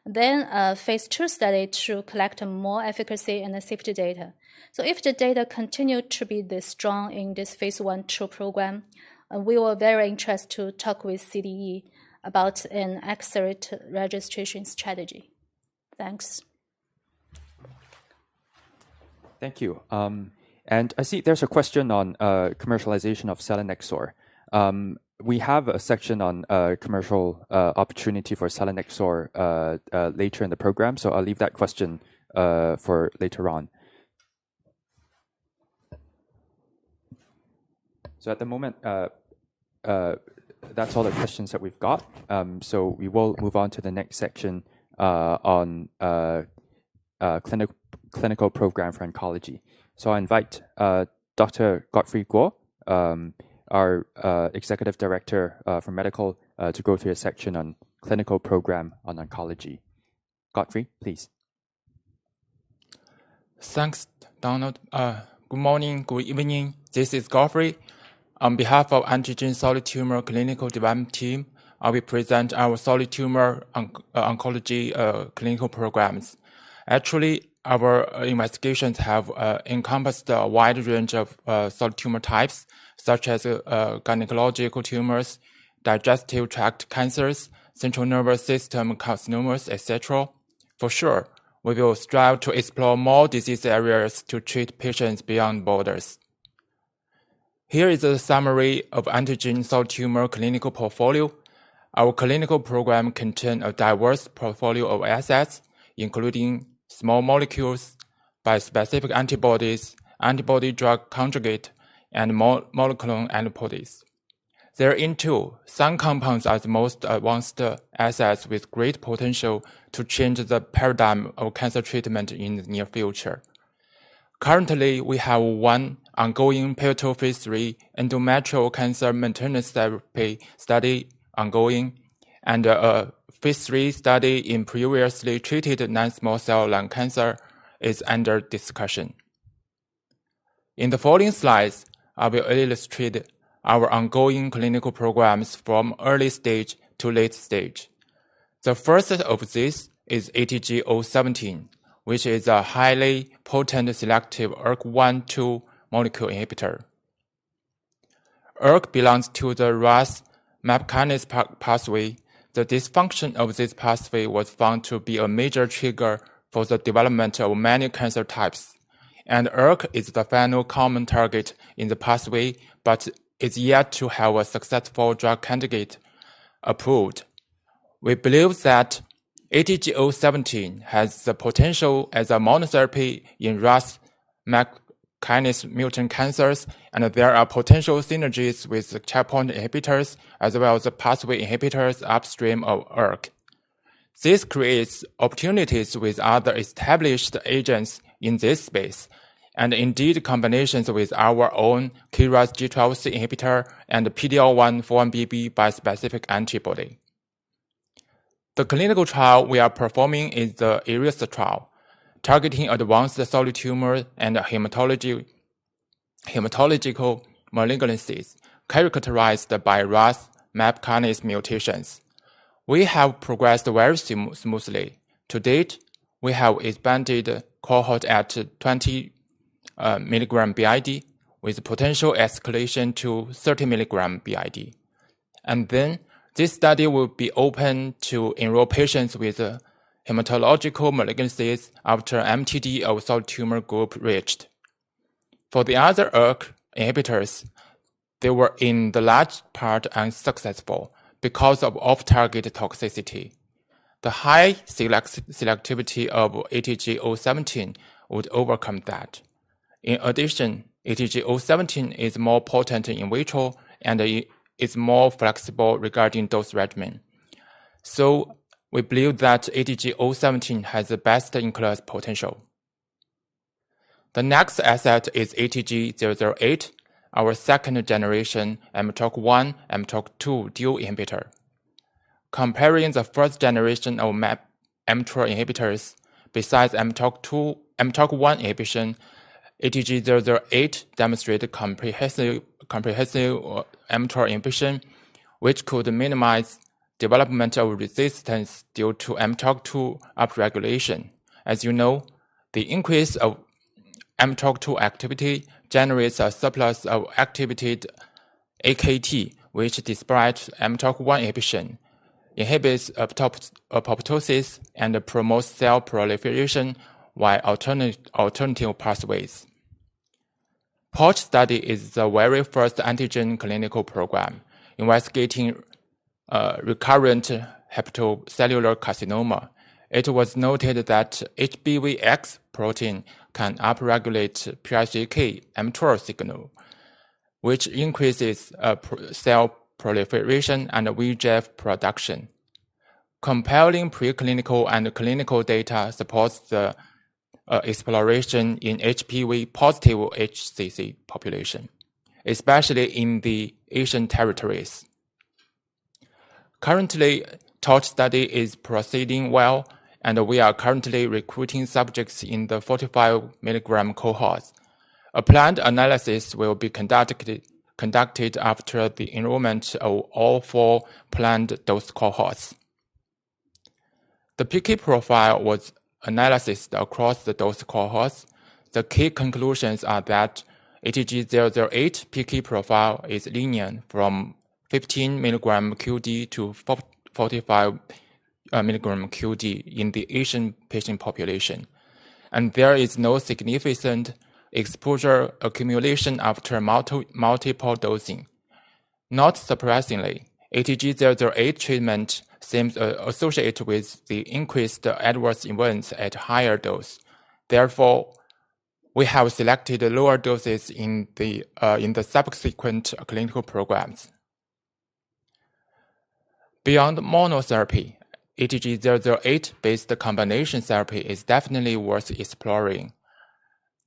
then a phase II study to collect more efficacy and the safety data. If the data continue to be this strong in this phase I/II program, we will very interested to talk with CDE about an accelerated registration strategy. Thanks. Thank you. I see there's a question on commercialization of selinexor. We have a section on commercial opportunity for selinexor later in the program, so I'll leave that question for later on. At the moment, that's all the questions that we've got. We will move on to the next section on clinical program for oncology. I invite Dr. Godfrey Guo, our Executive Director of Medical, to go through a section on clinical program on oncology. Godfrey, please. Thanks, Donald. Good morning, good evening. This is Godfrey. On behalf of Antengene Solid Tumor Clinical Development Team, I will present our solid tumor oncology clinical programs. Actually, our investigations have encompassed a wide range of solid tumor types, such as gynecological tumors, digestive tract cancers, central nervous system carcinomas, et cetera. For sure, we will strive to explore more disease areas to treat patients beyond borders. Here is a summary of Antengene solid tumor clinical portfolio. Our clinical program contain a diverse portfolio of assets, including small molecules, bispecific antibodies, antibody-drug conjugate, and monoclonal antibodies. Thereinto, some compounds are the most advanced assets with great potential to change the paradigm of cancer treatment in the near future. Currently, we have one ongoing pivotal phase III endometrial cancer maintenance therapy study ongoing and a phase III study in previously treated non-small cell lung cancer is under discussion. In the following slides, I will illustrate our ongoing clinical programs from early stage to late stage. The first of this is ATG-017, which is a highly potent selective ERK1/2 molecule inhibitor. ERK belongs to the Ras/MAPK pathway. The dysfunction of this pathway was found to be a major trigger for the development of many cancer types. ERK is the final common target in the pathway, but is yet to have a successful drug candidate approved. We believe that ATG-017 has the potential as a monotherapy in Ras/MAPK mutant cancers, and there are potential synergies with the checkpoint inhibitors as well as the pathway inhibitors upstream of ERK. This creates opportunities with other established agents in this space, and indeed combinations with our own KRAS G12C inhibitor and the PD-L1/4-1BB bispecific antibody. The clinical trial we are performing is the ARIAS trial, targeting advanced solid tumor and hematological malignancies characterized by Ras/MAPK mutations. We have progressed very smoothly. To date, we have expanded cohort at 20 mg BID with potential escalation to 30 mg BID. Then this study will be open to enroll patients with hematological malignancies after MTD of solid tumor group reached. For the other ERK inhibitors, they were in the large part unsuccessful because of off-target toxicity. The high selectivity of ATG-017 would overcome that. In addition, ATG-017 is more potent in vitro, and it is more flexible regarding dose regimen. We believe that ATG-017 has the best-in-class potential. The next asset is ATG-008, our second-generation mTORC1, mTORC2 dual inhibitor. Comparing the first generation of mTOR kinase inhibitors besides mTORC2 and mTORC1 inhibition, ATG-008 demonstrates comprehensive mTOR kinase inhibition, which could minimize development of resistance due to mTORC2 upregulation. As you know, the increase of mTORC2 activity generates a surplus of activated AKT, which despite mTORC1 inhibition, inhibits apoptosis and promotes cell proliferation via alternative pathways. TORCH study is the very first Antengene clinical program investigating recurrent hepatocellular carcinoma. It was noted that HBx protein can upregulate PI3K/mTOR signal, which increases pro-cell proliferation and VEGF production. Compelling preclinical and clinical data supports the exploration in HBV-positive HCC population, especially in the Asian territories. Currently, TORCH study is proceeding well, and we are currently recruiting subjects in the 45 mg cohort. A planned analysis will be conducted after the enrollment of all 4 planned dose cohorts. The PK profile was analyzed across the dose cohorts. The key conclusions are that ATG-008 PK profile is linear from 15 mg QD to 45 mg QD in the Asian patient population. There is no significant exposure accumulation after multiple dosing. Not surprisingly, ATG-008 treatment seems associated with the increased adverse events at higher dose. Therefore, we have selected lower doses in the subsequent clinical programs. Beyond monotherapy, ATG-008-based combination therapy is definitely worth exploring.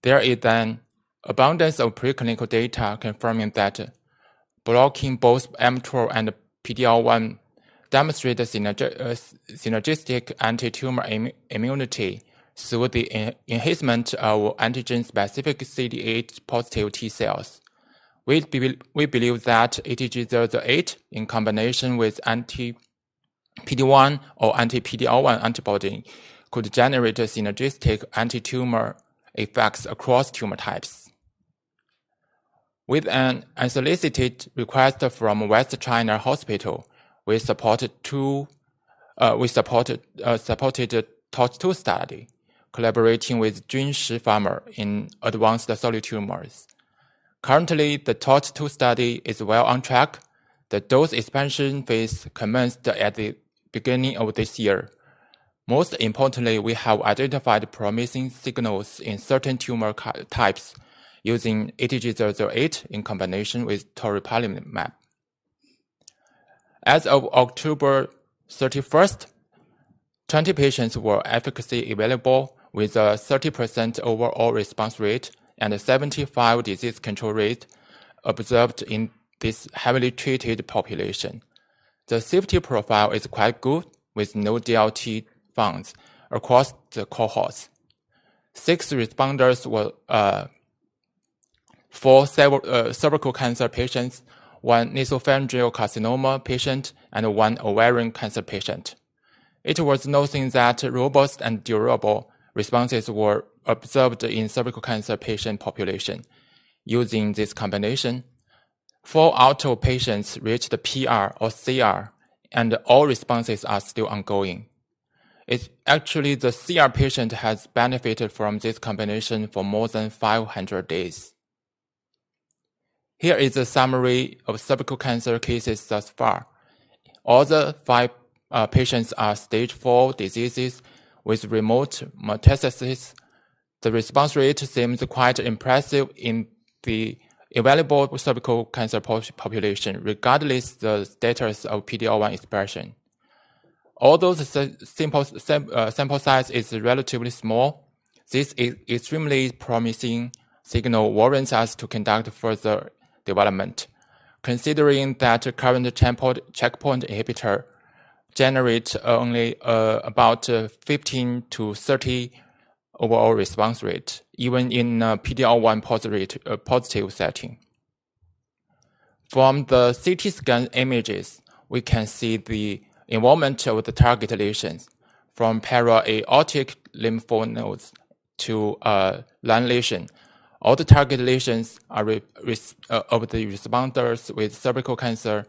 There is an abundance of preclinical data confirming that blocking both mTOR and PD-L1 demonstrate a synergistic antitumor immunity through the enhancement of antigen-specific CD8 positive T cells. We believe that ATG-008 in combination with anti-PD-1 or anti-PD-L1 antibody could generate a synergistic antitumor effect across tumor types. With an unsolicited request from West China Hospital, we supported a TORCH-2 study collaborating with Junshi Biosciences in advanced solid tumors. Currently, the TORCH-2 study is well on track. The dose expansion phase commenced at the beginning of this year. Most importantly, we have identified promising signals in certain tumor types using ATG-008 in combination with toripalimab. As of October 31, 20 patients were efficacy evaluable with a 30% overall response rate and a 75% disease control rate observed in this heavily treated population. The safety profile is quite good, with no DLT found across the cohorts. Six responders were four cervical cancer patients, one nasopharyngeal carcinoma patient, and one ovarian cancer patient. It is worth noting that robust and durable responses were observed in cervical cancer patient population using this combination. Four out of patients reached PR or CR, and all responses are still ongoing. It's actually the CR patient has benefited from this combination for more than 500 days. Here is a summary of cervical cancer cases thus far. All the five patients are stage four diseases with remote metastasis. The response rate seems quite impressive in the evaluable cervical cancer population, regardless the status of PD-L1 expression. Although the sample size is relatively small, this extremely promising signal warrants us to conduct further development. Considering that current checkpoint inhibitors generate only about 15%-30% overall response rate, even in a PD-L1 positive setting. From the CT scan images, we can see the involvement of the target lesions from para-aortic lymph nodes to lung lesion. All the target lesions of the responders with cervical cancer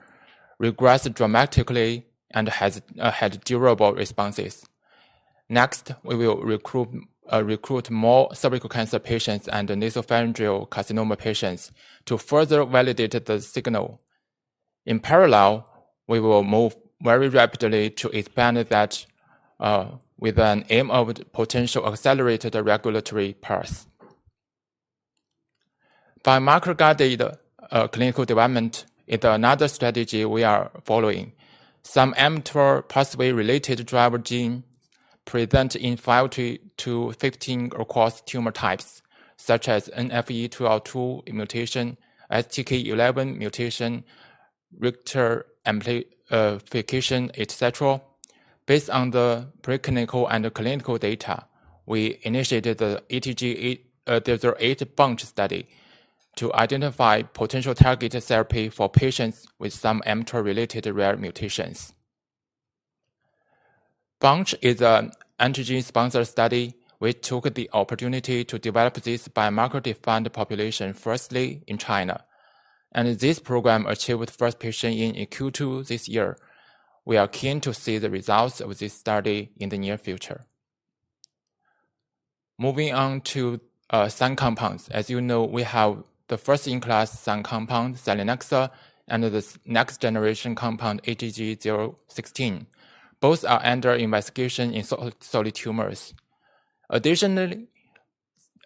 regressed dramatically and had durable responses. Next, we will recruit more cervical cancer patients and nasopharyngeal carcinoma patients to further validate the signal. In parallel, we will move very rapidly to expand that with an aim of potential accelerated regulatory path. Biomarker-guided clinical development is another strategy we are following. Some mTOR pathway-related driver gene present in 5-15 across tumor types, such as NFE2L2 mutation, STK11 mutation, RET amplification, et cetera. Based on the preclinical and clinical data, we initiated the ATG-008 BUNCH study to identify potential targeted therapy for patients with some mTOR-related rare mutations. BUNCH is an Antengene-sponsored study. We took the opportunity to develop this biomarker-defined population, firstly in China. This program achieved first patient in Q2 this year. We are keen to see the results of this study in the near future. Moving on to SINE compounds. As you know, we have the first-in-class SINE compound, selinexor, and this next generation compound, ATG-016. Both are under investigation in solid tumors. Additionally,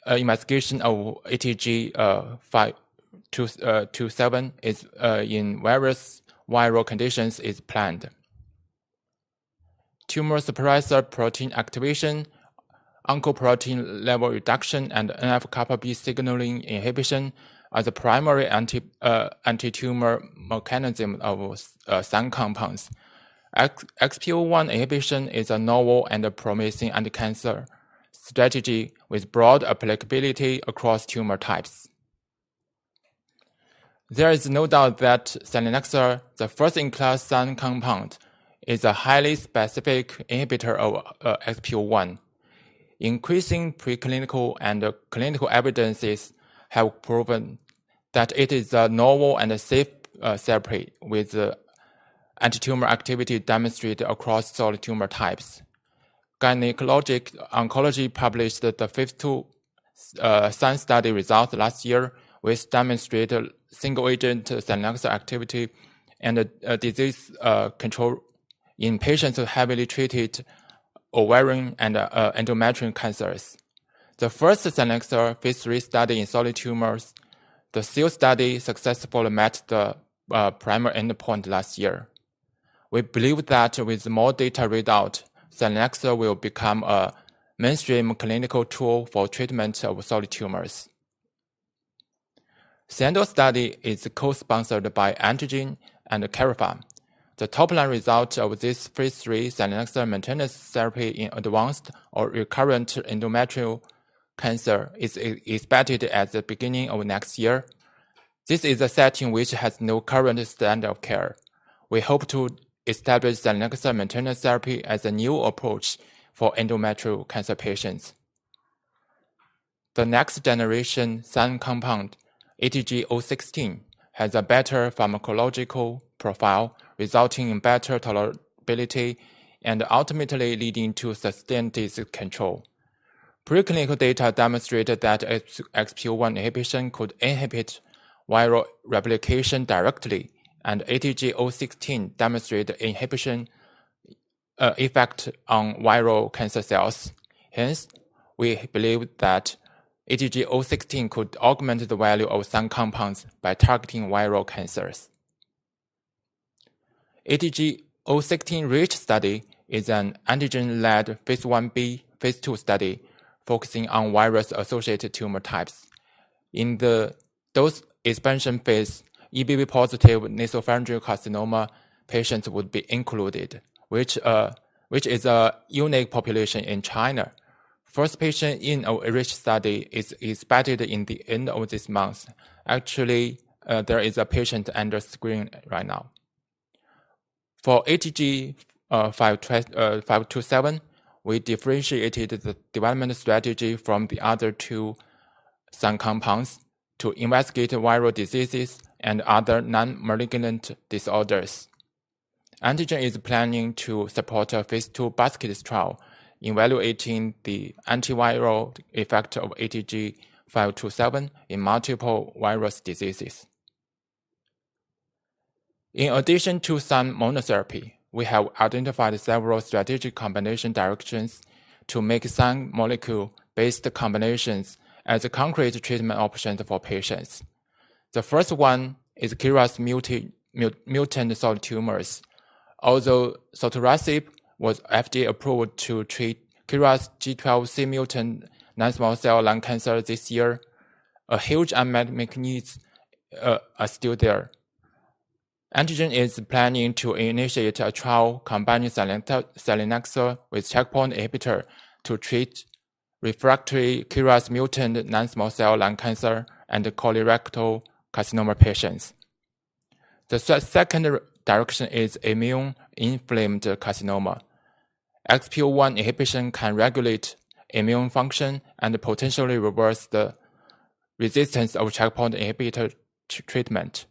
investigation of ATG-527 in various viral conditions is planned. Tumor suppressor protein activation, oncoprotein level reduction, and NF-κB signaling inhibition are the primary antitumor mechanism of SINE compounds. XPO1 inhibition is a novel and a promising anti-cancer strategy with broad applicability across tumor types. There is no doubt that selinexor, the first-in-class SINE compound, is a highly specific inhibitor of XPO1. Increasing preclinical and clinical evidences have proven that it is a novel and safe therapy with antitumor activity demonstrated across solid tumor types. Gynecologic Oncology published the phase II SINE study result last year, which demonstrated single-agent selinexor activity and a disease control in patients with heavily treated ovarian and endometrial cancers. The first selinexor phase III study in solid tumors, the SEAL study, successfully met the primary endpoint last year. We believe that with more data read out, selinexor will become a mainstream clinical tool for treatment of solid tumors. SIENDO study is co-sponsored by Antengene and Karyopharm. The top-line result of this phase III selinexor maintenance therapy in advanced or recurrent endometrial cancer is expected at the beginning of next year. This is a setting which has no current standard of care. We hope to establish selinexor maintenance therapy as a new approach for endometrial cancer patients. The next generation SINE compound, ATG-016, has a better pharmacological profile, resulting in better tolerability and ultimately leading to sustained disease control. Preclinical data demonstrated that XPO1 inhibition could inhibit viral replication directly, and ATG-016 demonstrate inhibition, effect on viral cancer cells. Hence, we believe that ATG-016 could augment the value of SINE compounds by targeting viral cancers. ATG-016 RICH study is an Antengene-led phase I-B, phase II study focusing on virus-associated tumor types. In the dose expansion phase, EBV-positive nasopharyngeal carcinoma patients would be included, which is a unique population in China. First patient in a RICH study is expected in the end of this month. Actually, there is a patient under screening right now. For ATG-527, we differentiated the development strategy from the other two SINE compounds to investigate viral diseases and other non-malignant disorders. Antengene is planning to support a phase II basket trial evaluating the antiviral effect of ATG-527 in multiple virus diseases. In addition to SINE monotherapy, we have identified several strategic combination directions to make SINE molecule-based combinations as a concrete treatment option for patients. The first one is KRAS mutant solid tumors. Although sotorasib was FDA-approved to treat KRAS G12C mutant non-small cell lung cancer this year, a huge unmet medical need are still there. Antengene is planning to initiate a trial combining selinexor with checkpoint inhibitor to treat refractory KRAS-mutant non-small cell lung cancer and colorectal carcinoma patients. The second direction is immune-inflamed carcinoma. XPO1 inhibition can regulate immune function and potentially reverse the resistance of checkpoint inhibitor treatment.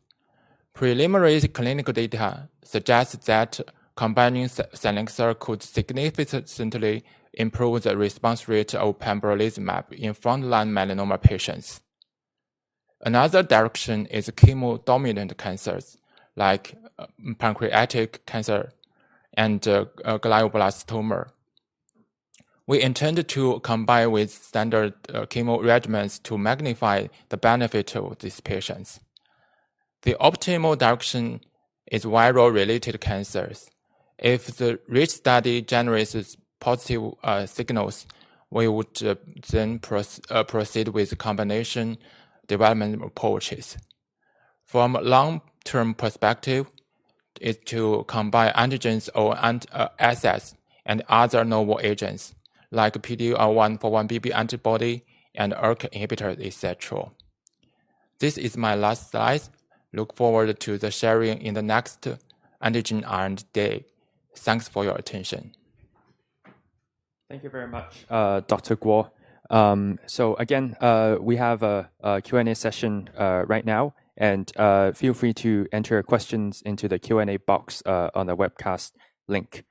Preliminary clinical data suggests that combining selinexor could significantly improve the response rate of pembrolizumab in frontline melanoma patients. Another direction is chemo-dominant cancers like pancreatic cancer and glioblastoma. We intend to combine with standard chemo regimens to magnify the benefit to these patients. The optimal direction is viral-related cancers. If the RICH study generates positive signals, we would then proceed with combination development approaches. From a long-term perspective is to combine antigens or assets and other novel agents like PD-L1/4-1BB antibody and ERK inhibitor, et cetera. This is my last slide. Look forward to sharing in the next Antengene R&D Day. Thanks for your attention. Thank you very much, Dr. Godfrey Guo. Again, we have a Q&A session right now, and feel free to enter your questions into the Q&A box on the webcast link.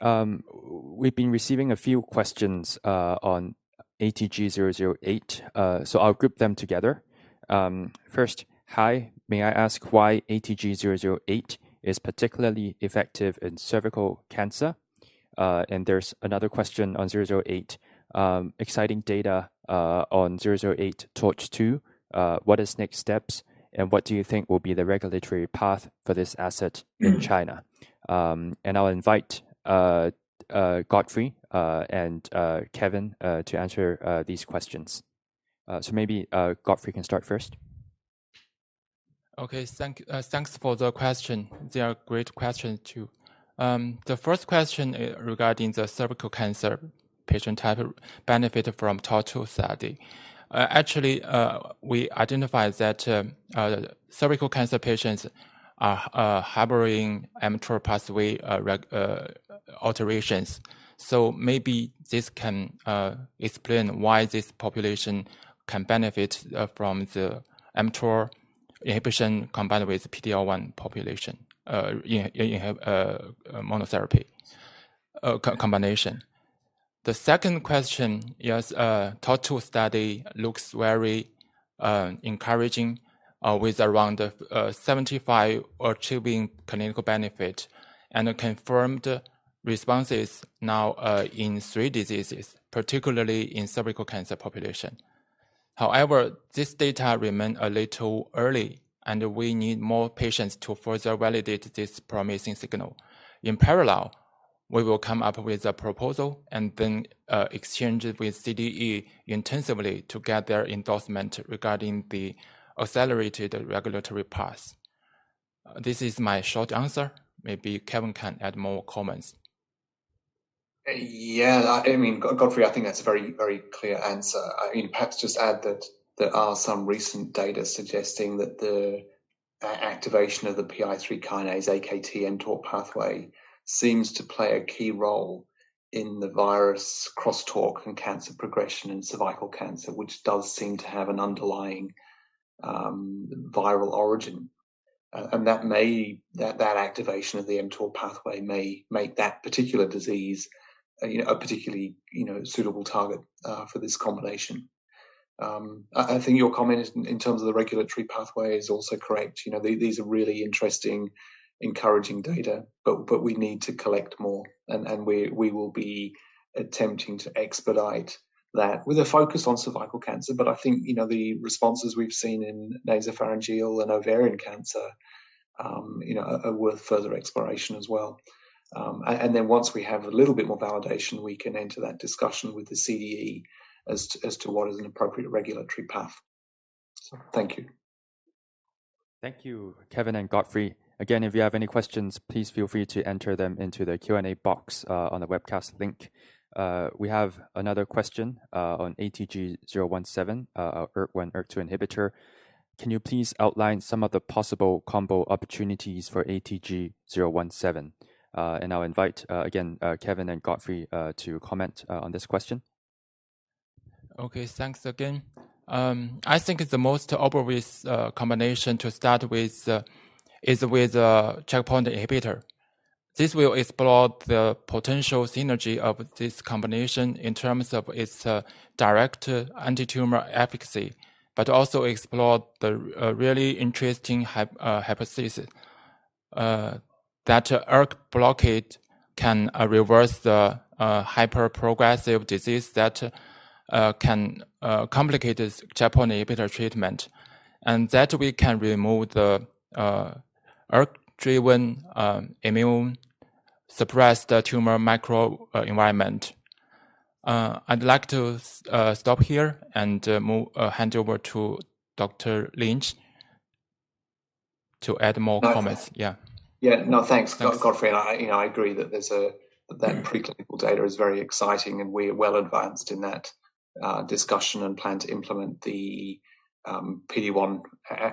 We've been receiving a few questions on ATG-008. I'll group them together. First, "Hi. May I ask why ATG-008 is particularly effective in cervical cancer?" There's another question on ATG-008. Exciting data on ATG-008 TORCH-2. What is next steps, and what do you think will be the regulatory path for this asset in China? I'll invite Godfrey and Kevin to answer these questions. Maybe Godfrey can start first. Thanks for the question. They are great questions too. The first question regarding the cervical cancer patient type benefited from TORCH-2 study. Actually, we identified that cervical cancer patients are harboring mTOR pathway alterations. So maybe this can explain why this population can benefit from the mTOR inhibition combined with PD-L1 population. You have monotherapy combination. The second question is, TORCH-2 study looks very encouraging with around 75 achieving clinical benefit and confirmed responses now in three diseases, particularly in cervical cancer population. However, this data remain a little early, and we need more patients to further validate this promising signal. In parallel, we will come up with a proposal and then, exchange it with CDE intensively to get their endorsement regarding the accelerated regulatory path. This is my short answer. Maybe Kevin can add more comments. Yeah. I mean, Godfrey, I think that's a very, very clear answer. I mean, perhaps just add that there are some recent data suggesting that the activation of the PI3 kinase, AKT, and TOR pathway seems to play a key role in the viral crosstalk and cancer progression in cervical cancer, which does seem to have an underlying viral origin. And that activation of the mTOR pathway may make that particular disease, you know, a particularly, you know, suitable target for this combination. I think your comment in terms of the regulatory pathway is also correct. You know, these are really interesting, encouraging data, but we need to collect more. We will be attempting to expedite that with a focus on cervical cancer. I think, you know, the responses we've seen in nasopharyngeal and ovarian cancer, you know, are worth further exploration as well. And then once we have a little bit more validation, we can enter that discussion with the CDE as to what is an appropriate regulatory path. Thank you. Thank you, Kevin and Godfrey. Again, if you have any questions, please feel free to enter them into the Q&A box on the webcast link. We have another question on ATG-017, a ERK1/2 inhibitor. Can you please outline some of the possible combo opportunities for ATG-017? I'll invite again Kevin and Godfrey to comment on this question. Okay, thanks again. I think the most obvious combination to start with is with checkpoint inhibitor. This will explore the potential synergy of this combination in terms of its direct antitumor efficacy but also explore the really interesting hypothesis that ERK blockade can reverse the hyperprogressive disease that can complicate this checkpoint inhibitor treatment. That we can remove the ERK-driven immune-suppressed tumor microenvironment. I'd like to stop here and hand over to Dr. Lynch to add more comments. No. Yeah. No, thanks, Godfrey. I agree that the preclinical data is very exciting, and we're well advanced in that discussion and plan to implement the PD-1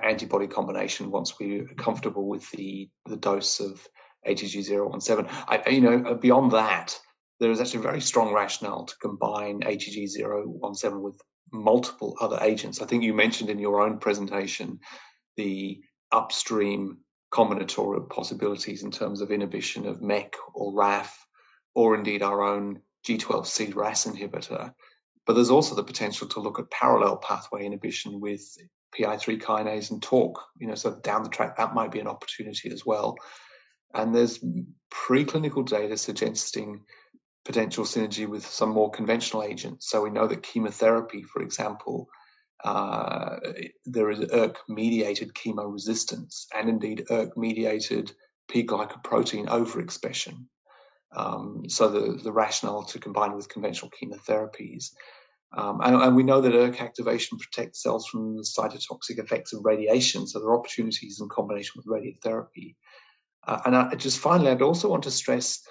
antibody combination once we're comfortable with the dose of ATG-017. You know, beyond that, there is actually a very strong rationale to combine ATG-017 with multiple other agents. I think you mentioned in your own presentation the upstream combinatorial possibilities in terms of inhibition of MEK or RAF, or indeed our own KRAS G12C inhibitor. But there's also the potential to look at parallel pathway inhibition with PI3 kinase and TORC. You know, so down the track, that might be an opportunity as well. There's preclinical data suggesting potential synergy with some more conventional agents. We know that chemotherapy, for example, there is ERK-mediated chemoresistance and indeed ERK-mediated p-glycoprotein overexpression, so the rationale to combine with conventional chemotherapies. We know that ERK activation protects cells from the cytotoxic effects of radiation, so there are opportunities in combination with radiotherapy. Just finally, I'd also want to stress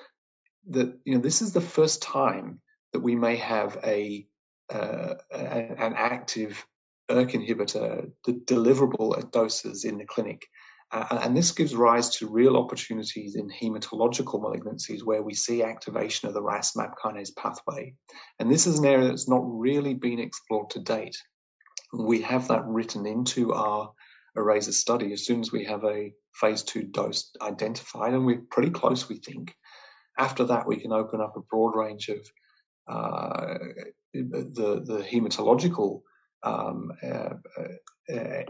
that, you know, this is the first time that we may have an active ERK inhibitor deliverable at doses in the clinic. This gives rise to real opportunities in hematological malignancies where we see activation of the RAS MAP kinase pathway. This is an area that's not really been explored to date. We have that written into our ERASER study as soon as we have a phase II dose identified, and we're pretty close, we think. After that, we can open up a broad range of the hematological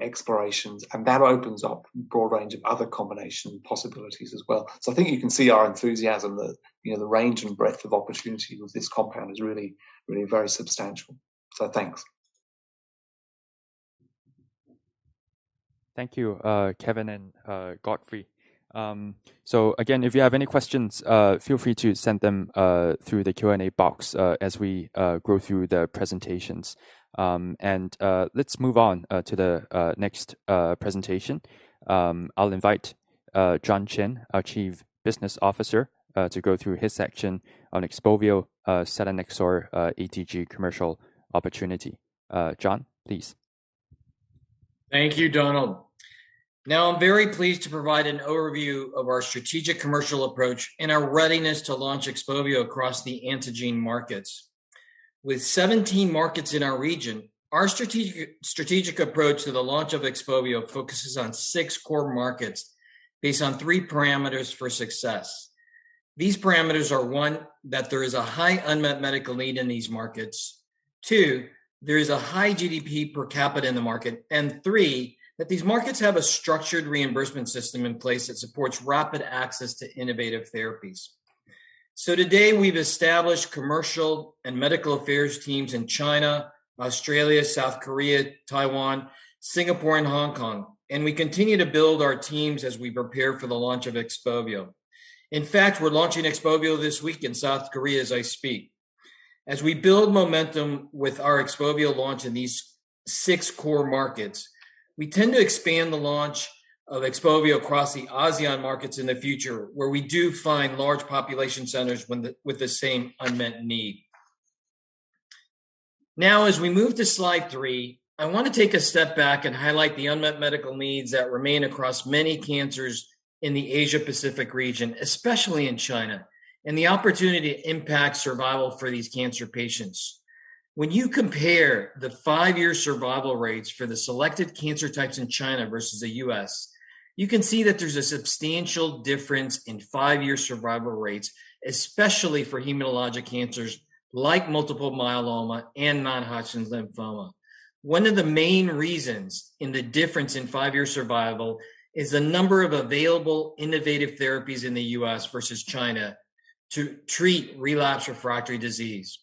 explorations, and that opens up a broad range of other combination possibilities as well. I think you can see our enthusiasm that, you know, the range and breadth of opportunity with this compound is really, really very substantial. Thanks. Thank you, Kevin and Godfrey. Again, if you have any questions, feel free to send them through the Q&A box as we go through the presentations. Let's move on to the next presentation. I'll invite John Chin, our Chief Business Officer, to go through his section on XPOVIO selinexor ATG commercial opportunity. John, please. Thank you, Donald. Now, I'm very pleased to provide an overview of our strategic commercial approach and our readiness to launch XPOVIO across the Antengene markets. With 17 markets in our region, our strategic approach to the launch of XPOVIO focuses on six core markets based on three parameters for success. These parameters are, one, that there is a high unmet medical need in these markets. Two, there is a high GDP per capita in the market. And three, that these markets have a structured reimbursement system in place that supports rapid access to innovative therapies. Today, we've established commercial and medical affairs teams in China, Australia, South Korea, Taiwan, Singapore, and Hong Kong. And we continue to build our teams as we prepare for the launch of XPOVIO. In fact, we're launching XPOVIO this week in South Korea as I speak. As we build momentum with our XPOVIO launch in these six core markets, we tend to expand the launch of XPOVIO across the ASEAN markets in the future, where we do find large population centers with the same unmet need. Now, as we move to slide 3, I want to take a step back and highlight the unmet medical needs that remain across many cancers in the Asia-Pacific region, especially in China, and the opportunity to impact survival for these cancer patients. When you compare the five-year survival rates for the selected cancer types in China versus the U.S., you can see that there's a substantial difference in five-year survival rates, especially for hematologic cancers like multiple myeloma and non-Hodgkin's lymphoma. One of the main reasons in the difference in five-year survival is the number of available innovative therapies in the U.S. versus China to treat relapsed refractory disease.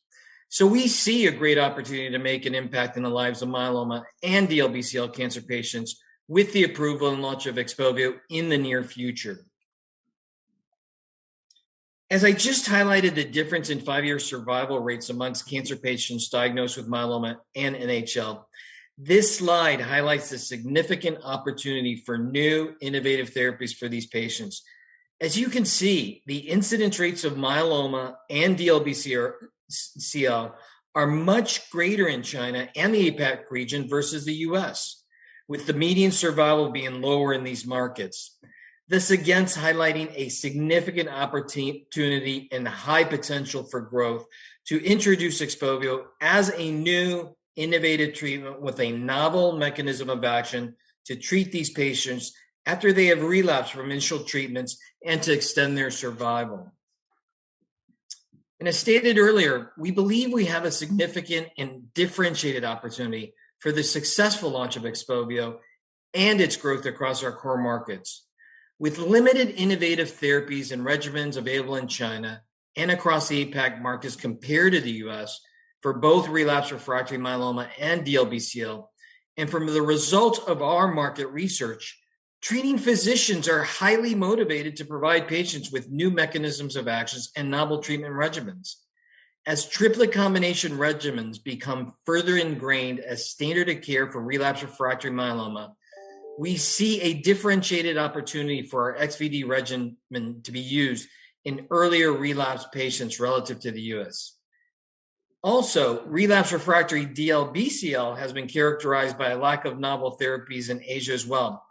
We see a great opportunity to make an impact in the lives of myeloma and DLBCL cancer patients with the approval and launch of XPOVIO in the near future. As I just highlighted the difference in five-year survival rates amongst cancer patients diagnosed with myeloma and NHL, this slide highlights the significant opportunity for new innovative therapies for these patients. As you can see, the incidence rates of myeloma and DLBCL are much greater in China and the APAC region versus the U.S., with the median survival being lower in these markets. This again is highlighting a significant opportunity and high potential for growth to introduce XPOVIO as a new innovative treatment with a novel mechanism of action to treat these patients after they have relapsed from initial treatments and to extend their survival. As stated earlier, we believe we have a significant and differentiated opportunity for the successful launch of XPOVIO and its growth across our core markets. With limited innovative therapies and regimens available in China and across the APAC markets compared to the U.S. for both relapsed refractory myeloma and DLBCL, and from the results of our market research, treating physicians are highly motivated to provide patients with new mechanisms of actions and novel treatment regimens. As triplet combination regimens become further ingrained as standard of care for relapsed refractory myeloma, we see a differentiated opportunity for our XVD regimen to be used in earlier relapsed patients relative to the U.S. Also, relapsed refractory DLBCL has been characterized by a lack of novel therapies in Asia as well.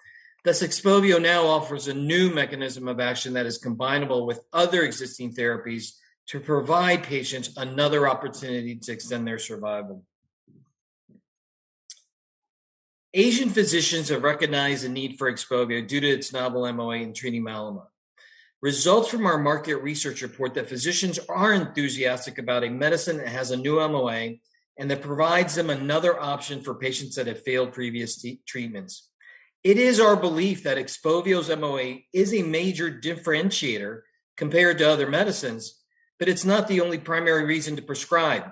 Thus, XPOVIO now offers a new mechanism of action that is combinable with other existing therapies to provide patients another opportunity to extend their survival. Asian physicians have recognized the need for XPOVIO due to its novel MOA in treating myeloma. Results from our market research report that physicians are enthusiastic about a medicine that has a new MOA and that provides them another option for patients that have failed previous treatments. It is our belief that XPOVIO's MOA is a major differentiator compared to other medicines, but it's not the only primary reason to prescribe.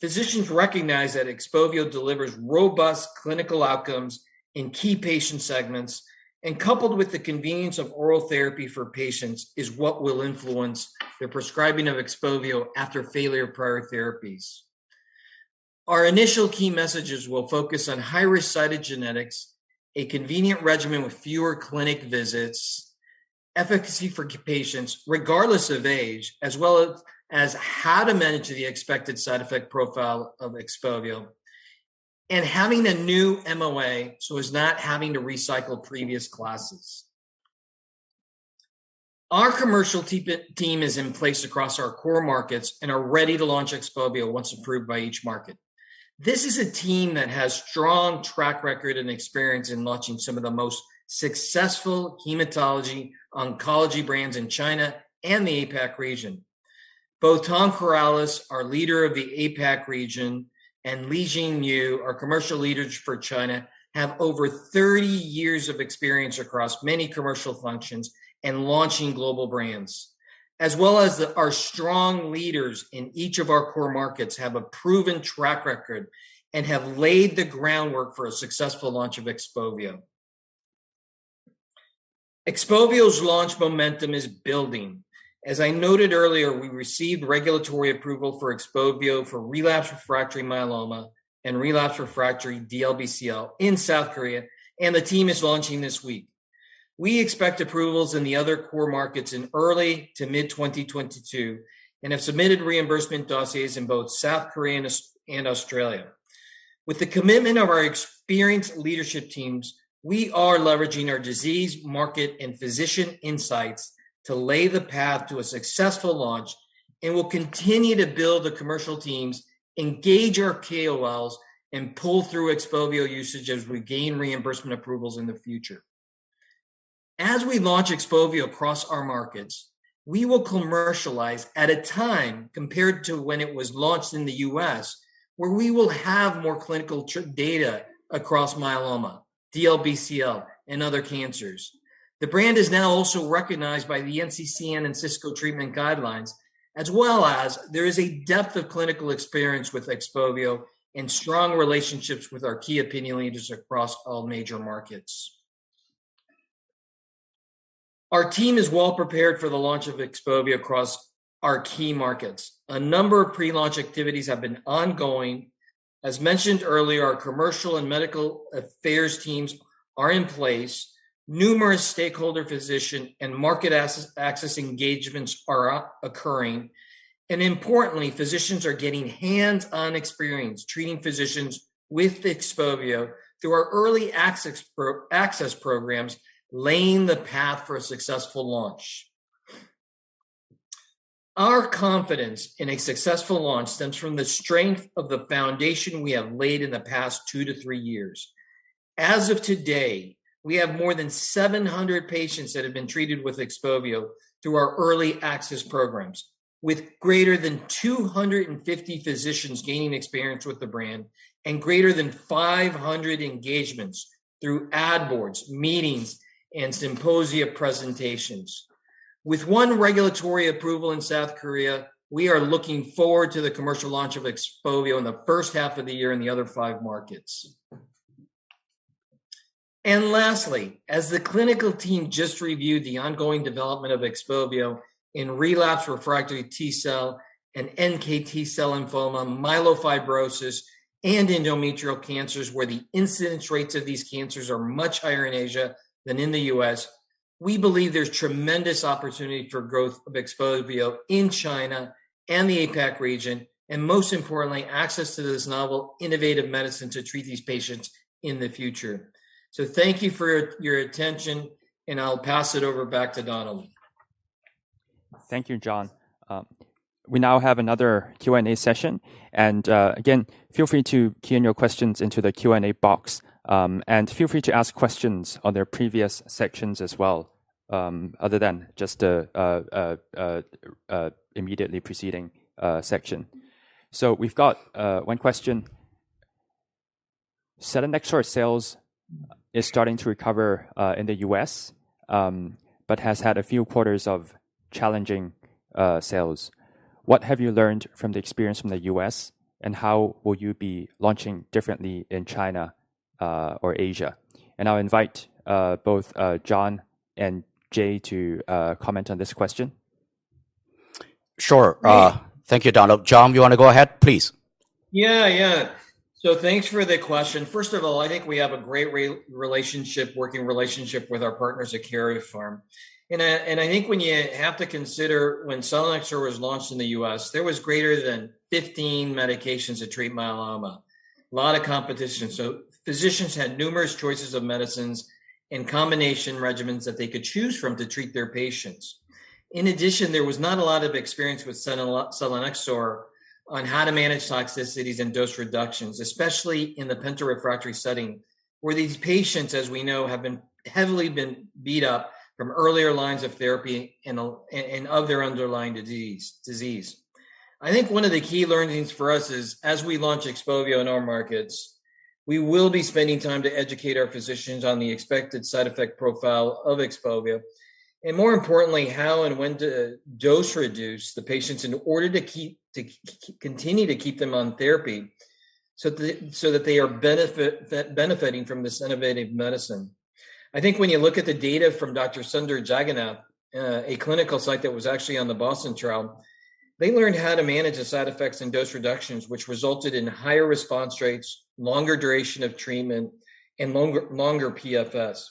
Physicians recognize that XPOVIO delivers robust clinical outcomes in key patient segments and coupled with the convenience of oral therapy for patients is what will influence the prescribing of XPOVIO after failure prior therapies. Our initial key messages will focus on high-risk genetics, a convenient regimen with fewer clinic visits, efficacy for patients regardless of age, as well as how to manage the expected side effect profile of XPOVIO, and having a new MOA so as not having to recycle previous classes. Our commercial team is in place across our core markets and are ready to launch XPOVIO once approved by each market. This is a team that has strong track record and experience in launching some of the most successful hematology oncology brands in China and the APAC region. Both Thomas Karalis, our leader of the APAC region, and Lixin Yu, our commercial leaders for China, have over 30 years of experience across many commercial functions and launching global brands. Our strong leaders in each of our core markets have a proven track record and have laid the groundwork for a successful launch of XPOVIO. XPOVIO's launch momentum is building. As I noted earlier, we received regulatory approval for XPOVIO for relapsed refractory myeloma and relapsed refractory DLBCL in South Korea, and the team is launching this week. We expect approvals in the other core markets in early to mid-2022, and have submitted reimbursement dossiers in both South Korea and Australia. With the commitment of our experienced leadership teams, we are leveraging our disease market and physician insights to lay the path to a successful launch and will continue to build the commercial teams, engage our KOLs, and pull through XPOVIO usage as we gain reimbursement approvals in the future. As we launch XPOVIO across our markets, we will commercialize at a time compared to when it was launched in the U.S., where we will have more clinical data across myeloma, DLBCL, and other cancers. The brand is now also recognized by the NCCN and CSCO treatment guidelines, as well as there is a depth of clinical experience with XPOVIO and strong relationships with our key opinion leaders across all major markets. Our team is well prepared for the launch of XPOVIO across our key markets. A number of pre-launch activities have been ongoing. As mentioned earlier, our commercial and medical affairs teams are in place. Numerous stakeholder physician and market access engagements are occurring. Importantly, physicians are getting hands-on experience treating patients with XPOVIO through our early access programs, laying the path for a successful launch. Our confidence in a successful launch stems from the strength of the foundation we have laid in the past two to three years. As of today, we have more than 700 patients that have been treated with XPOVIO through our early access programs, with greater than 250 physicians gaining experience with the brand and greater than 500 engagements through ad boards, meetings, and symposia presentations. With one regulatory approval in South Korea, we are looking forward to the commercial launch of XPOVIO in the first half of the year in the other five markets. Lastly, as the clinical team just reviewed the ongoing development of XPOVIO in relapsed refractory T-cell and NKT cell lymphoma, myelofibrosis, and endometrial cancers, where the incidence rates of these cancers are much higher in Asia than in the U.S., we believe there's tremendous opportunity for growth of XPOVIO in China and the APAC region, and most importantly, access to this novel innovative medicine to treat these patients in the future. Thank you for your attention, and I'll pass it over back to Donald. Thank you, John. We now have another Q&A session. Again, feel free to key in your questions into the Q&A box. Feel free to ask questions on their previous sections as well, other than just immediately preceding section. We've got one question. Selinexor sales is starting to recover in the U.S., but has had a few quarters of challenging sales. What have you learned from the experience from the U.S., and how will you be launching differently in China or Asia? I'll invite both John and Jay to comment on this question. Sure. Thank you, Donald. John, you want to go ahead, please? Yeah, yeah. Thanks for the question. First of all, I think we have a great relationship, working relationship with our partners at Karyopharm. I think when you have to consider when selinexor was launched in the U.S., there was greater than 15 medications to treat myeloma. A lot of competition. Physicians had numerous choices of medicines and combination regimens that they could choose from to treat their patients. In addition, there was not a lot of experience with selinexor on how to manage toxicities and dose reductions, especially in the penta-refractory setting, where these patients, as we know, have been heavily beat up from earlier lines of therapy and of their underlying disease. I think one of the key learnings for us is, as we launch XPOVIO in our markets, we will be spending time to educate our physicians on the expected side effect profile of XPOVIO, and more importantly, how and when to dose reduce the patients in order to keep, to continue to keep them on therapy so that they are benefiting from this innovative medicine. I think when you look at the data from Dr. Sundar Jagannath, a clinical site that was actually on the BOSTON trial, they learned how to manage the side effects and dose reductions, which resulted in higher response rates, longer duration of treatment, and longer PFS.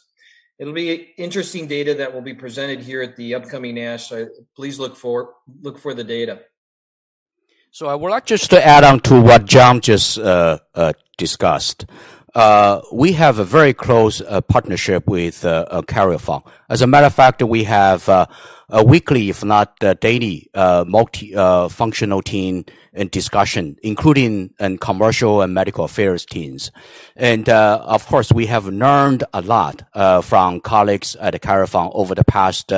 It'll be interesting data that will be presented here at the upcoming ASH, so please look for the data. I would like just to add on to what John just discussed. We have a very close partnership with Karyopharm. As a matter of fact, we have a weekly if not daily multi-functional team and discussion, including and commercial and medical affairs teams. Of course, we have learned a lot from colleagues at Karyopharm over the past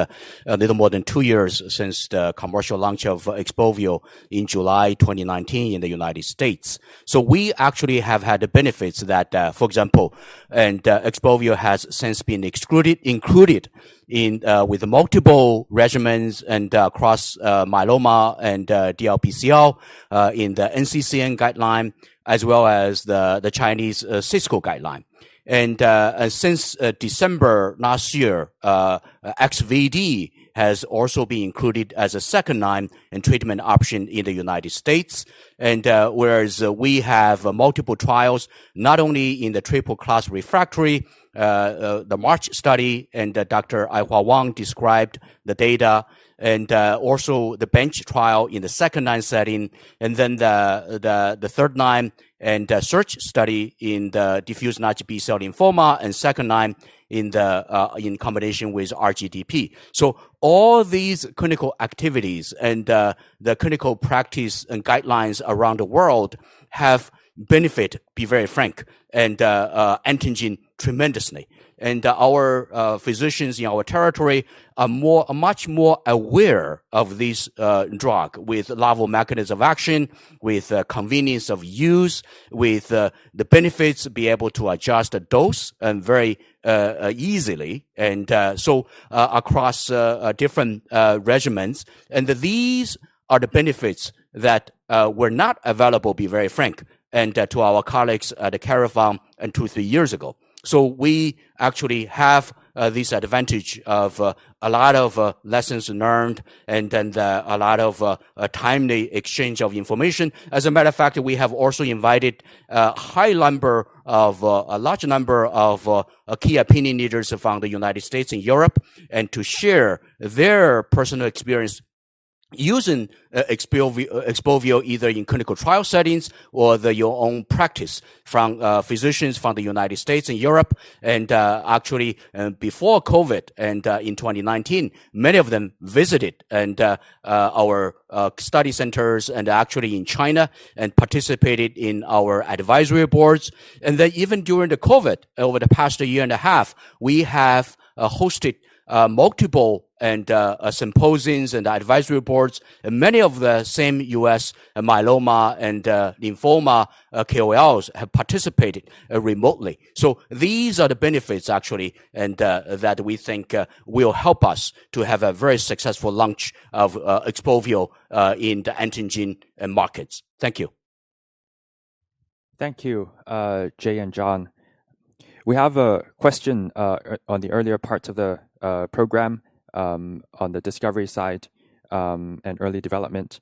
little more than two years since the commercial launch of XPOVIO in July 2019 in the United States. We actually have had the benefits that, for example, XPOVIO has since been included in with multiple regimens and across myeloma and DLBCL in the NCCN guideline as well as the Chinese CSCO guideline. Since December last year, XPOVIO has also been included as a second-line treatment option in the U.S. Whereas we have multiple trials, not only in the triple class refractory, the MARCH study and Dr. Aihua Wang described the data, also the BENCH trial in the second-line setting, and then the third-line and SEARCH study in the diffuse large B-cell lymphoma and second-line in combination with R-GDP. All these clinical activities and the clinical practice and guidelines around the world have benefited, to be very frank, and engaged tremendously. Our physicians in our territory are much more aware of this drug with novel mechanism of action, with convenience of use, with the benefits to be able to adjust the dose and very easily, and so across different regimens. These are the benefits that were not available, to be very frank, to our colleagues at Karyopharm two to three years ago. We actually have this advantage of a lot of lessons learned and then a lot of timely exchange of information. As a matter of fact, we have also invited a large number of key opinion leaders from the United States and Europe to share their personal experience using XPOVIO either in clinical trial settings or their own practice, from physicians from the United States and Europe. Actually, before COVID and in 2019, many of them visited our study centers in China and participated in our advisory boards. Even during the COVID, over the past year and a half, we have hosted multiple symposiums and advisory boards, and many of the same U.S. myeloma and lymphoma KOLs have participated remotely. These are the benefits actually and that we think will help us to have a very successful launch of XPOVIO in the Antengene end markets. Thank you. Thank you, Jay and John. We have a question on the earlier parts of the program on the discovery side and early development.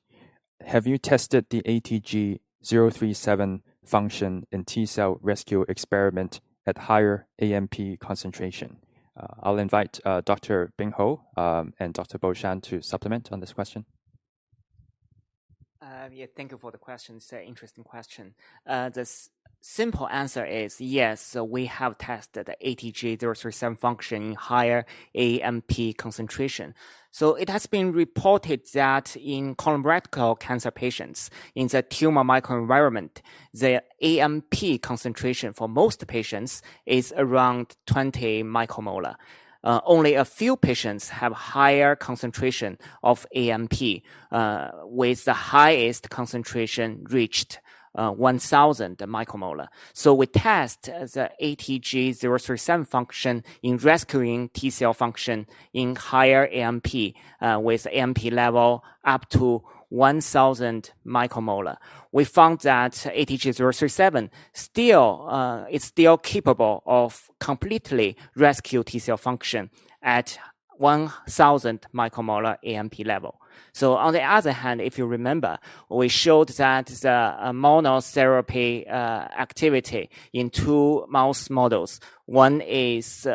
Have you tested the ATG-037 function in T-cell rescue experiment at higher AMP concentration? I'll invite Dr. Bing Hou and Dr. Bo Shan to supplement on this question. Yeah. Thank you for the question. It's an interesting question. The simple answer is yes, we have tested the ATG-037 function in higher AMP concentration. It has been reported that in colorectal cancer patients, in the tumor microenvironment, the AMP concentration for most patients is around 20 micromolar. Only a few patients have higher concentration of AMP, with the highest concentration reached 1000 micromolar. We test the ATG-037 function in rescuing T-cell function in higher AMP, with AMP level up to 1000 micromolar. We found that ATG-037 still is still capable of completely rescue T-cell function at 1000 micromolar AMP level. On the other hand, if you remember, we showed that the monotherapy activity in two mouse models. One is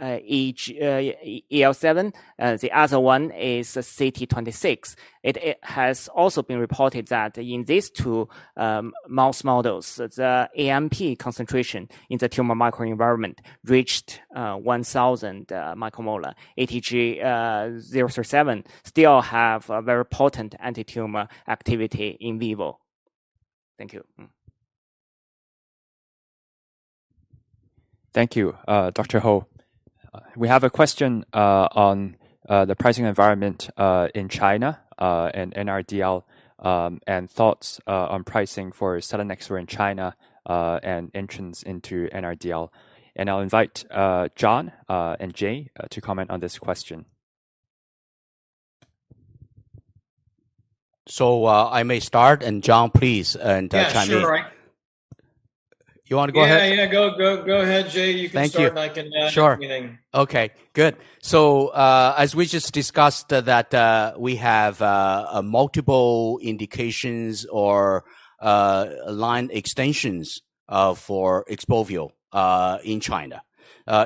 EL4, the other one is CT26. It has also been reported that in these two mouse models, the AMP concentration in the tumor microenvironment reached 1,000 micromolar. ATG-037 still have a very potent antitumor activity in vivo. Thank you. Thank you, Dr. Hou. We have a question on the pricing environment in China and NRDL, and thoughts on pricing for selinexor in China and entrance into NRDL. I'll invite John and Jay to comment on this question. I may start, and John, please, chime in. Yeah, sure. You wanna go ahead? Yeah. Go ahead, Jay. You can start. Thank you. I can chime in. Sure. Okay, good. As we just discussed that, we have multiple indications or line extensions for XPOVIO in China,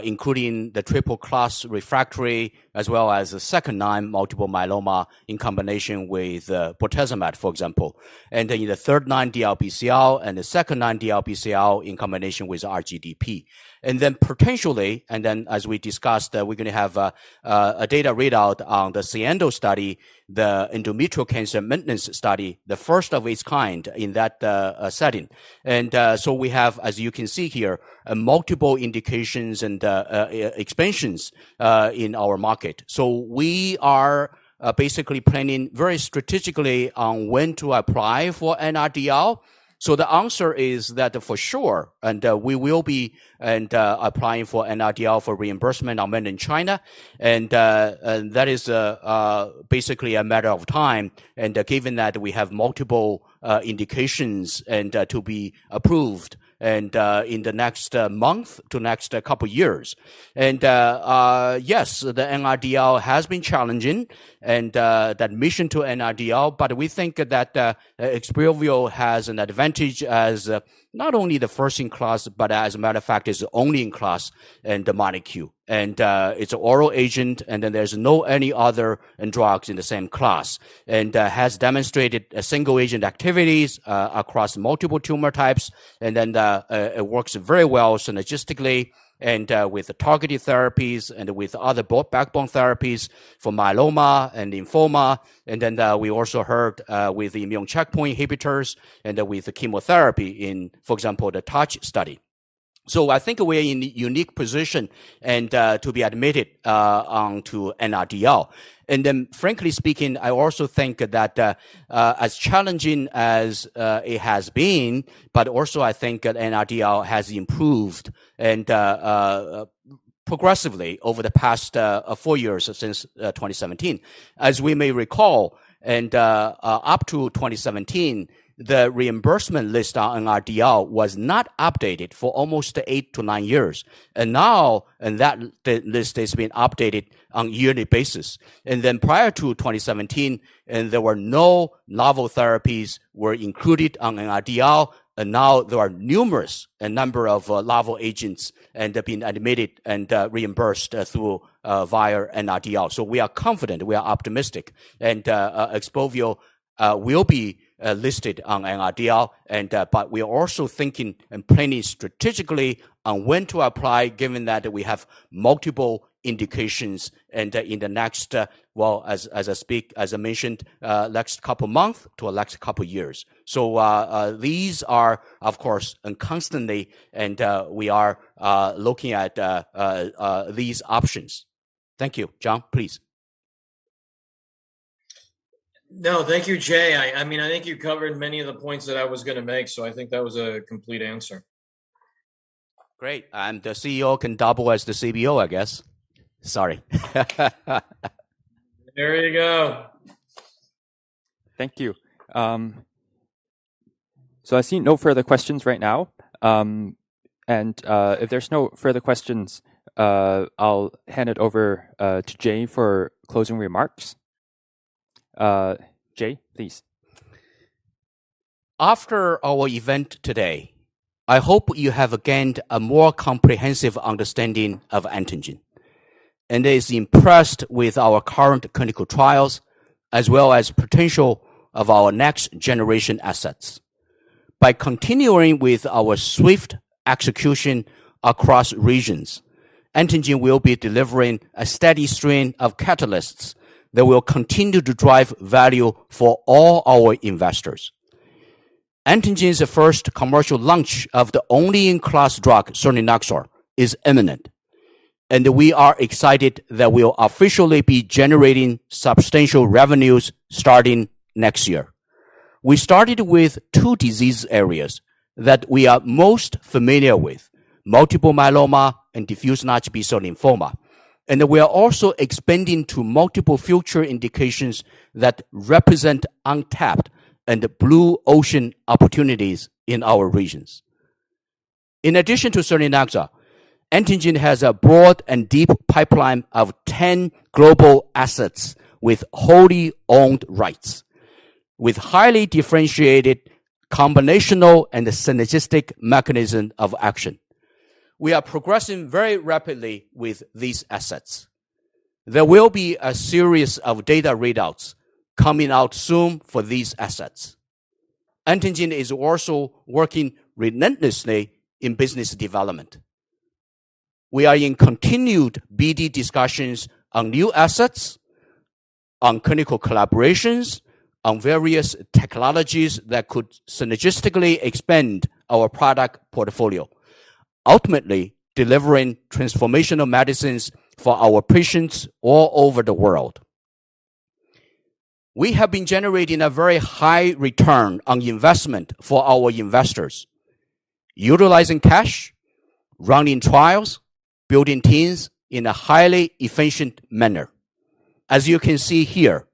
including the triple class refractory as well as the second-line multiple myeloma in combination with bortezomib, for example, and then in the third-line DLBCL and the second-line DLBCL in combination with R-GDP. Potentially, as we discussed, we're going to have a data readout on the SIENDO study, the endometrial cancer maintenance study, the first of its kind in that setting. We have, as you can see here, multiple indications and expansions in our market. We are basically planning very strategically on when to apply for NRDL. The answer is that for sure, we will be applying for NRDL for reimbursement on made in China. That is basically a matter of time and given that we have multiple indications to be approved in the next month to next couple years. Yes, the NRDL has been challenging and that admission to NRDL, but we think that XPOVIO has an advantage as not only the first-in-class, but as a matter of fact, is only-in-class in the molecule. It's oral agent, and then there's no any other drugs in the same class. Has demonstrated a single agent activities across multiple tumor types. It works very well synergistically and with the targeted therapies and with other backbone therapies for myeloma and lymphoma. We also heard with immune checkpoint inhibitors and with chemotherapy in, for example, the TOUCH study. I think we're in a unique position and to be admitted on to NRDL. Frankly speaking, I also think that as challenging as it has been, but also I think that NRDL has improved and progressively over the past four years since 2017. As we may recall and up to 2017, the reimbursement list on NRDL was not updated for almost eight to nine years. Now that list is being updated on yearly basis. Prior to 2017, there were no novel therapies included on NRDL, and now there are numerous, a number of novel agents that end up being admitted and reimbursed through via NRDL. We are confident, we are optimistic, and XPOVIO will be listed on NRDL. But we are also thinking and planning strategically on when to apply, given that we have multiple indications and in the next, well, as I speak, as I mentioned, next couple months to the next couple years. These are, of course, constantly, and we are looking at these options. Thank you. John, please. No, thank you, Jay. I mean, I think you covered many of the points that I was going to make, so I think that was a complete answer. Great. The CEO can double as the CBO, I guess. Sorry. There you go. Thank you. I see no further questions right now. If there's no further questions, I'll hand it over to Jay for closing remarks. Jay, please. After our event today, I hope you have gained a more comprehensive understanding of Antengene and are impressed with our current clinical trials as well as potential of our next generation assets. By continuing with our swift execution across regions, Antengene will be delivering a steady stream of catalysts that will continue to drive value for all our investors. Antengene's first commercial launch of the only first-in-class drug, selinexor, is imminent, and we are excited that we'll officially be generating substantial revenues starting next year. We started with two disease areas that we are most familiar with, multiple myeloma and diffuse large B-cell lymphoma. We are also expanding to multiple future indications that represent untapped and blue ocean opportunities in our regions. In addition to selinexor, Antengene has a broad and deep pipeline of 10 global assets with wholly owned rights, with highly differentiated combinational and synergistic mechanism of action. We are progressing very rapidly with these assets. There will be a series of data readouts coming out soon for these assets. Antengene is also working relentlessly in business development. We are in continued BD discussions on new assets, on clinical collaborations, on various technologies that could synergistically expand our product portfolio, ultimately delivering transformational medicines for our patients all over the world. We have been generating a very high return on investment for our investors, utilizing cash, running trials, building teams in a highly efficient manner. As you can see here,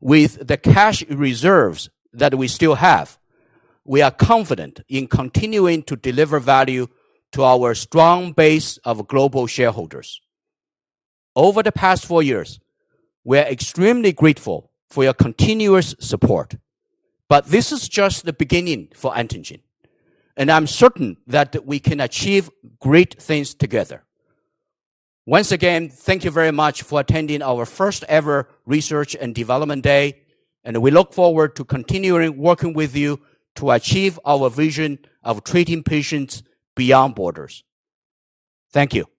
with the cash reserves that we still have, we are confident in continuing to deliver value to our strong base of global shareholders. Over the past four years, we are extremely grateful for your continuous support. This is just the beginning for Antengene, and I'm certain that we can achieve great things together. Once again, thank you very mucph for attending our first ever research and development day, and we look forward to continuing working with you to achieve our vision of treating patients beyond borders. Thank you.